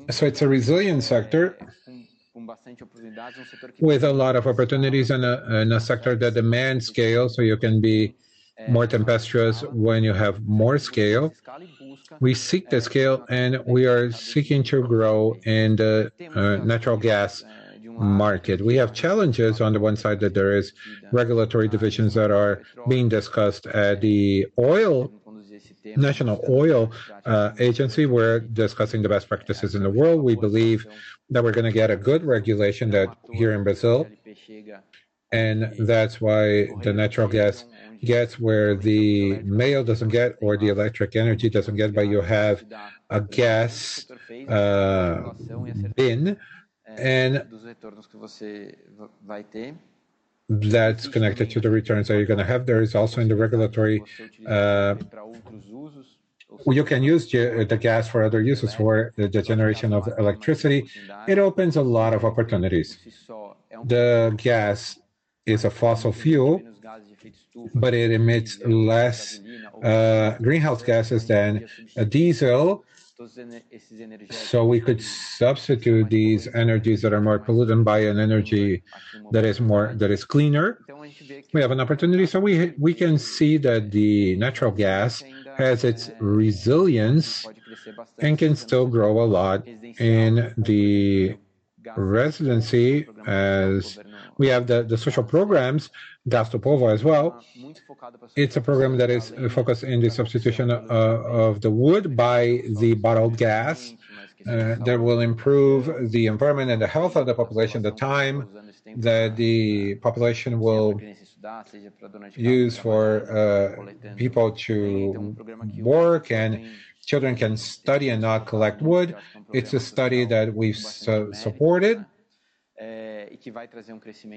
It's a resilient sector with a lot of opportunities in a sector that demands scale, so you can be more tempestuous when you have more scale. We seek the scale, and we are seeking to grow in the natural gas market. We have challenges on the one side that there is regulatory decisions that are being discussed at the national oil agency. We're discussing the best practices in the world. We believe that we're gonna get a good regulation that here in Brazil, and that's why the natural gas gets where the mail doesn't get or the electric energy doesn't get, but you have a gas in and that's connected to the returns that you're gonna have. There is also in the regulatory. You can use the gas for other uses, for the generation of electricity. It opens a lot of opportunities. The gas is a fossil fuel, but it emits less greenhouse gases than diesel. We could substitute these energies that are more pollutant by an energy that is cleaner. We have an opportunity, we can see that the natural gas has its resilience and can still grow a lot in the industry as we have the social programs Gás do Povo as well. It's a program that is focused in the substitution of the wood by the bottled gas that will improve the environment and the health of the population. The time that the population will use for people to work and children can study and not collect wood. It's a study that we've supported,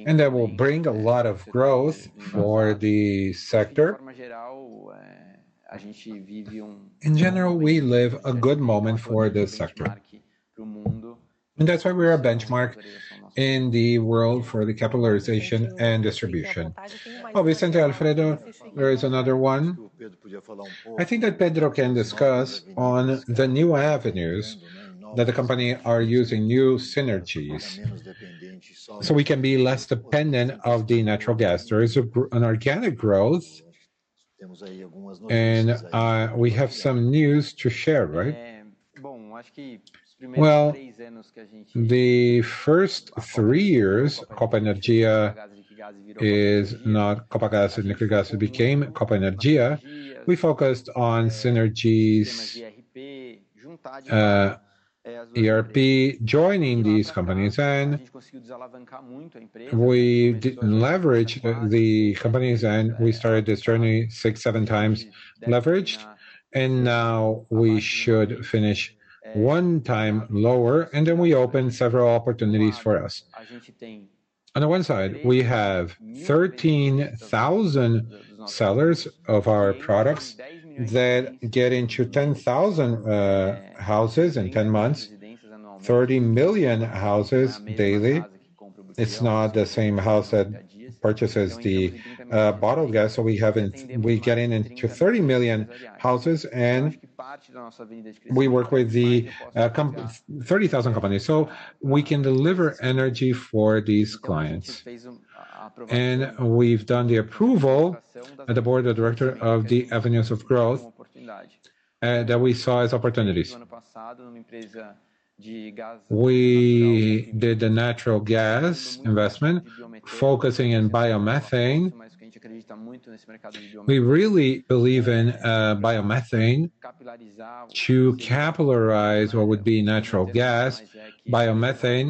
and that will bring a lot of growth for the sector. In general, we live a good moment for this sector. That's why we are benchmark in the world for the capitalization and distribution. Oh, Vicente, Alfredo, there is another one. I think that Pedro can discuss on the new avenues that the company are using new synergies, so we can be less dependent of the natural gas. There is an organic growth and we have some news to share, right? Well, the first three years Copa Energia is now Copagaz and Liquigás became Copa Energia. We focused on synergies, ERP, joining these companies and we deleverage the companies and we started this journey 6-7x leveraged. Now we should finish 1x lower, then we open several opportunities for us. On the one side, we have 13,000 sellers of our products that get into 10,000 houses in 10 months, 30 million houses daily. It's not the same house that purchases the bottled gas, so we haven't. We're getting into 30 million houses and we work with the 30,000 companies, so we can deliver energy for these clients. We've done the approval at the board of directors of the avenues of growth that we saw as opportunities. We did the natural gas investment, focusing in biomethane. We really believe in biomethane to capillarize what would be natural gas, biomethane.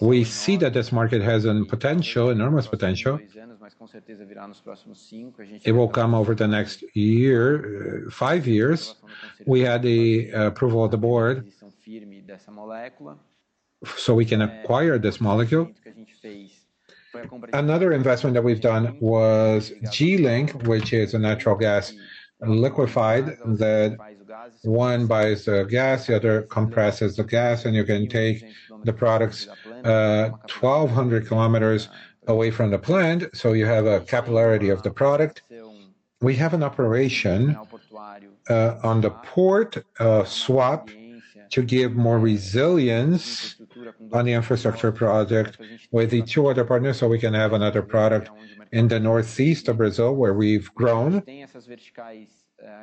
We see that this market has a potential, enormous potential. It will come over the next year, five years. We had the approval of the board, so we can acquire this molecule. Another investment that we've done was G Link, which is a natural gas liquefied that one buys the gas, the other compresses the gas, and you can take the products, twelve hundred kilometers away from the plant, so you have a capillarity of the product. We have an operation on the port, Suape to give more resilience on the infrastructure project with the two other partners, so we can have another product in the northeast of Brazil where we've grown.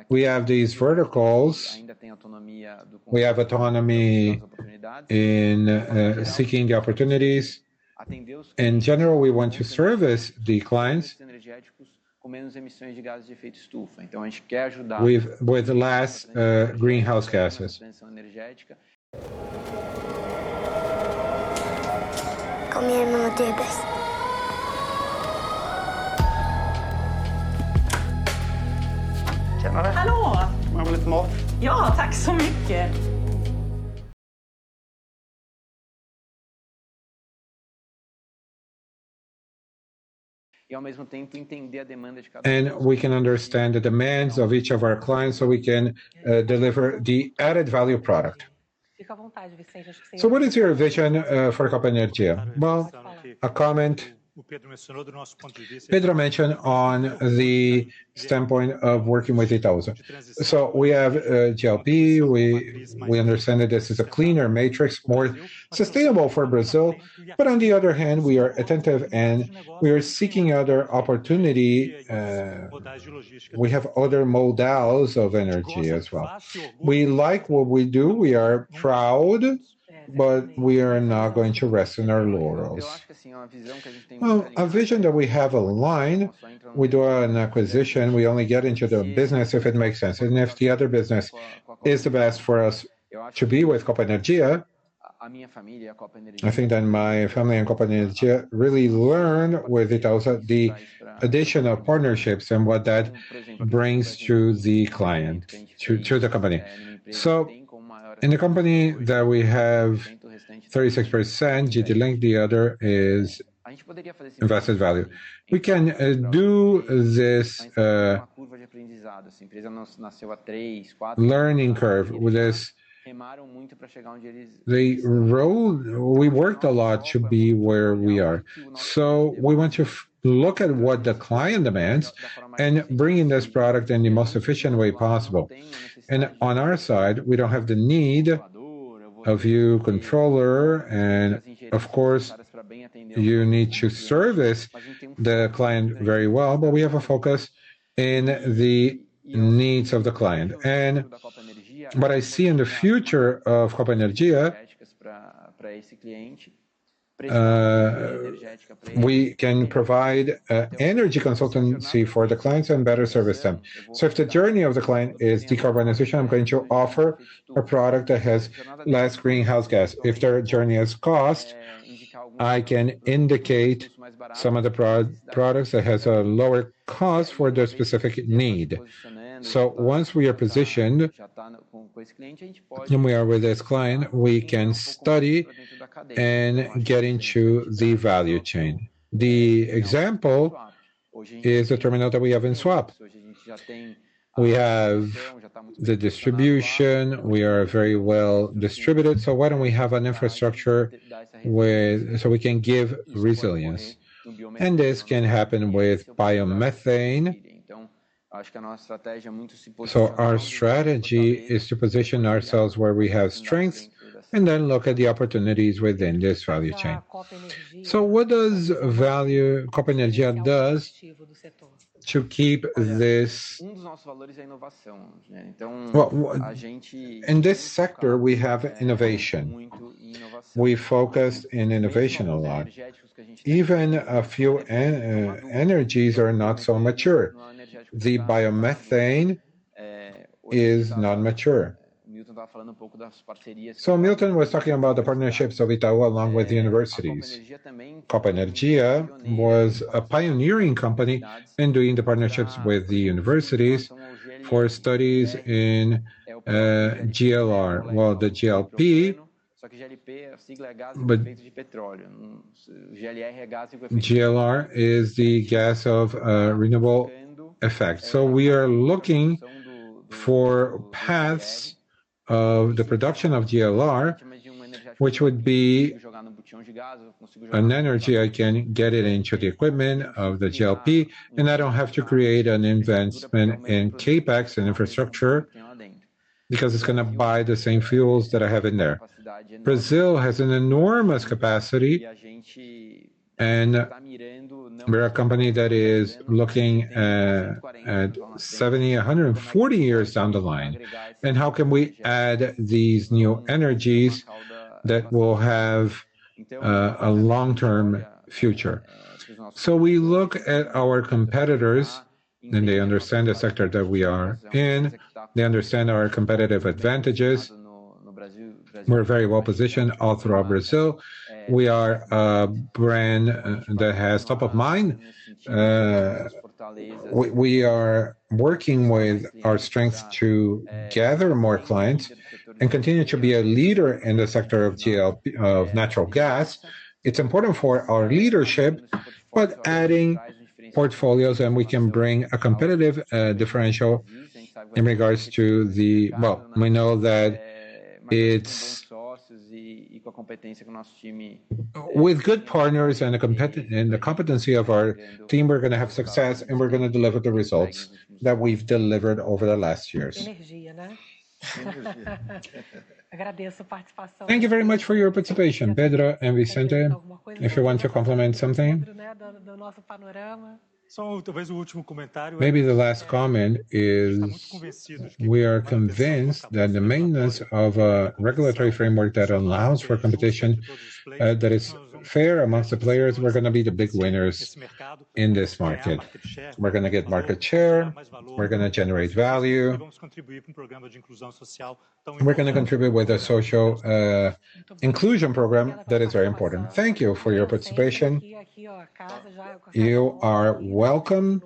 We have these verticals. We have autonomy in seeking the opportunities. In general, we want to service the clients with less greenhouse gases. We can understand the demands of each of our clients, so we can deliver the added value product. What is your vision for Copa Energia? Well, a comment Pedro mentioned on the standpoint of working with Itaúsa. We have GLP. We understand that this is a cleaner matrix, more sustainable for Brazil. On the other hand, we are attentive and we are seeking other opportunity. We have other modes of energy as well. We like what we do. We are proud, but we are not going to rest on our laurels. Well, a vision that we have aligned, we do an acquisition, we only get into the business if it makes sense. If the other business is the best for us to be with Copa Energia, I think that my family and Copa Energia really learn with Itaúsa the additional partnerships and what that brings to the client, to the company. In the company that we have 36%, GD Link, the other is invested value. We can do this learning curve with this. We worked a lot to be where we are. We want to look at what the client demands and bringing this product in the most efficient way possible. On our side, we don't have the need of your controller and of course, you need to service the client very well. We have a focus in the needs of the client. I see in the future of Copa Energia, we can provide energy consultancy for the clients and better service them. If the journey of the client is decarbonization, I'm going to offer a product that has less greenhouse gas. If their journey is cost, I can indicate some of the products that has a lower cost for their specific need. Once we are positioned and we are with this client, we can study and get into the value chain. The example is the terminal that we have in Suape. We have the distribution. We are very well distributed, so why don't we have an infrastructure with so we can give resilience. This can happen with biomethane. Our strategy is to position ourselves where we have strengths, and then look at the opportunities within this value chain. What does value Copa Energia does to keep this? Well, in this sector, we have innovation. We focus in innovation a lot. Even a few energies are not so mature. The biomethane is not mature. Milton was talking about the partnerships of Itaú along with the universities. Copa Energia was a pioneering company in doing the partnerships with the universities for studies in GLR. Well, the GLP, but GLR is the gas of renewable effect. We are looking for paths of the production of GLR, which would be an energy I can get it into the equipment of the GLP, and I don't have to create an investment in CapEx and infrastructure because it's gonna buy the same fuels that I have in there. Brazil has an enormous capacity, and we're a company that is looking at 70-140 years down the line, and how can we add these new energies that will have a long-term future. We look at our competitors, and they understand the sector that we are in. They understand our competitive advantages. We're very well-positioned all throughout Brazil. We are a brand that has top of mind. We are working with our strengths to gather more clients and continue to be a leader in the sector of GLP of natural gas. It's important for our leadership, but adding portfolios, and we can bring a competitive differential in regards to the. With good partners and the competency of our team, we're gonna have success, and we're gonna deliver the results that we've delivered over the last years. Thank you very much for your participation, Pedro and Vicente. If you want to complement something. Maybe the last comment is we are convinced that the maintenance of a regulatory framework that allows for competition, that is fair amongst the players, we're gonna be the big winners in this market. We're gonna get market share. We're gonna generate value. We're gonna contribute with a social inclusion program that is very important. Thank you for your participation. You are welcome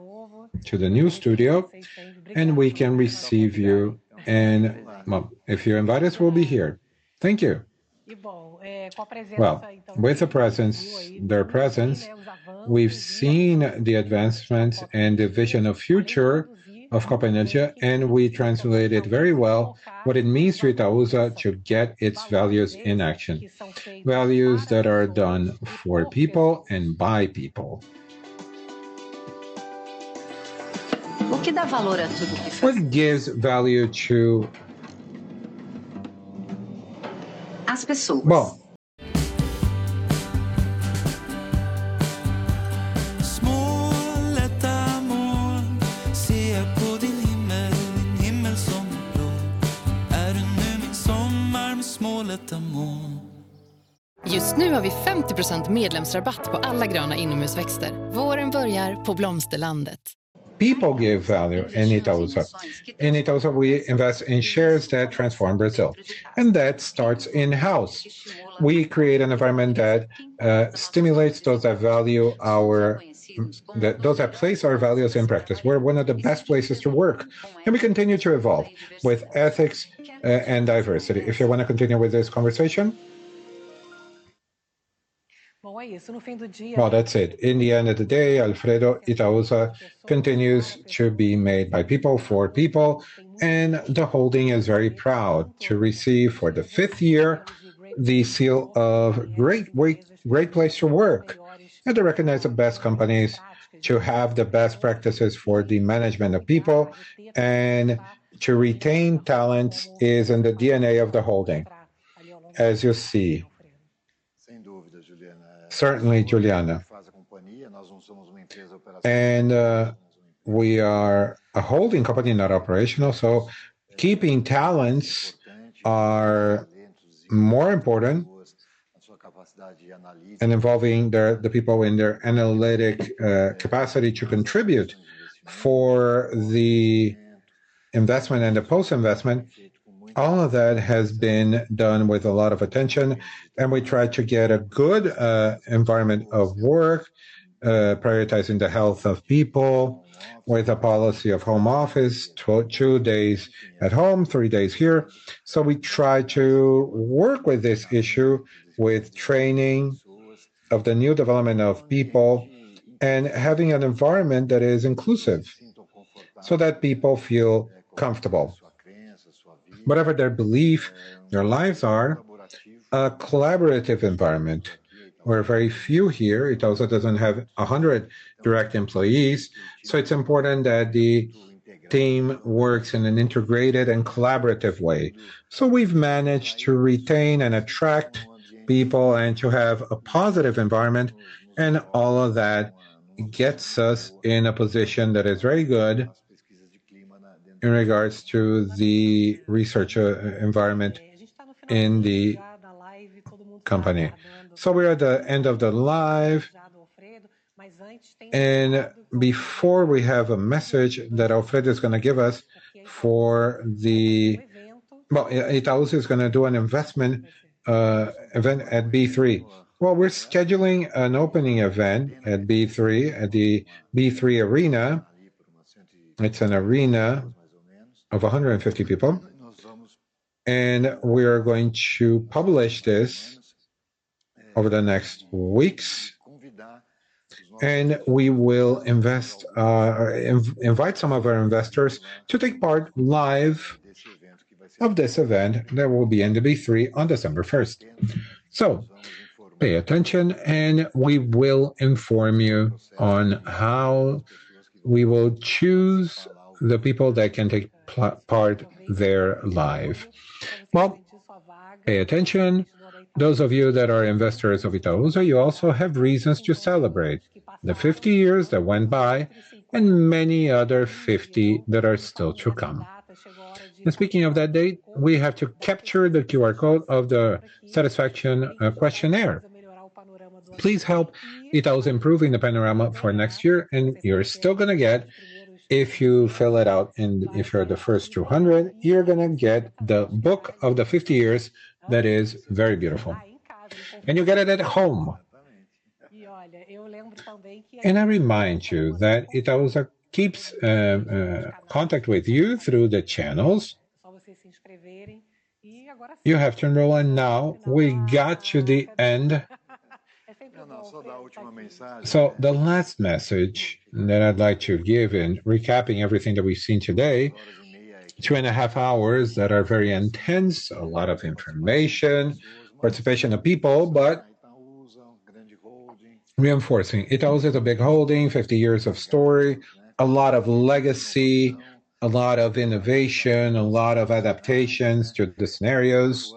to the new studio, and we can receive you and, well, if you invite us, we'll be here. Thank you. Well, with the presence, we've seen the advancements and the vision of future of Copa Energia, and we translated very well what it means for Itaúsa to get its values in action, values that are done for people and by people. People give value in Itaúsa. In Itaúsa, we invest in shares that transform Brazil, and that starts in-house. We create an environment that stimulates those that place our values in practice. We're one of the best places to work, and we continue to evolve with ethics and diversity. If you wanna continue with this conversation. Well, that's it. In the end of the day, Alfredo, Itaúsa continues to be made by people for people, and the holding is very proud to receive, for the fifth year, the seal of Great Place to Work, and to recognize the best companies to have the best practices for the management of people. To retain talent is in the DNA of the holding, as you see. Certainly, Juliana. We are a holding company, not operational, so keeping talents are more important. Involving the people in their analytic capacity to contribute for the investment and the post-investment, all of that has been done with a lot of attention, and we try to get a good environment of work, prioritizing the health of people with a policy of home office, two days at home, three days here. We try to work with this issue with training of the new development of people and having an environment that is inclusive so that people feel comfortable. Whatever their belief, their lives are, a collaborative environment. We're very few here. It also doesn't have 100 direct employees, so it's important that the team works in an integrated and collaborative way. We've managed to retain and attract people and to have a positive environment, and all of that gets us in a position that is very good in regards to the research environment in the company. We're at the end of the live. Before we have a message that Alfredo's gonna give us for the... Well, Itaúsa's gonna do an investment event at B3. Well, we're scheduling an opening event at B3, at the B3 Arena. It's an arena of 150 people. We're going to publish this over the next weeks. We will invite some of our investors to take part live of this event that will be in the B3 on December 1st. Pay attention, and we will inform you on how we will choose the people that can take part there live. Pay attention. Those of you that are investors of Itaú, so you also have reasons to celebrate. The 50 years that went by and many other 50 that are still to come. Speaking of that date, we have to capture the QR code of the satisfaction questionnaire. Please help improve Itaúsa's Panorama for next year, and you're still gonna get, if you fill it out and if you're the first 200, you're gonna get the book of the 50 years that is very beautiful. You get it at home. I remind you that Itaúsa keeps in contact with you through the channels. You have to enroll, and now we got to the end. The last message that I'd like to give in recapping everything that we've seen today, two and a half hours that are very intense, a lot of information, participation of people, but reinforcing. Itaúsa is a big holding, 50 years of story, a lot of legacy, a lot of innovation, a lot of adaptations to the scenarios.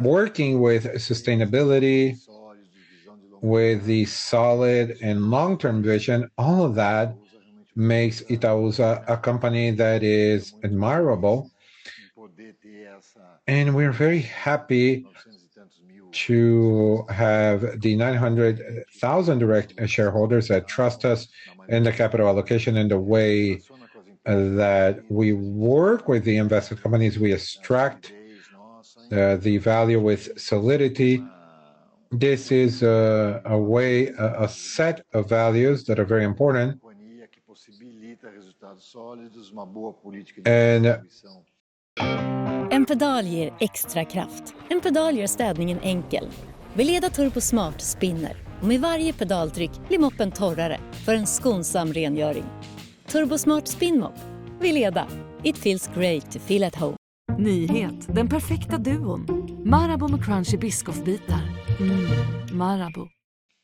Working with sustainability, with the solid and long-term vision, all of that makes Itaúsa a company that is admirable. We're very happy to have the 900,000 direct shareholders that trust us in the capital allocation in the way that we work with the invested companies. We extract the value with solidity. This is a way, a set of values that are very important.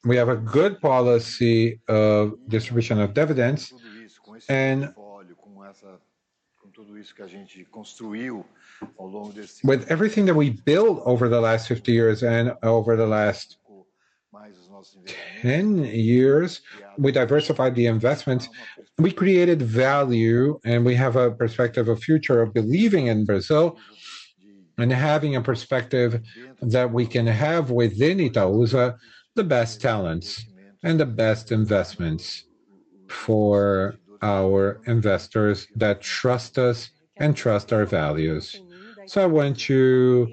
We have a good policy of distribution of dividends. With everything that we built over the last 50 years and over the last 10 years, we diversified the investments. We created value, and we have a perspective, a future of believing in Brazil and having a perspective that we can have within Itaúsa the best talents and the best investments for our investors that trust us and trust our values. I want to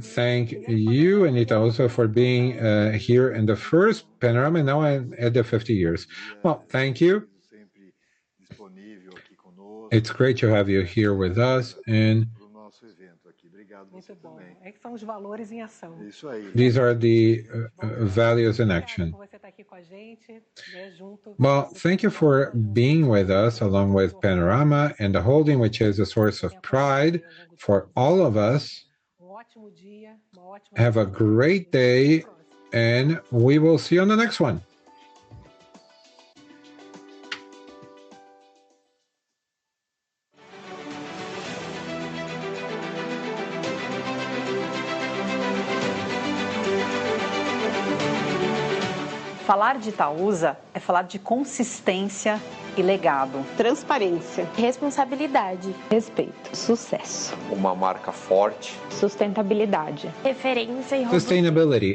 thank you and Itaúsa for being here in the first Panorama and now at the 50 years. Well, thank you. It's great to have you here with us. These are the values in action. Thank you for being with us along with Panorama and the holding, which is a source of pride for all of us. Have a great day, and we will see you on the next one. Sustainability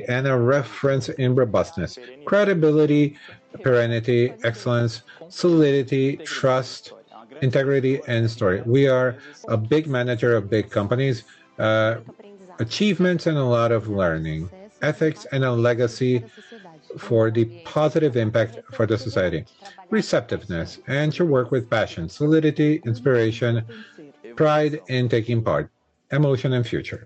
and a reference in robustness. Credibility, eternity, excellence, solidity, trust, integrity, and story. We are a big manager of big companies. Achievements and a lot of learning. Ethics and a legacy for the positive impact for the society. Receptiveness and to work with passion. Solidity, inspiration, pride in taking part. Emotion and future.